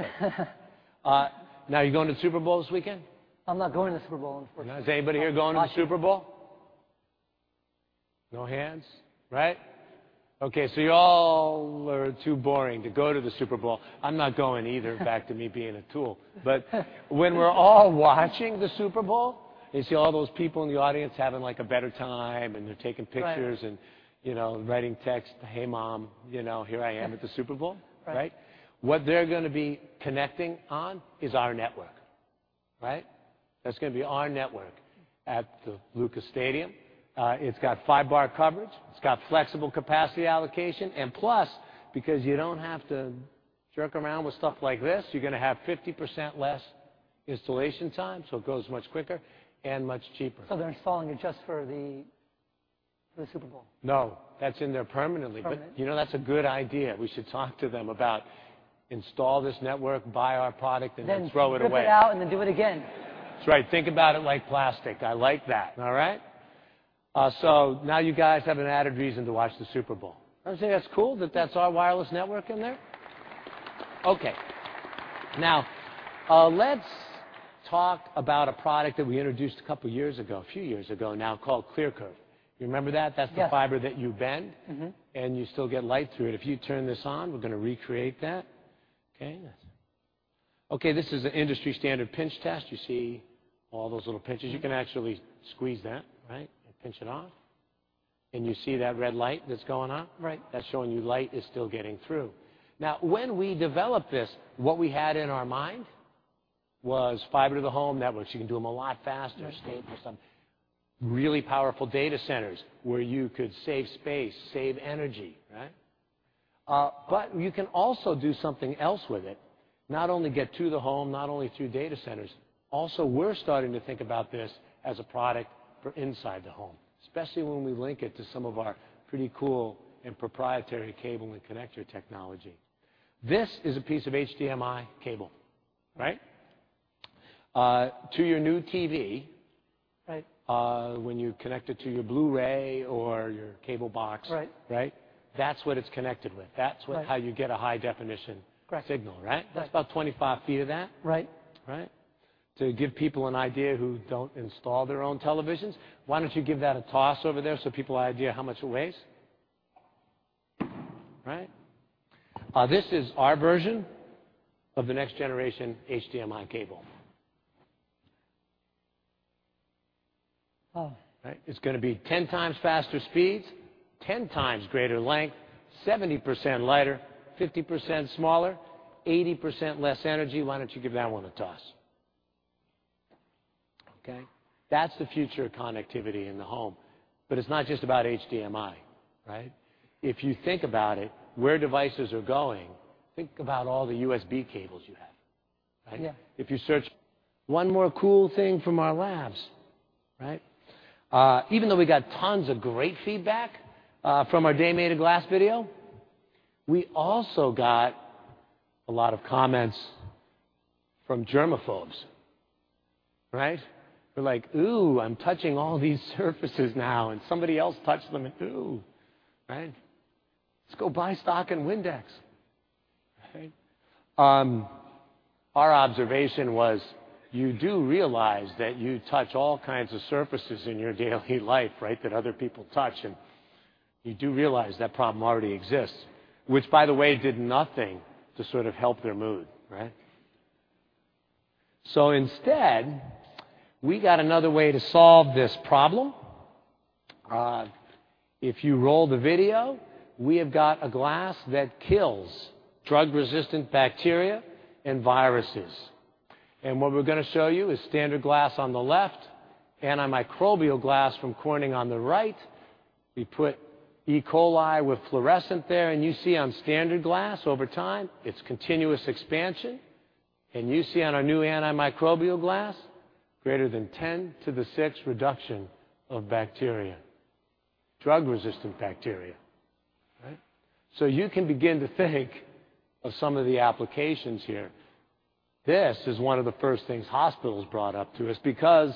Now, are you going to the Super Bowl this weekend? I'm not going to the Super Bowl, unfortunately. Is anybody here going to the Super Bowl? No hands. Right? OK. You all are too boring to go to the Super Bowl. I'm not going either, back to me being a tool. When we're all watching the Super Bowl, you see all those people in the audience having like a better time, and they're taking pictures and writing text, hey mom, you know here I am at the Super Bowl. What they're going to be connecting on is our network. That's going to be our network at the Lucas Stadium. It's got five-bar coverage. It's got flexible capacity allocation. Plus, because you don't have to jerk around with stuff like this, you're going to have 50% less installation time. It goes much quicker and much cheaper. They're installing it just for the Super Bowl? No, that's in there permanently. You know, that's a good idea. We should talk to them about install this network, buy our product, and then throw it away. Put this out and then do it again. That's right. Think about it like plastic. I like that. All right? Now you guys have an added reason to watch the Super Bowl. I'm saying that's cool that that's our wireless network in there. OK. Now let's talk about a product that we introduced a couple of years ago, a few years ago now, called ClearCurve. You remember that? Yes. That's the fiber that you bend and you still get light through it. If you turn this on, we're going to recreate that. OK. This is an industry standard pinch test. You see all those little pinches. You can actually squeeze that, right, and pinch it off. You see that red light that's going off? Right. That's showing you light is still getting through. Now, when we developed this, what we had in our mind was fiber to the home networks. You can do them a lot faster. Stay in your sun. Really powerful data centers where you could save space, save energy, right? You can also do something else with it. Not only get to the home, not only through data centers, we're also starting to think about this as a product inside the home, especially when we link it to some of our pretty cool and proprietary cable and connector technology. This is a piece of HDMI cable, right, to your new TV. Right. When you connect it to your Blu-ray or your cable box. Right. Right? That's what it's connected with. That's how you get a high definition signal, right? That's about 25 feet of that. Right. Right? To give people an idea who don't install their own televisions, why don't you give that a toss over there so people have an idea of how much it weighs? Right? This is our version of the next generation HDMI cable. Oh. It's going to be 10x faster speeds, 10x greater length, 70% lighter, 50% smaller, 80% less energy. Why don't you give that one a toss? OK? That's the future of connectivity in the home. It's not just about HDMI. If you think about it, where devices are going, think about all the USB cables you have. Yeah. If you search one more cool thing from our labs, right, even though we got tons of great feedback from our Day Made of Glass video, we also got a lot of comments from germaphobes. They're like, ooh, I'm touching all these surfaces now. And somebody else touched them. Ooh. Let's go buy stock in Windex. Our observation was you do realize that you touch all kinds of surfaces in your daily life, right, that other people touch. You do realize that problem already exists, which, by the way, did nothing to sort of help their mood. Instead, we got another way to solve this problem. If you roll the video, we have got a glass that kills drug-resistant bacteria and viruses. What we're going to show you is standard glass on the left, antimicrobial glass from Corning on the right. We put E. coli with fluorescent there. You see on standard glass over time, it's continuous expansion. You see on our new antimicrobial glass, greater than 10 to the six reduction of bacteria, drug-resistant bacteria. You can begin to think of some of the applications here. This is one of the first things hospitals brought up to us because,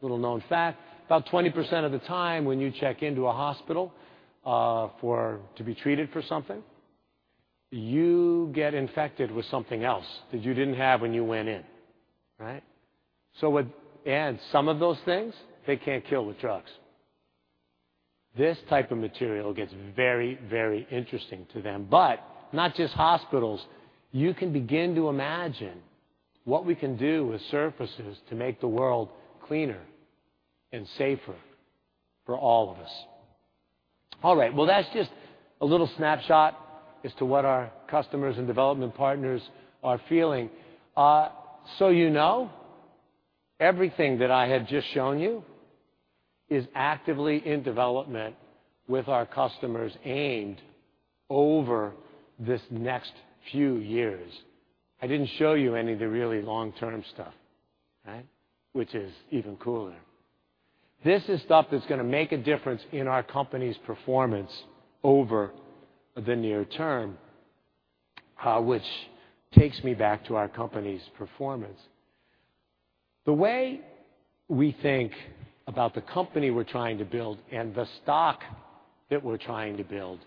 little known fact, about 20% of the time when you check into a hospital to be treated for something, you get infected with something else that you didn't have when you went in. What adds some of those things, they can't kill with drugs. This type of material gets very, very interesting to them. Not just hospitals. You can begin to imagine what we can do with surfaces to make the world cleaner and safer for all of us. That's just a little snapshot as to what our customers and development partners are feeling. Everything that I have just shown you is actively in development with our customers aimed over this next few years. I didn't show you any of the really long-term stuff, which is even cooler. This is stuff that's going to make a difference in our company's performance over the near term, which takes me back to our company's performance. The way we think about the company we're trying to build and the stock that we're trying to build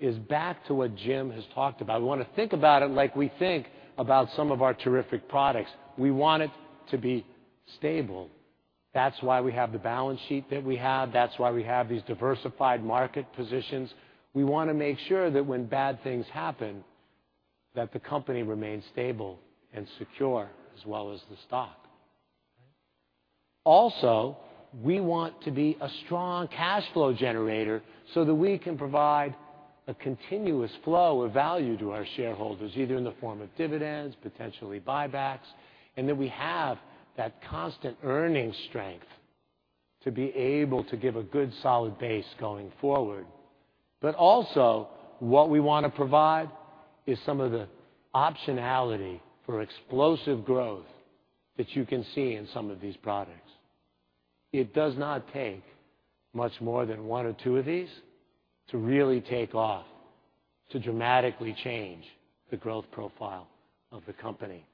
is back to what Jim has talked about. We want to think about it like we think about some of our terrific products. We want it to be stable. That's why we have the balance sheet that we have. That's why we have these diversified market positions. We want to make sure that when bad things happen, the company remains stable and secure as well as the stock. We want to be a strong cash flow generator so that we can provide a continuous flow of value to our shareholders, either in the form of dividends, potentially buybacks, and that we have that constant earning strength to be able to give a good solid base going forward. What we want to provide is some of the optionality for explosive growth that you can see in some of these products. It does not take much more than one or two of these to really take off, to dramatically change the growth profile of the company.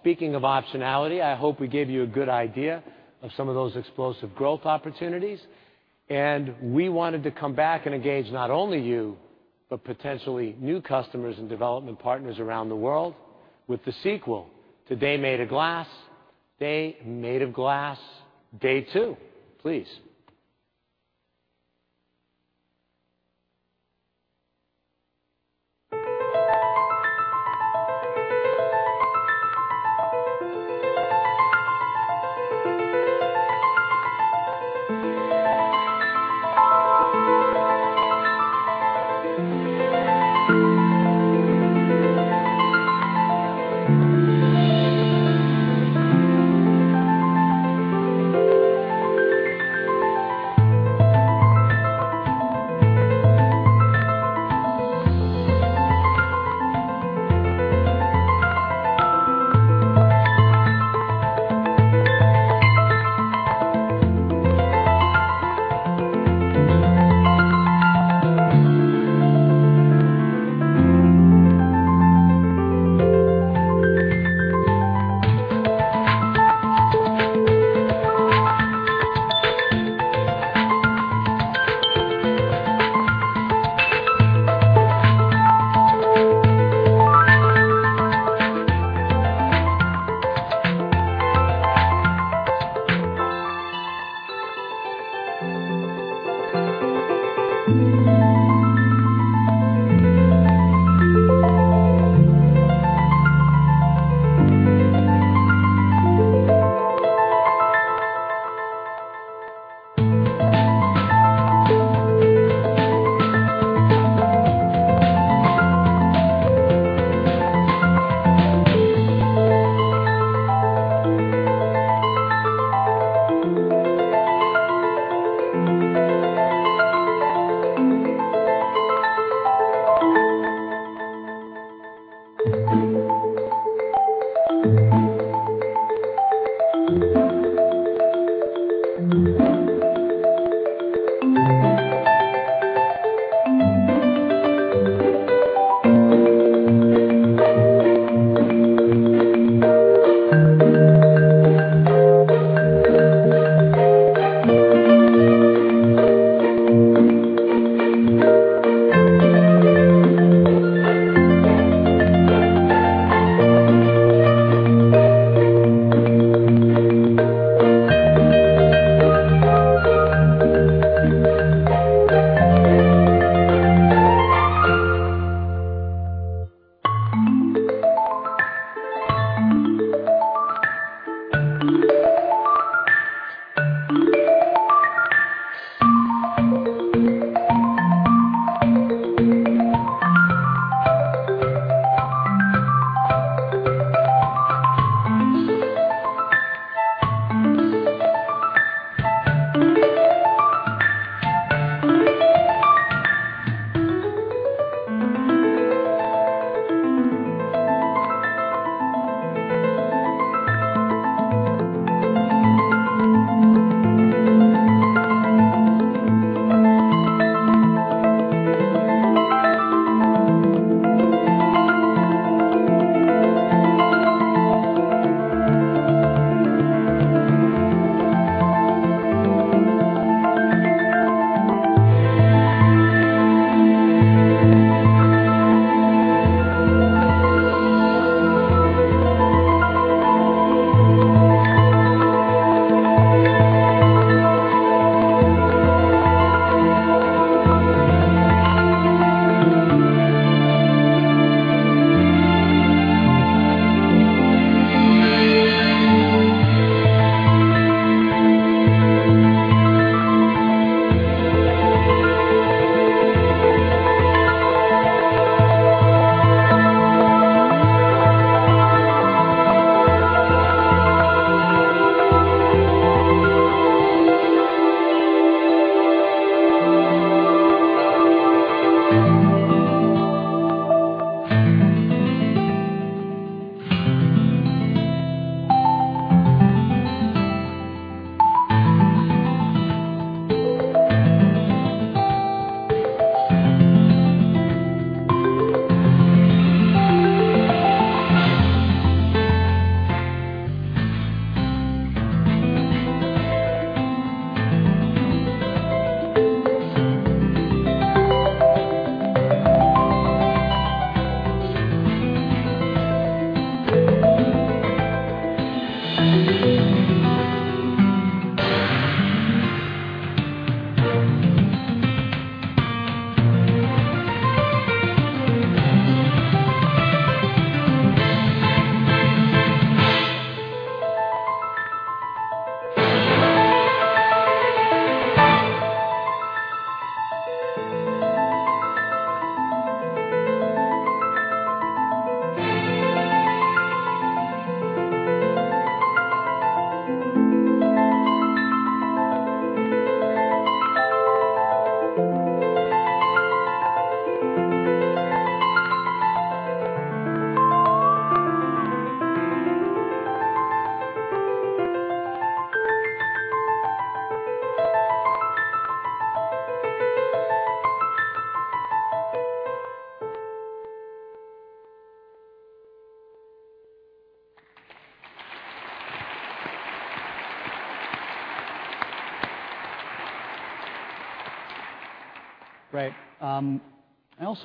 Speaking of optionality, I hope we gave you a good idea of some of those explosive growth opportunities. We wanted to come back and engage not only you, but potentially new customers and development partners around the world with the sequel to Day Made of Glass, Day Made of Glass Day Clip. I also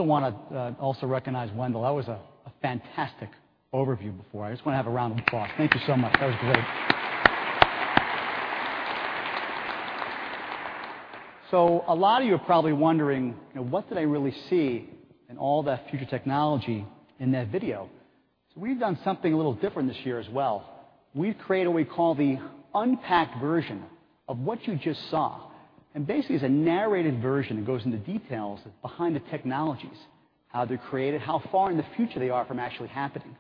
want to recognize Wendell. That was a fantastic overview before. I just want to have a round of applause. Thank you so much. That was great. A lot of you are probably wondering, you know, what did I really see in all that future technology in that video? We have done something a little different this year as well. We have created what we call the unpacked version of what you just saw. Basically, it is a narrated version that goes into details behind the technologies, how they are created, how far in the future they are from actually happening.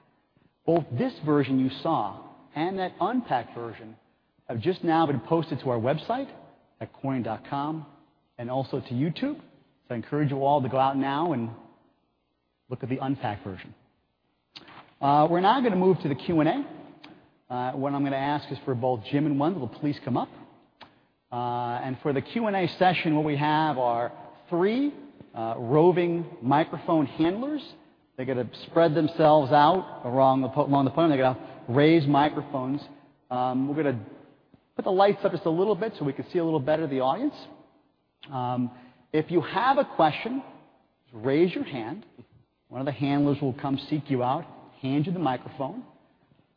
Both this version you saw and that unpacked version have just now been posted to our website at corning.com and also to YouTube. I encourage you all to go out now and look at the unpacked version. We are now going to move to the Q&A. What I am going to ask is for both Jim and Wendell to please come up. For the Q&A session, what we have are three roving microphone handlers. They are going to spread themselves out along the plane. They are going to raise microphones. We are going to put the lights up just a little bit so we can see a little better of the audience. If you have a question, raise your hand. One of the handlers will come seek you out, hand you the microphone.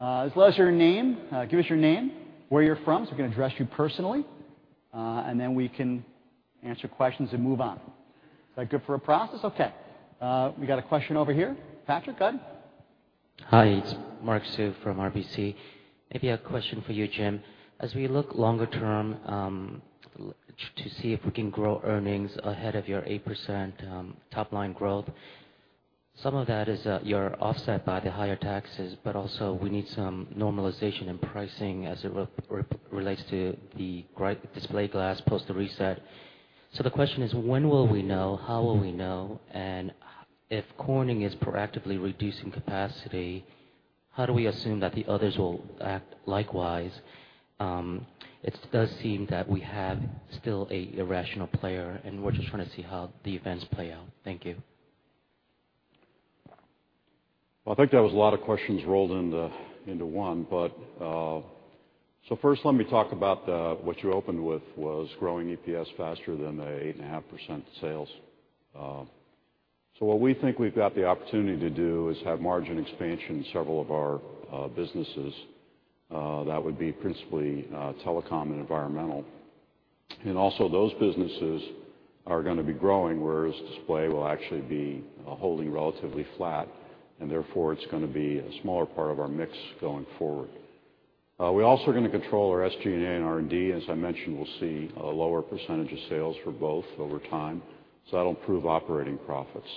Let us know your name, where you are from so we can address you personally. Then we can answer questions and move on. Good for a process? OK. We got a question over here. Patrick, go ahead. Hi. It's Mark Sue from RBC. Maybe a question for you, Jim. As we look longer term to see if we can grow earnings ahead of your 8% top line growth, some of that is you're offset by the higher taxes. Also, we need some normalization in pricing as it relates to the display glass post reset. The question is, when will we know? How will we know? If Corning is proactively reducing capacity, how do we assume that the others will act likewise? It does seem that we have still an irrational player. We're just trying to see how the events play out. Thank you. I think that was a lot of questions rolled into one. First, let me talk about what you opened with, which was growing EPS faster than the 8.5% sales. What we think we've got the opportunity to do is have margin expansion in several of our businesses. That would be principally telecom and environmental. Also, those businesses are going to be growing, whereas display will actually be holding relatively flat. Therefore, it's going to be a smaller part of our mix going forward. We also are going to control our SG&A and R&D. As I mentioned, we'll see a lower percentage of sales for both over time. That'll improve operating profits.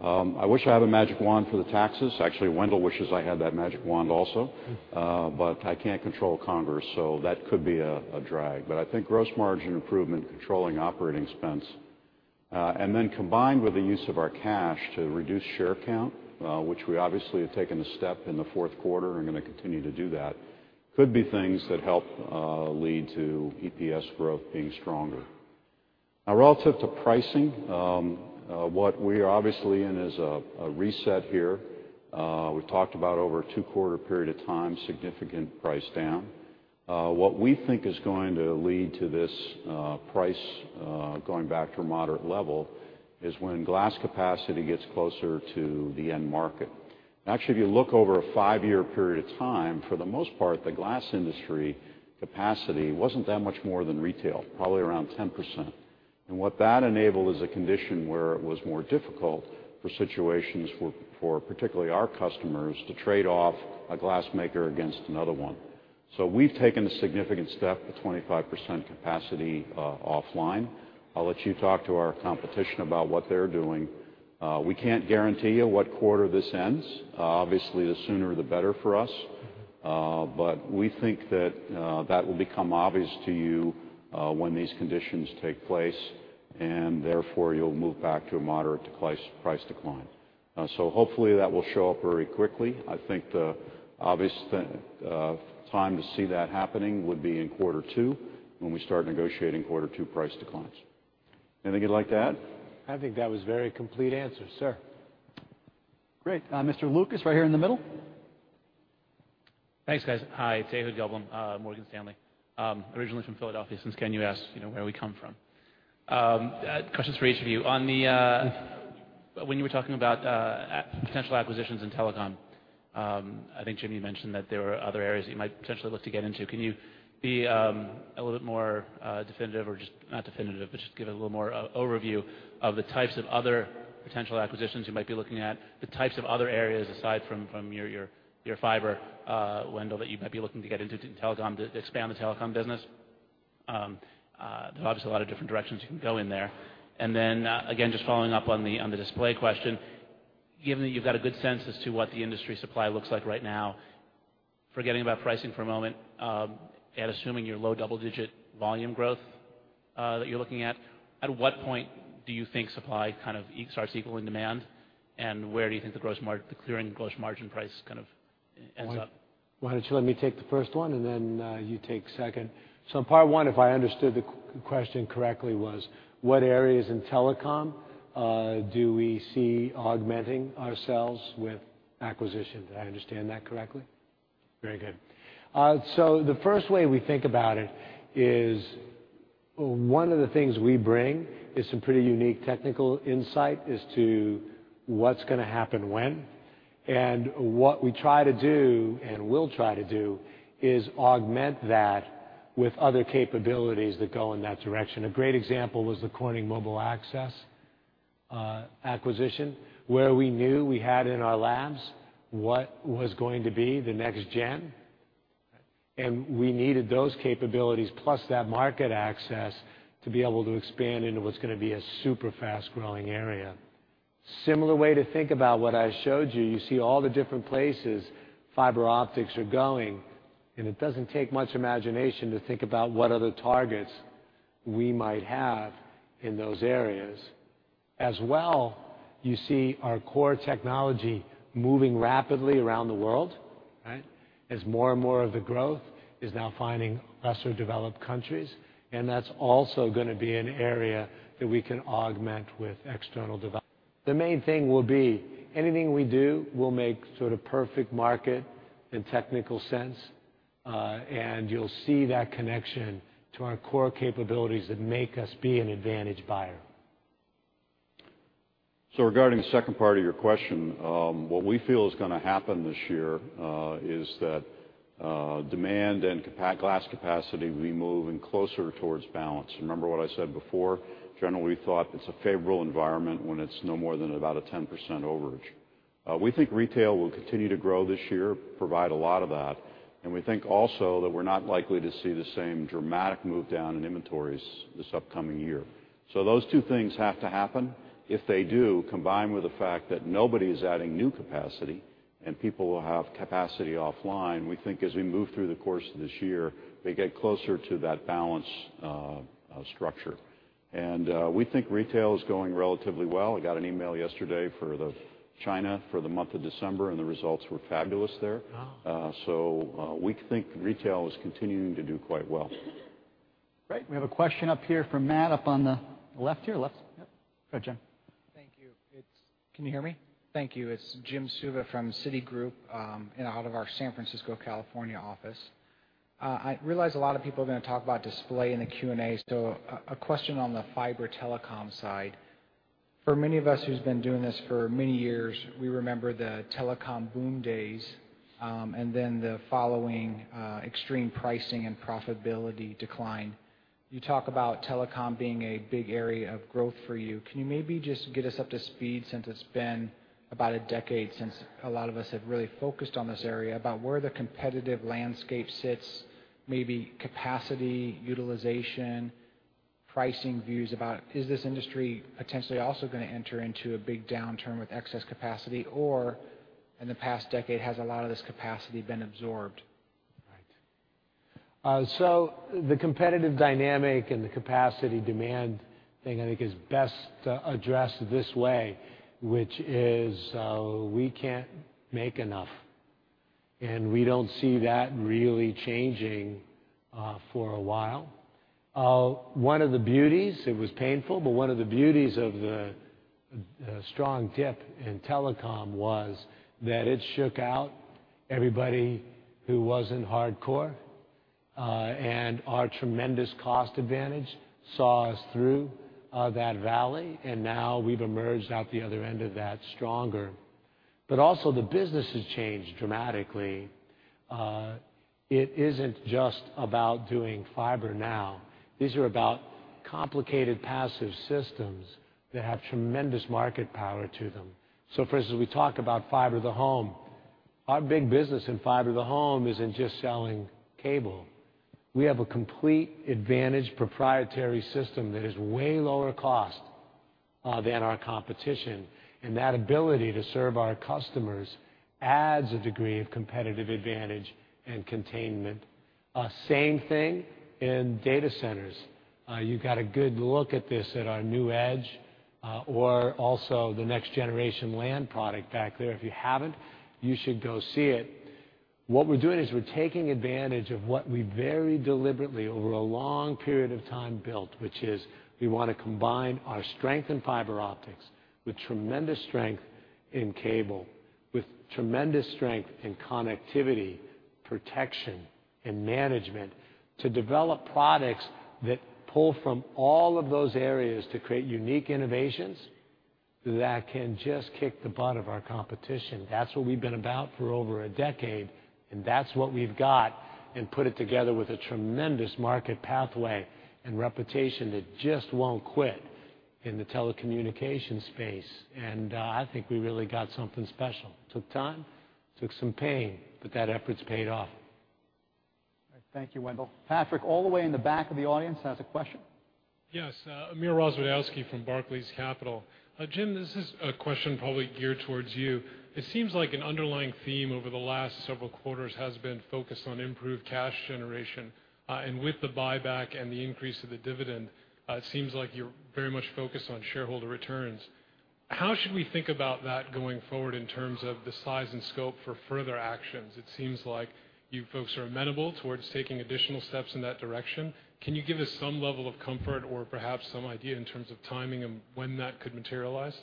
I wish I had a magic wand for the taxes. Actually, Wendell wishes I had that magic wand also. I can't control Congress. That could be a drag. I think gross margin improvement, controlling operating expense, and then combined with the use of our cash to reduce share count, which we obviously have taken a step in the fourth quarter and are going to continue to do, could be things that help lead to EPS growth being stronger. Now, relative to pricing, what we are obviously in is a reset here. We've talked about over a two-quarter period of time, significant price down. What we think is going to lead to this price going back to a moderate level is when glass capacity gets closer to the end market. Actually, if you look over a five-year period of time, for the most part, the glass industry capacity wasn't that much more than retail, probably around 10%. What that enabled is a condition where it was more difficult for situations for particularly our customers to trade off a glass maker against another one. We've taken a significant step to 25% capacity offline. I'll let you talk to our competition about what they're doing. We can't guarantee you what quarter this ends. Obviously, the sooner the better for us. We think that that will become obvious to you when these conditions take place. Therefore, you'll move back to a moderate price decline. Hopefully, that will show up very quickly. I think the obvious time to see that happening would be in quarter two when we start negotiating quarter two price declines. Anything you'd like to add? I think that was a very complete answer, sir. Great. Mr. Lucas, right here in the middle? Thanks, guys. Hi. It's Ehud Gelblum, Morgan Stanley. Originally from Philadelphia. Since you asked, you know where we come from. Questions for each of you. When you were talking about potential acquisitions in telecom, I think James mentioned that there were other areas that you might potentially look to get into. Can you be a little bit more definitive or just not definitive, but just give a little more overview of the types of other potential acquisitions you might be looking at, the types of other areas aside from your fiber, Wendell, that you might be looking to get into telecom to expand the telecom business? There are obviously a lot of different directions you can go in there. Just following up on the display question, given that you've got a good sense as to what the industry supply looks like right now, forgetting about pricing for a moment and assuming your low double-digit volume growth that you're looking at, at what point do you think supply kind of starts equaling demand? Where do you think the clearing gross margin price kind of ends up? Why don't you let me take the first one and then you take the second? In part one, if I understood the question correctly, it was what areas in telecom do we see augmenting ourselves with acquisition? Did I understand that correctly? Very good. The first way we think about it is one of the things we bring is some pretty unique technical insight as to what's going to happen when. What we try to do and will try to do is augment that with other capabilities that go in that direction. A great example was the Corning Mobile Access acquisition, where we knew we had in our labs what was going to be the next gen. We needed those capabilities, plus that market access, to be able to expand into what's going to be a super fast growing area. A similar way to think about what I showed you. You see all the different places fiber optics are going. It doesn't take much imagination to think about what other targets we might have in those areas. As well, you see our core technology moving rapidly around the world, right, as more and more of the growth is now finding lesser developed countries. That's also going to be an area that we can augment with external. The main thing will be anything we do will make sort of perfect market and technical sense. You'll see that connection to our core capabilities that make us be an advantage buyer. Regarding the second part of your question, what we feel is going to happen this year is that demand and glass capacity will be moving closer towards balance. Remember what I said before? Generally, we thought it's a favorable environment when it's no more than about a 10% overage. We think retail will continue to grow this year, provide a lot of that. We think also that we're not likely to see the same dramatic move down in inventories this upcoming year. Those two things have to happen. If they do, combined with the fact that nobody is adding new capacity and people will have capacity offline, we think as we move through the course of this year, we get closer to that balance structure. We think retail is going relatively well. I got an email yesterday for China for the month of December, and the results were fabulous there. Wow. We think retail is continuing to do quite well. Right. We have a question up here from Matt up on the left. Let's go to Jim. Thank you. Can you hear me? Thank you. It's Jim Suva from Citigroup out of our San Francisco, California office. I realize a lot of people are going to talk about display in the Q&A. A question on the fiber telecom side. For many of us who've been doing this for many years, we remember the telecom boom days and then the following extreme pricing and profitability decline. You talk about telecom being a big area of growth for you. Can you maybe just get us up to speed since it's been about a decade since a lot of us have really focused on this area about where the competitive landscape sits, maybe capacity, utilization, pricing views about is this industry potentially also going to enter into a big downturn with excess capacity? In the past decade, has a lot of this capacity been absorbed? Right. The competitive dynamic and the capacity demand thing I think is best to address this way, which is we can't make enough. We don't see that really changing for a while. One of the beauties, it was painful, but one of the beauties of the strong dip in telecom was that it shook out everybody who wasn't hardcore. Our tremendous cost advantage saw us through that valley. Now we've emerged out the other end of that stronger. The business has changed dramatically. It isn't just about doing fiber now. These are about complicated passive systems that have tremendous market power to them. For instance, we talk about fiber to the home. Our big business in fiber to the home isn't just selling cable. We have a complete advantaged proprietary system that is way lower cost than our competition. That ability to serve our customers adds a degree of competitive advantage and containment. Same thing in data centers. You got a good look at this at our new edge or also the next generation LAN product back there. If you haven't, you should go see it. What we're doing is we're taking advantage of what we very deliberately, over a long period of time, built, which is we want to combine our strength in fiber optics with tremendous strength in cable, with tremendous strength in connectivity, protection, and management to develop products that pull from all of those areas to create unique innovations that can just kick the butt of our competition. That's what we've been about for over a decade. That's what we've got. Put it together with a tremendous market pathway and reputation that just won't quit in the telecommunications space. I think we really got something special. Took time, took some pain, but that effort's paid off. Right. Thank you, Wendell. Patrick, all the way in the back of the audience, has a question. Yes. Amir Rozwadowski from Barclays. Jim, this is a question probably geared towards you. It seems like an underlying theme over the last several quarters has been focused on improved cash generation. With the buyback and the increase of the dividend, it seems like you're very much focused on shareholder returns. How should we think about that going forward in terms of the size and scope for further actions? It seems like you folks are amenable towards taking additional steps in that direction. Can you give us some level of comfort or perhaps some idea in terms of timing and when that could materialize?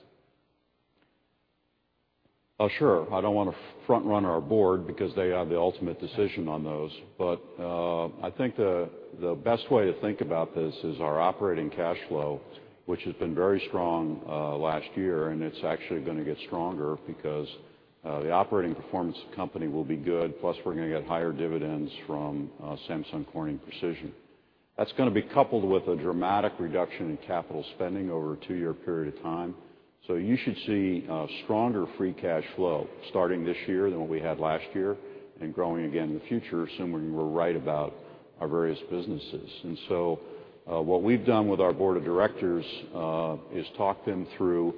Oh, sure. I don't want to front run our board because they have the ultimate decision on those. I think the best way to think about this is our operating cash flow, which has been very strong last year. It's actually going to get stronger because the operating performance of the company will be good. Plus, we're going to get higher dividends from Samsung Corning Precision. That's going to be coupled with a dramatic reduction in capital spending over a two-year period of time. You should see stronger free cash flow starting this year than what we had last year and growing again in the future, assuming we're right about our various businesses. What we've done with our board of directors is talk them through.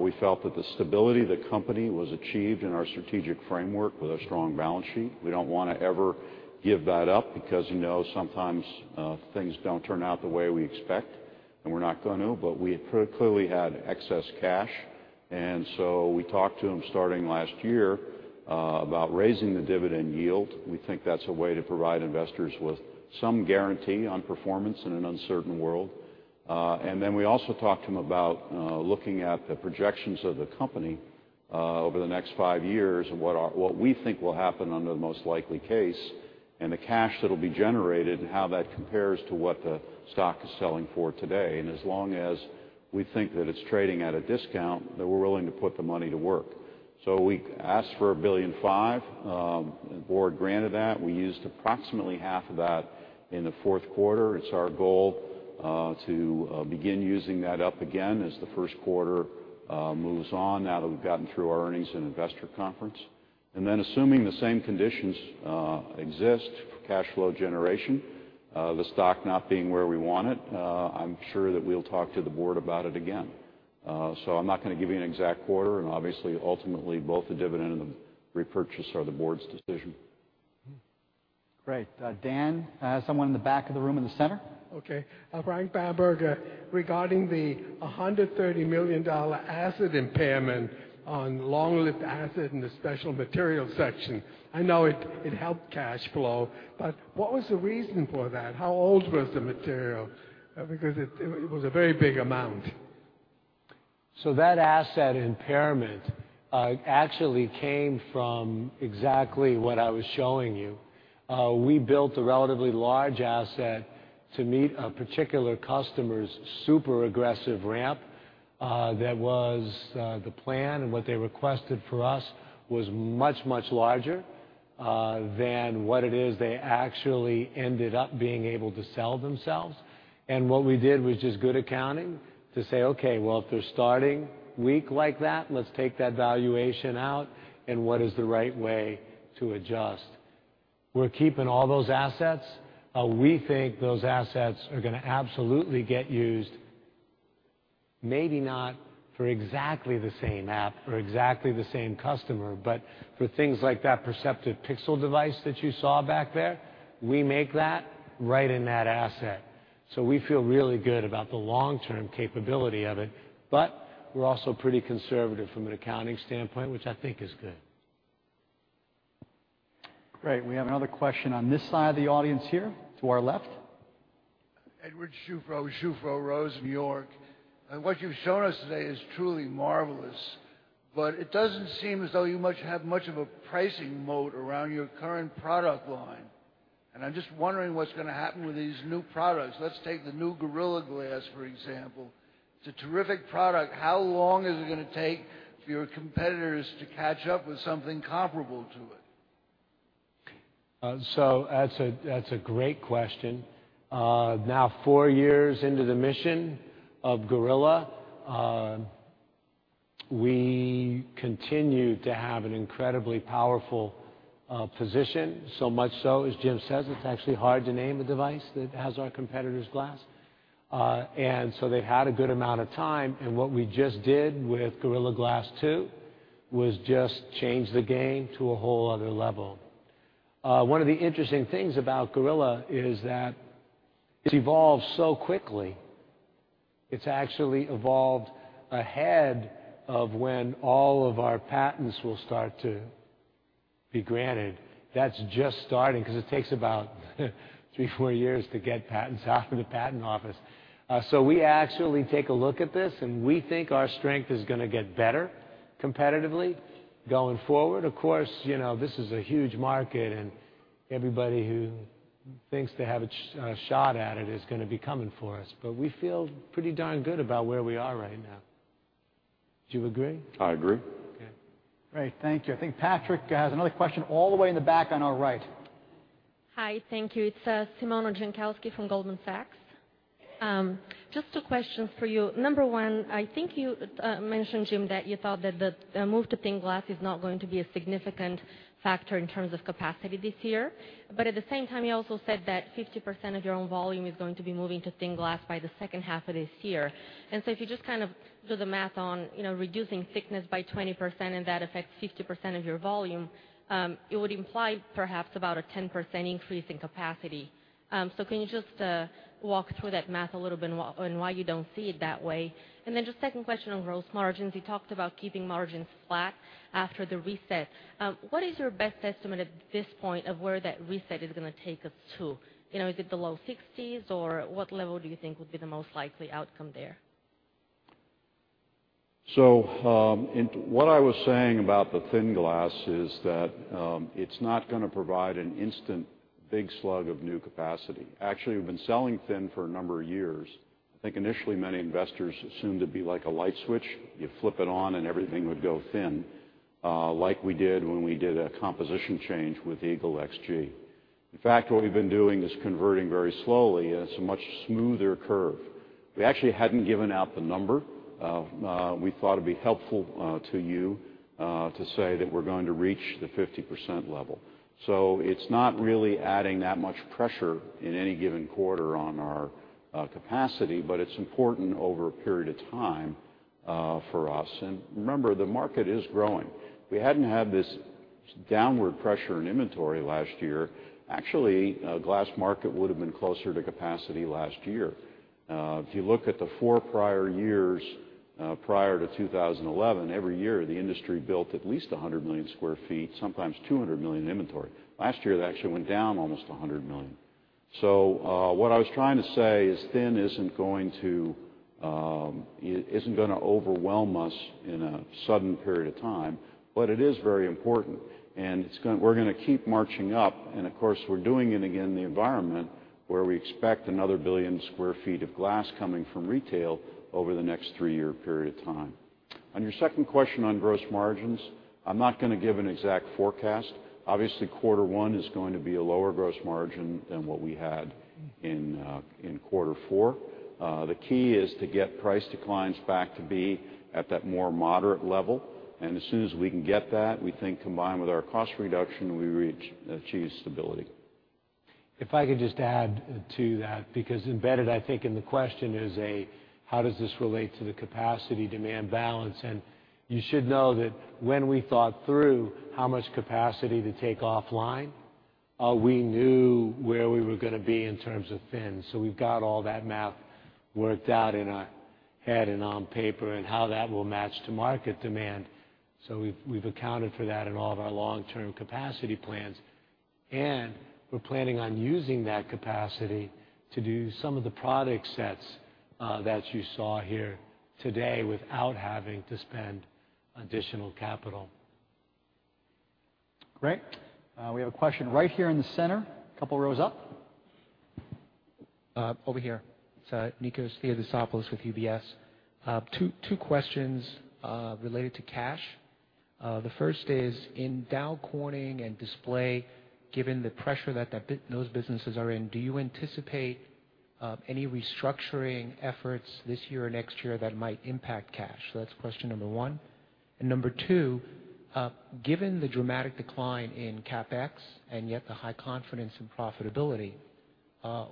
We felt that the stability of the company was achieved in our strategic framework with a strong balance sheet. We don't want to ever give that up because you know sometimes things don't turn out the way we expect. We're not going to. We clearly had excess cash. We talked to them starting last year about raising the dividend yield. We think that's a way to provide investors with some guarantee on performance in an uncertain world. We also talked to them about looking at the projections of the company over the next five years and what we think will happen under the most likely case and the cash that will be generated and how that compares to what the stock is selling for today. As long as we think that it's trading at a discount, then we're willing to put the money to work. We asked for $1.5 billion. The board granted that. We used approximately half of that in the fourth quarter. It's our goal to begin using that up again as the first quarter moves on. That'll have gotten through our earnings and investor conference. Assuming the same conditions exist, cash flow generation, the stock not being where we want it, I'm sure that we'll talk to the board about it again. I'm not going to give you an exact quarter. Obviously, ultimately, both the dividend and the repurchase are the board's decision. Great. Dan, someone in the back of the room in the center? OK. Frank Baberger, regarding the $130 million asset impairment on long-lived asset in the Specialty Materials section. I know it helped cash flow. What was the reason for that? How old was the material? It was a very big amount. That asset impairment actually came from exactly what I was showing you. We built a relatively large asset to meet a particular customer's super aggressive ramp. That was the plan. What they requested for us was much, much larger than what it is they actually ended up being able to sell themselves. What we did was just good accounting to say, OK, if they're starting weak like that, let's take that valuation out. What is the right way to adjust? We're keeping all those assets. We think those assets are going to absolutely get used, maybe not for exactly the same app or exactly the same customer, but for things like that perceptive pixel device that you saw back there. We make that right in that asset. We feel really good about the long-term capability of it. We're also pretty conservative from an accounting standpoint, which I think is good. Great. We have another question on this side of the audience here to our left. Edward Schufro, Schufro, Rose, New York. What you've shown us today is truly marvelous. It doesn't seem as though you might have much of a pricing moat around your current product line. I'm just wondering what's going to happen with these new products. Let's take the new Gorilla Glass, for example. It's a terrific product. How long is it going to take for your competitors to catch up with something comparable to it? That's a great question. Now, four years into the mission of Gorilla, we continue to have an incredibly powerful position, so much so as Jim says, it's actually hard to name a device that has our competitors' glass. They've had a good amount of time. What we just did with Gorilla Glass 2 was change the game to a whole other level. One of the interesting things about Gorilla is that it's evolved so quickly. It's actually evolved ahead of when all of our patents will start to be granted. That's just starting because it takes about three, four years to get patents out of the patent office. We actually take a look at this, and we think our strength is going to get better competitively going forward. Of course, you know this is a huge market, and everybody who thinks they have a shot at it is going to be coming for us. We feel pretty darn good about where we are right now. Do you agree? I agree. OK. Great. Thank you. I think Patrick has another question all the way in the back on our right. Hi. Thank you. It's Simona Jankowski from Goldman Sachs. Just two questions for you. Number one, I think you mentioned, Jim, that you thought that the move to thin glass is not going to be a significant factor in terms of capacity this year. At the same time, you also said that 50% of your own volume is going to be moving to thin glass by the second half of this year. If you just kind of do the math on reducing thickness by 20% and that affects 50% of your volume, it would imply perhaps about a 10% increase in capacity. Can you just walk through that math a little bit and why you don't see it that way? Second question on gross margins. You talked about keeping margins flat after the reset. What is your best estimate at this point of where that reset is going to take us to? Is it the low 60%? What level do you think would be the most likely outcome there? What I was saying about the thin glass is that it's not going to provide an instant big slug of new capacity. Actually, we've been selling thin for a number of years. I think initially, many investors assumed it'd be like a light switch. You flip it on and everything would go thin, like we did when we did a composition change with Eagle XG. In fact, what we've been doing is converting very slowly. It's a much smoother curve. We actually hadn't given out the number. We thought it'd be helpful to you to say that we're going to reach the 50% level. It's not really adding that much pressure in any given quarter on our capacity. It's important over a period of time for us. Remember, the market is growing. If we hadn't had this downward pressure in inventory last year, the glass market would have been closer to capacity last year. If you look at the four prior years, prior to 2011, every year, the industry built at least 100 million sq ft, sometimes 200 million inventory. Last year, it actually went down almost 100 million. What I was trying to say is thin isn't going to overwhelm us in a sudden period of time. It is very important. We're going to keep marching up. Of course, we're doing it again in the environment where we expect another 1 billion sq ft of glass coming from retail over the next three-year period of time. On your second question on gross margins, I'm not going to give an exact forecast. Obviously, quarter one is going to be a lower gross margin than what we had in quarter four. The key is to get price declines back to be at that more moderate level. As soon as we can get that, we think combined with our cost reduction, we reach achieve stability. If I could just add to that, because embedded, I think in the question is, how does this relate to the capacity demand balance? You should know that when we thought through how much capacity to take offline, we knew where we were going to be in terms of thin. We've got all that math worked out in our head and on paper and how that will match to market demand. We've accounted for that in all of our long-term capacity plans, and we're planning on using that capacity to do some of the product sets that you saw here today without having to spend additional capital. Great. We have a question right here in the center, a couple of rows up. Over here. It's Nikos Theodisopoulos with UBS. Two questions related to cash. The first is, in Dow Corning and Display, given the pressure that those businesses are in, do you anticipate any restructuring efforts this year or next year that might impact cash? That's question number one. Number two, given the dramatic decline in CapEx and yet the high confidence in profitability,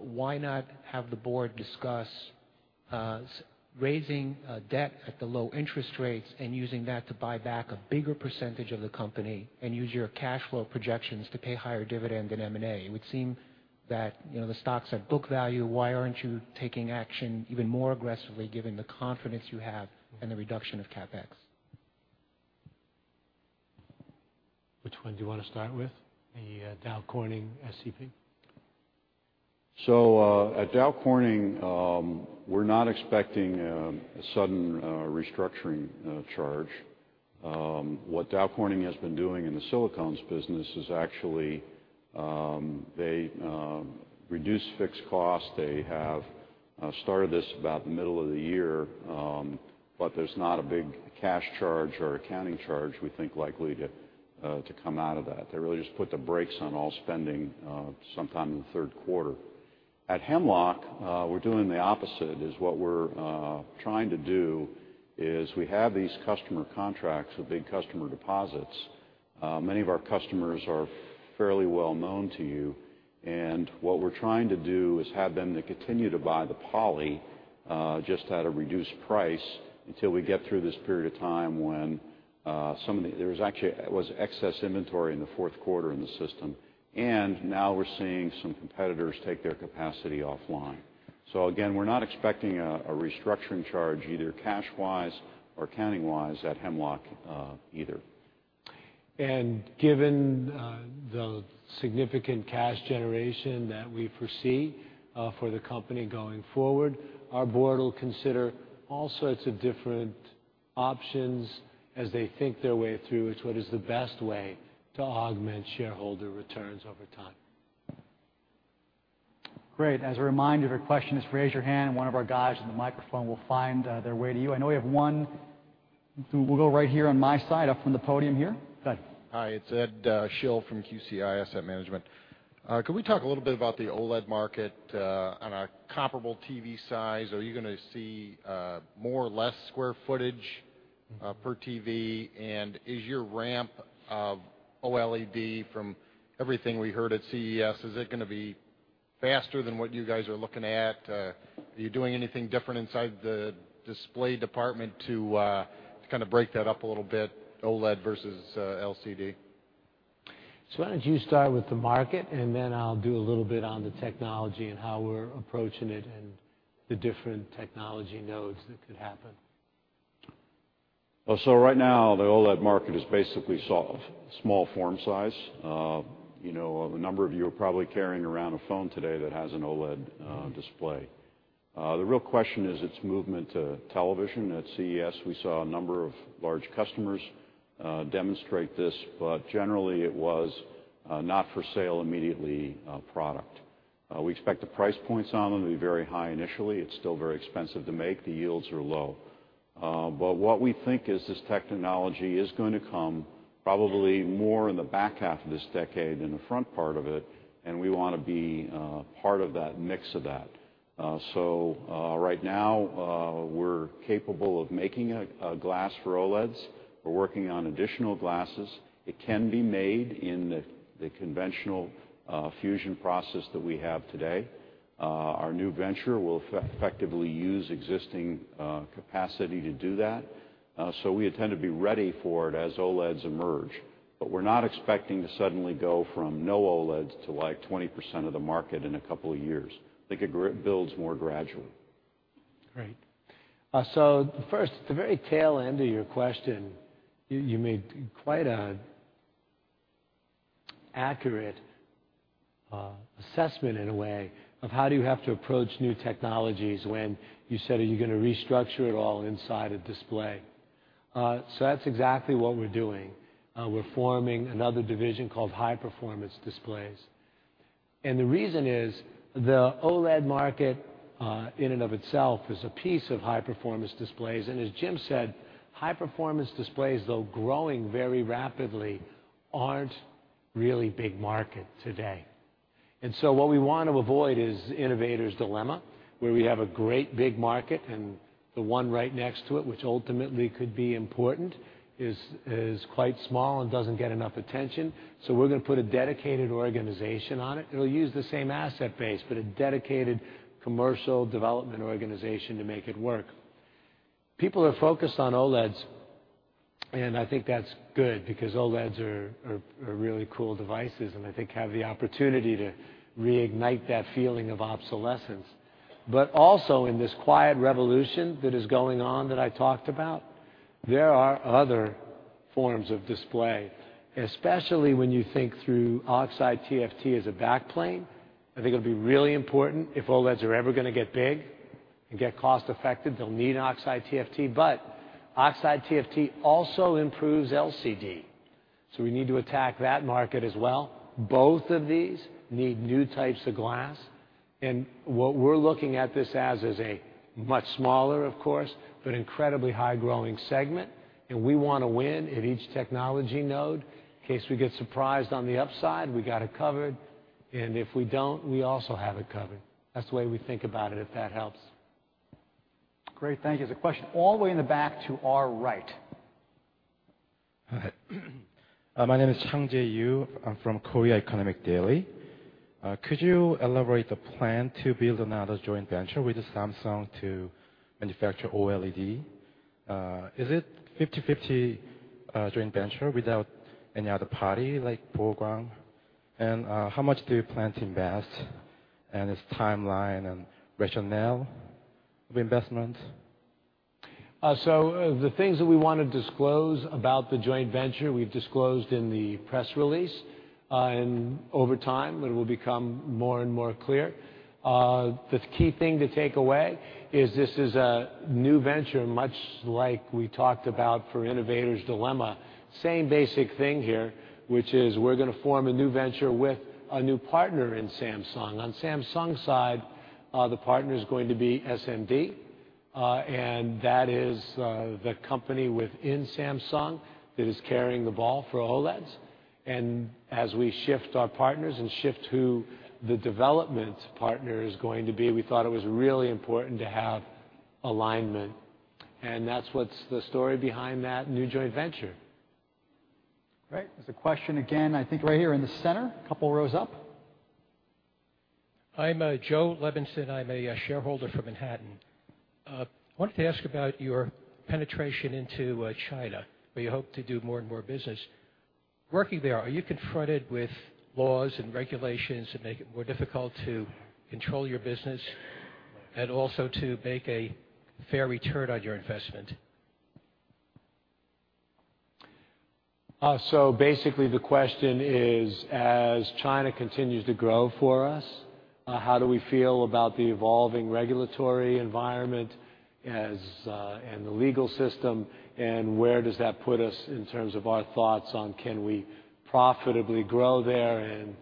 why not have the board discuss raising debt at the low interest rates and using that to buy back a bigger percentage of the company and use your cash flow projections to pay higher dividend and M&A? It would seem that the stock's at book value, why aren't you taking action even more aggressively given the confidence you have and the reduction of CapEx? Which one do you want to start with? The Dow Corning SEP? At Dow Corning, we're not expecting a sudden restructuring charge. What Dow Corning has been doing in the silicones business is actually they reduce fixed costs. They have started this about the middle of the year. There's not a big cash charge or accounting charge, we think, likely to come out of that. They really just put the brakes on all spending sometime in the third quarter. At Hemlock, we're doing opposite. What we're trying to do is we have these customer contracts with big customer deposits. Many of our customers are fairly well known to you, and what we're trying to do is have them continue to buy the poly, just at a reduced price until we get through this period of time when there was actually excess inventory in the fourth quarter in the system. Now we're seeing some competitors take their capacity offline. We're not expecting a restructuring charge either cash-wise or accounting-wise at Hemlock either. Given the significant cash generation that we foresee for the company going forward, our board will consider all sorts of different options as they think their way through which one is the best way to augment shareholder returns over time. Great. As a reminder, if a question is raised or hand, one of our guys with the microphone will find their way to you. I know we have one. We'll go right here on my side up from the podium here. Go ahead. Hi, it's Ed Schlesinger from QCI Asset Management. Could we talk a little bit about the OLED market on a comparable TV size? Are you going to see more or less square footage per TV? Is your ramp of OLED from everything we heard at CES going to be faster than what you guys are looking at? Are you doing anything different inside the Display Technologies department to kind of break that up a little bit? OLED versus LCD? Why don't you start with the market, and then I'll do a little bit on the technology and how we're approaching it and the different technology nodes that could happen. Right now the OLED market is basically small form size. You know, a number of you are probably carrying around a phone today that has an OLED display. The real question is its movement to television. At CES, we saw a number of large customers demonstrate this, but generally it was not for sale immediately as a product. We expect the price points on them to be very high initially. It's still very expensive to make. The yields are low. What we think is this technology is going to come probably more in the back half of this decade than the front part of it. We want to be part of that mix. Right now, we're capable of making a glass for OLEDs. We're working on additional glasses. It can be made in the conventional fusion process that we have today. Our new venture will effectively use existing capacity to do that. We intend to be ready for it as OLEDs emerge. We're not expecting to suddenly go from no OLEDs to like 20% of the market in a couple of years. I think it builds more gradually. Great. The very tail end of your question, you made quite an accurate assessment in a way of how do you have to approach new technologies when you said are you going to restructure it all inside a display? That's exactly what we're doing. We're forming another division called High Performance Displays. The reason is the OLED market in and of itself is a piece of high-performance displays. As Jim said, high-performance displays, though growing very rapidly, aren't really a big market today. What we want to avoid is the innovator's dilemma, where we have a great big market and the one right next to it, which ultimately could be important, is quite small and doesn't get enough attention. We're going to put a dedicated organization on it. It'll use the same asset base, but a dedicated commercial development organization to make it work. People are focused on OLEDs. I think that's good because OLEDs are really cool devices. I think they have the opportunity to reignite that feeling of obsolescence. Also, in this quiet revolution that is going on that I talked about, there are other forms of display, especially when you think through oxide TFT as a backplane. I think it'll be really important if OLEDs are ever going to get big and get cost-effective, they'll need oxide TFT. Oxide TFT also improves LCD. We need to attack that market as well. Both of these need new types of glass. What we're looking at this as is a much smaller, of course, but incredibly high-growing segment. We want to win at each technology node in case we get surprised on the upside. We got it covered. If we don't, we also have it covered. That's the way we think about it, if that helps. Great. Thank you. There's a question all the way in the back to our right. My name is Chang Jae Yoo. I'm from Korea Economic Daily. Could you elaborate the plan to build another joint venture with Samsung to manufacture OLED? Is it a 50/50 joint venture without any other party like Progong? How much do you plan to invest and its timeline and rationale of investment? The things that we want to disclose about the joint venture, we've disclosed in the press release. Over time, it will become more and more clear. The key thing to take away is this is a new venture, much like we talked about for innovator's dilemma. Same basic thing here, which is we're going to form a new venture with a new partner in Samsung. On Samsung's side, the partner is going to be SMD. That is the company within Samsung that is carrying the ball for OLEDs. As we shift our partners and shift who the development partner is going to be, we thought it was really important to have alignment. That's the story behind that new joint venture. Great. There's a question again, I think, right here in the center, a couple of rows up. I'm Joe Levenson. I'm a shareholder from Manhattan. I wanted to ask about your penetration into China, where you hope to do more and more business. Working there, are you confronted with laws and regulations that make it more difficult to control your business and also to make a fair return on your investment? Basically, the question is, as China continues to grow for us, how do we feel about the evolving regulatory environment and the legal system? Where does that put us in terms of our thoughts on can we profitably grow there and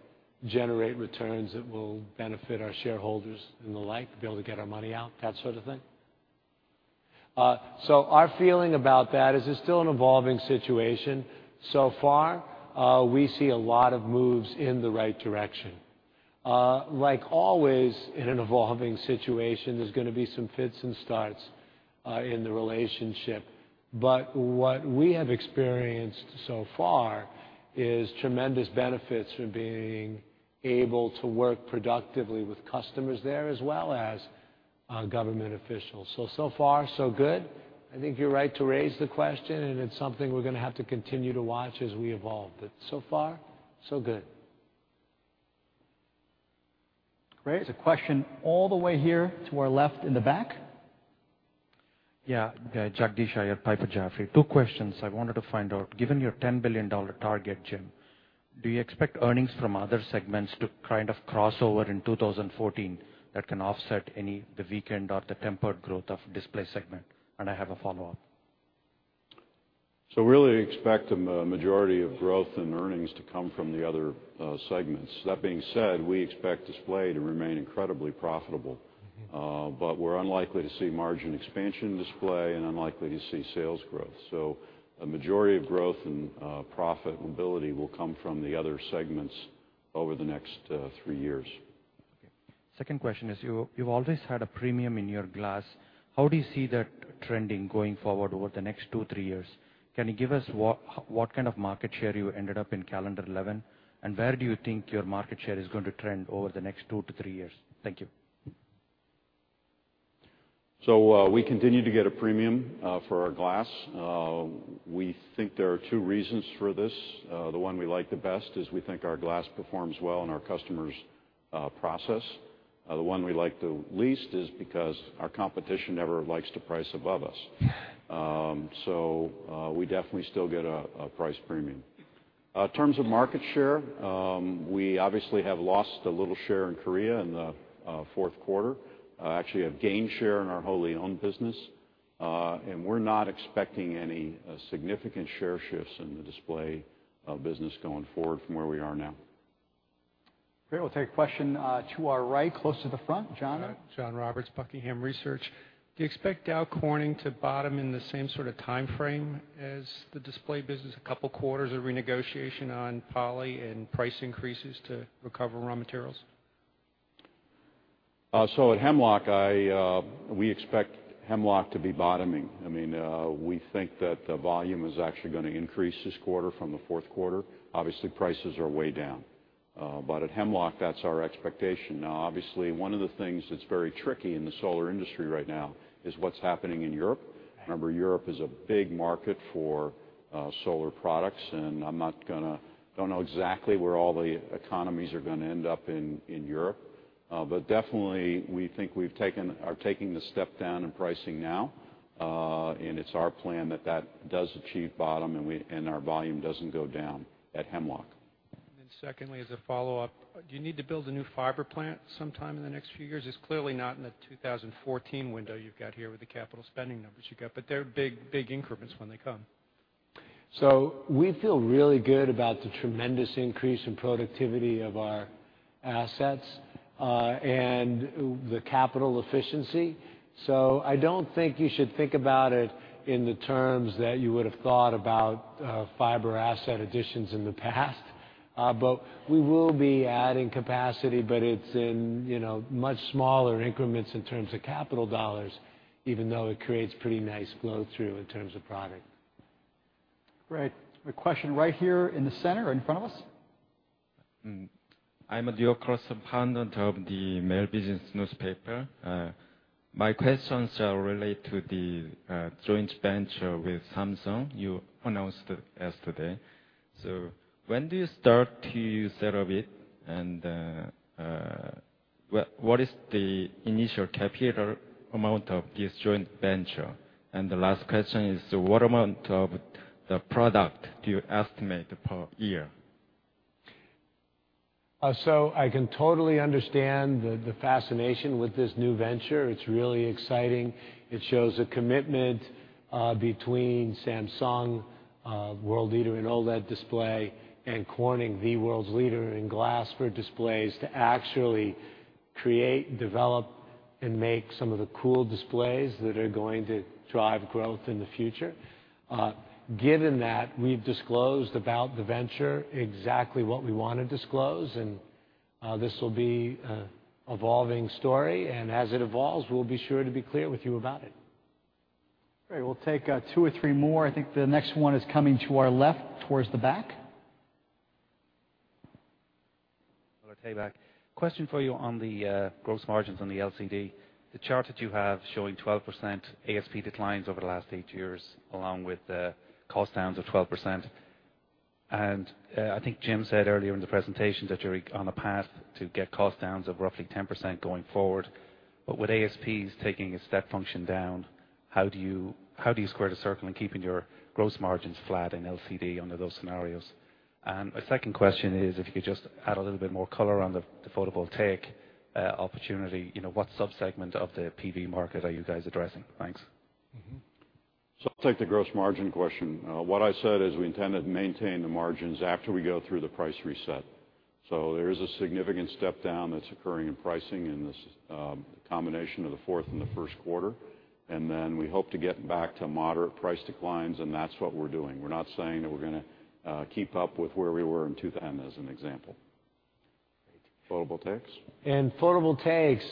generate returns that will benefit our shareholders and the like, be able to get our money out, that sort of thing? Our feeling about that is it's still an evolving situation. So far, we see a lot of moves in the right direction. Like always in an evolving situation, there's going to be some fits and starts in the relationship. What we have experienced so far is tremendous benefits from being able to work productively with customers there as well as government officials. So far, so good. I think you're right to raise the question, and it's something we're going to have to continue to watch as we evolve. So far, so good. Great. There's a question all the way here to our left in the back. Yeah. Jack Disher at Piper Jaffray. Two questions. I wanted to find out, given your $10 billion target, Jim, do you expect earnings from other segments to kind of cross over in 2014 that can offset any of the weakened or the tempered growth of the Display Technologies segment? I have a follow-up. We really expect a majority of growth in earnings to come from the other segments. That being said, we expect display to remain incredibly profitable. We're unlikely to see margin expansion in display and unlikely to see sales growth. A majority of growth in profit mobility will come from the other segments over the next three years. Second question is, you've always had a premium in your glass. How do you see that trending going forward over the next two or three years? Can you give us what kind of market share you ended up in calendar 2011? Where do you think your market share is going to trend over the next two to three years? Thank you. We continue to get a premium for our glass. We think there are two reasons for this. The one we like the best is we think our glass performs well in our customers' process. The one we like the least is because our competition never likes to price above us. We definitely still get a price premium. In terms of market share, we obviously have lost a little share in Korea in the fourth quarter. Actually, we have gained share in our wholly owned business, and we're not expecting any significant share shifts in the display business going forward from where we are now. Great. We'll take a question to our right, closer to the front. John Roberts Buckingham Research. Do you expect Dow Corning to bottom in the same sort of time frame as the display business, a couple of quarters of renegotiation on poly and price increases to recover raw materials? At Hemlock, we expect Hemlock to be bottoming. We think that the volume is actually going to increase this quarter from the fourth quarter. Obviously, prices are way down. At Hemlock, that's our expectation. One of the things that's very tricky in the solar industry right now is what's happening in Europe. Remember, Europe is a big market for solar products. I'm not going to, I don't know exactly where all the economies are going to end up in Europe. We think we've taken the step down in pricing now. It's our plan that that does achieve bottoming and our volume doesn't go down at Hemlock. As a follow-up, do you need to build a new fiber plant sometime in the next few years? It's clearly not in the 2014 window you've got here with the capital spending numbers you got, but they're big, big increments when they come. We feel really good about the tremendous increase in productivity of our assets and the capital efficiency. I don't think you should think about it in the terms that you would have thought about fiber asset additions in the past. We will be adding capacity, but it's in much smaller increments in terms of capital dollars, even though it creates pretty nice growth through in terms of product. Great. A question right here in the center in front of us. I'm Adil Crossapandant of the Mail Business Newspaper. My questions relate to the joint venture with Samsung you announced yesterday. When do you start to set up it? What is the initial capital amount of this joint venture? The last question is, what amount of the product do you estimate per year? I can totally understand the fascination with this new venture. It's really exciting. It shows a commitment between Samsung, world leader in OLED display, and Corning, the world's leader in glass for displays, to actually create, develop, and make some of the cool displays that are going to drive growth in the future. Given that, we've disclosed about the venture exactly what we want to disclose. This will be an evolving story. As it evolves, we'll be sure to be clear with you about it. Great. We'll take two or three more. I think the next one is coming to our left towards the back. Question for you on the gross margins on the LCD. The chart that you have showing 12% ASP declines over the last eight years, along with the cost downs of 12%. I think Jim said earlier in the presentation that you're on a path to get cost downs of roughly 10% going forward. With ASPs taking a step function down, how do you square the circle and keep your gross margins flat in LCD under those scenarios? A second question is, if you could just add a little bit more color on the photovoltaic opportunity, you know what subsegment of the PV market are you guys addressing? Thanks. I'll take the gross margin question. What I said is we intend to maintain the margins after we go through the price reset. There is a significant step down that's occurring in pricing in the combination of the fourth and the first quarter, and then we hope to get back to moderate price declines. That's what we're doing. We're not saying that we're going to keep up with where we were in, as an example. And photovoltaics? Photovoltaics.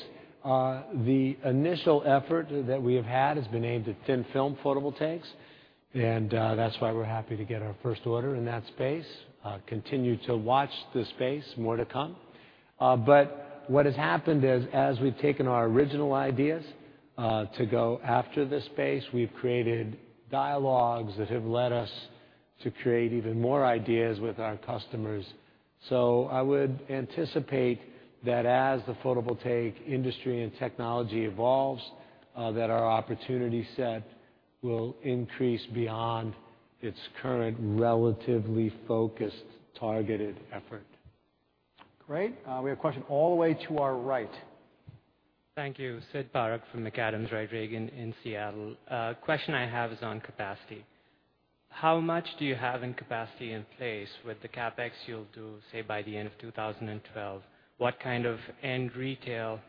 The initial effort that we have had has been aimed at thin-film photovoltaics. That is why we're happy to get our first order in that space. Continue to watch the space. More to come. What has happened is, as we've taken our original ideas to go after this space, we've created dialogues that have led us to create even more ideas with our customers. I would anticipate that as the photovoltaic industry and technology evolves, our opportunity set will increase beyond its current relatively focused targeted effort. Great. We have a question all the way to our right. Thank you. Sid Baruch from McAdams in Seattle. A question I have is on capacity. How much do you have in capacity in place with the CapEx you'll do, say, by the end of 2012? What kind of end retail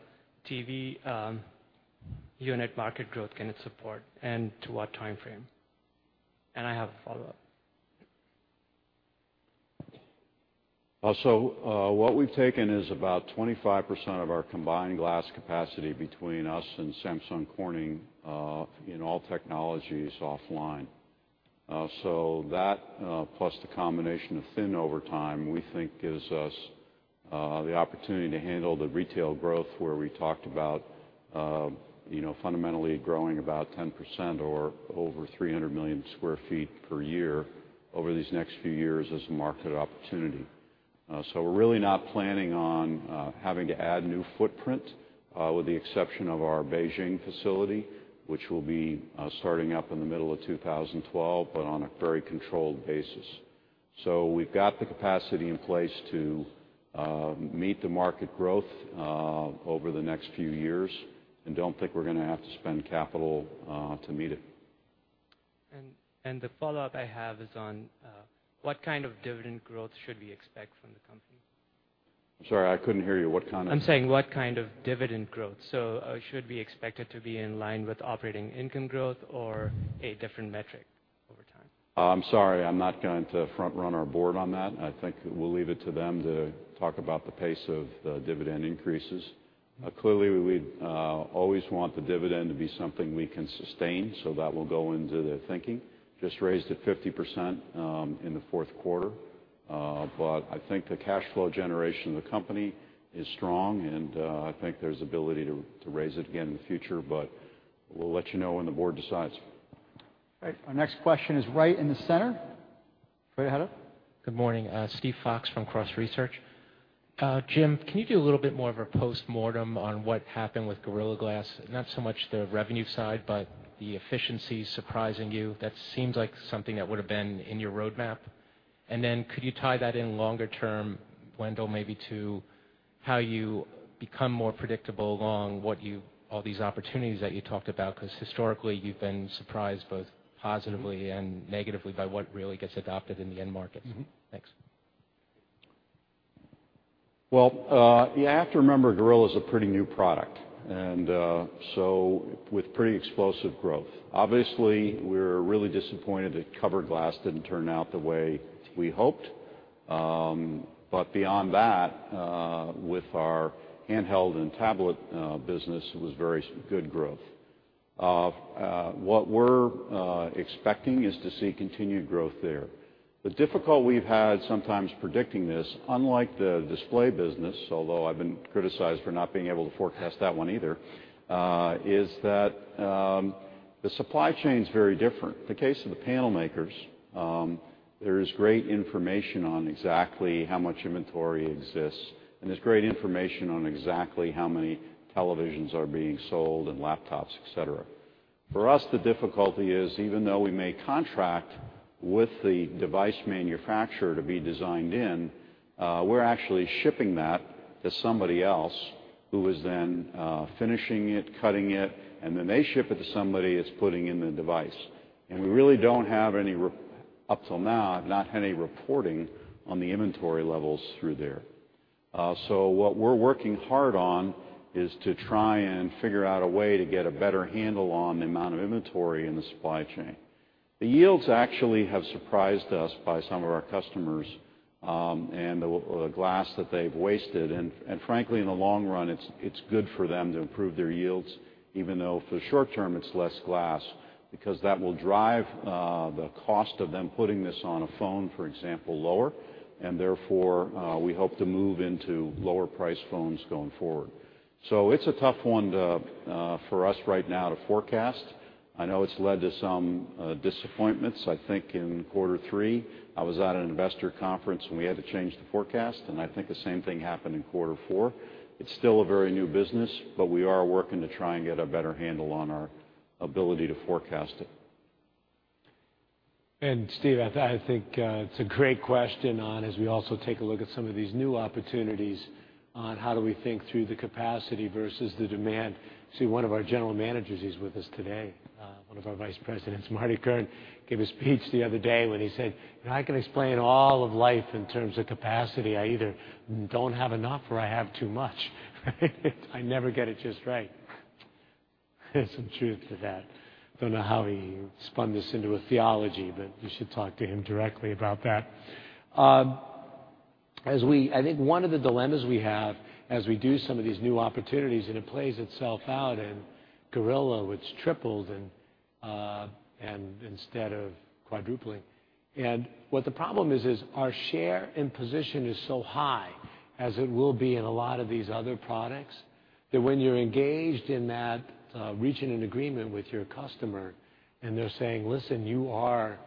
TV unit market growth can it support and to what time frame? I have a follow-up. What we've taken is about 25% of our combined glass capacity between us and Samsung Corning in all technologies offline. That, plus the combination of thin over time, we think gives us the opportunity to handle the retail growth where we talked about fundamentally growing about 10% or over 300 million sq ft per year over these next few years as a market opportunity. We're really not planning on having to add new footprint with the exception of our Beijing facility, which will be starting up in the middle of 2012, but on a very controlled basis. We've got the capacity in place to meet the market growth over the next few years and don't think we're going to have to spend capital to meet it. What kind of dividend growth should we expect from the company? I'm sorry, I couldn't hear you. What kind of? What kind of dividend growth should we expect? Should it be in line with operating income growth or a different metric over time? I'm sorry, I'm not going to front run our board on that. I think we'll leave it to them to talk about the pace of dividend increases. Clearly, we always want the dividend to be something we can sustain. That will go into their thinking. Just raised it 50% in the fourth quarter. I think the cash flow generation of the company is strong, and I think there's the ability to raise it again in the future. We'll let you know when the board decides. Our next question is right in the center. Go ahead. Good morning. Steven Fox from Cross Research. Jim, can you do a little bit more of a postmortem on what happened with Gorilla Glass? Not so much the revenue side, but the efficiencies surprising you. That seems like something that would have been in your roadmap. Could you tie that in longer term, Wendell, maybe to how you become more predictable along all these opportunities that you talked about? Historically, you've been surprised both positively and negatively by what really gets adopted in the end markets. Thanks. I have to remember Gorilla is a pretty new product, and with pretty explosive growth. Obviously, we're really disappointed that cover glass didn't turn out the way we hoped. Beyond that, with our handheld and tablet business, it was very good growth. What we're expecting is to see continued growth there. The difficulty we've had sometimes predicting this, unlike the display business, although I've been criticized for not being able to forecast that one either, is that the supply chain is very different. In the case of the panel makers, there is great information on exactly how much inventory exists, and there's great information on exactly how many televisions are being sold and laptops, et cetera. For us, the difficulty is, even though we may contract with the device manufacturer to be designed in, we're actually shipping that to somebody else who is then finishing it, cutting it, and then they ship it to somebody that's putting it in the device. We really don't have any, up till now, I've not had any reporting on the inventory levels through there. What we're working hard on is to try and figure out a way to get a better handle on the amount of inventory in the supply chain. The yields actually have surprised us by some of our customers and the glass that they've wasted. Frankly, in the long run, it's good for them to improve their yields, even though for the short term, it's less glass because that will drive the cost of them putting this on a phone, for example, lower. Therefore, we hope to move into lower priced phones going forward. It's a tough one for us right now to forecast. I know it's led to some disappointments. I think in quarter three, I was at an investor conference and we had to change the forecast, and I think the same thing happened in quarter four. It's still a very new business, but we are working to try and get a better handle on our ability to forecast it. Steve, I think it's a great question, as we also take a look at some of these new opportunities, on how do we think through the capacity versus the demand. One of our General Managers is with us today. One of our Vice Presidents, Marty Curran, gave a speech the other day when he said, you know, I can explain all of life in terms of capacity. I either don't have enough or I have too much. I never get it just right. There's some truth to that. I don't know how he spun this into a theology, but you should talk to him directly about that. I think one of the dilemmas we have as we do some of these new opportunities, and it plays itself out in Gorilla, which tripled instead of quadrupling. The problem is, our share and position is so high, as it will be in a lot of these other products, that when you're engaged in that reaching an agreement with your customer and they're saying, listen, you are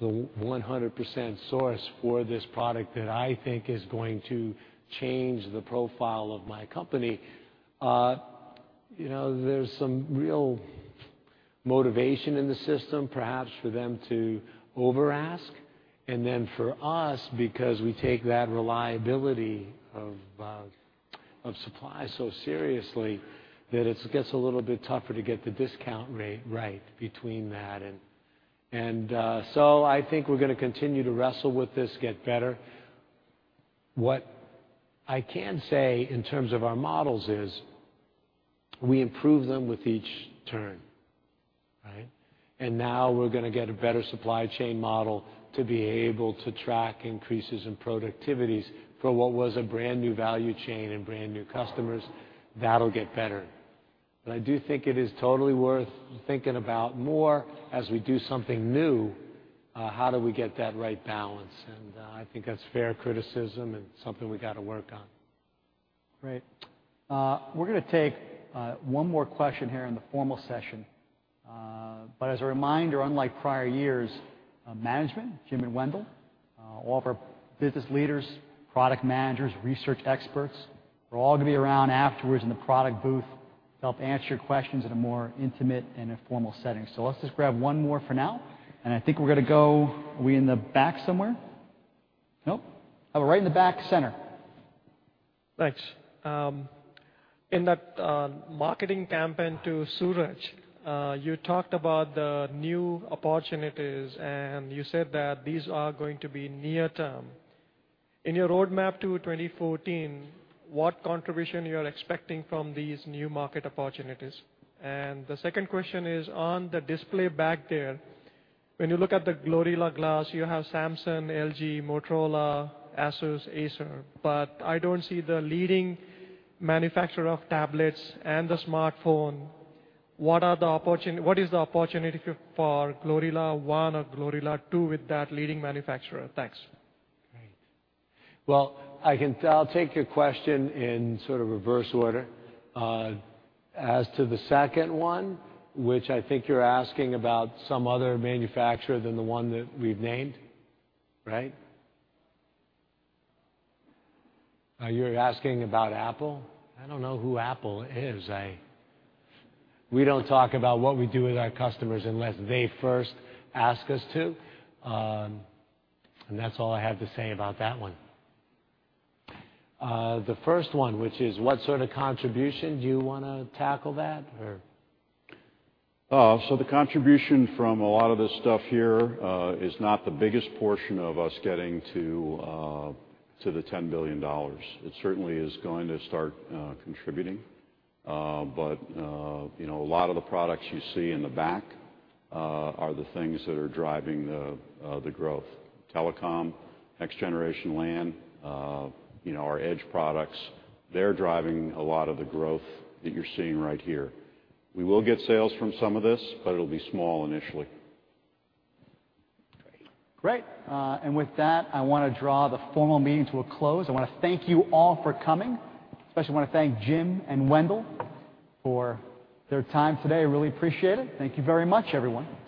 the 100% source for this product that I think is going to change the profile of my company, there's some real motivation in the system, perhaps for them to overask. For us, because we take that reliability of supply so seriously, it gets a little bit tougher to get the discount rate right between that. I think we're going to continue to wrestle with this, get better. What I can say in terms of our models is we improve them with each turn. Now we're going to get a better supply chain model to be able to track increases in productivities for what was a brand new value chain and brand new customers. That'll get better. I do think it is totally worth thinking about more as we do something new, how do we get that right balance? I think that's fair criticism and something we got to work on. Great. We're going to take one more question here in the formal session. As a reminder, unlike prior years, management, Jim and Wendell, all of our business leaders, product managers, research experts, we're all going to be around afterwards in the product booth to help answer your questions in a more intimate and informal setting. Let's just grab one more for now. I think we're going to go, are we in the back somewhere? Nope. We're right in the back center. Thanks. In that marketing campaign to Suraj, you talked about the new opportunities. You said that these are going to be near-term. In your roadmap to 2014, what contribution are you expecting from these new market opportunities? The second question is on the display back there. When you look at the Gorilla Glass, you have Samsung, LG, Motorola, Asus, Acer. I do not see the leading manufacturer of tablets and the smartphone. What is the opportunity for Gorilla 1 or Gorilla 2 with that leading manufacturer? Thanks. Right. I can take your question in sort of reverse order. As to the second one, which I think you're asking about some other manufacturer than the one that we've named, right? You're asking about Apple. I don't know who Apple is. We don't talk about what we do with our customers unless they first ask us to. That's all I have to say about that one. The first one, which is what sort of contribution do you want to tackle that? The contribution from a lot of this stuff here is not the biggest portion of us getting to the $10 billion. It certainly is going to start contributing. A lot of the products you see in the back are the things that are driving the growth. Telecom, next generation LAN, our edge products, they're driving a lot of the growth that you're seeing right here. We will get sales from some of this, but it'll be small initially. Great. With that, I want to draw the formal meeting to a close. I want to thank you all for coming. Especially, I want to thank Jim and Wendell for their time today. I really appreciate it. Thank you very much, everyone.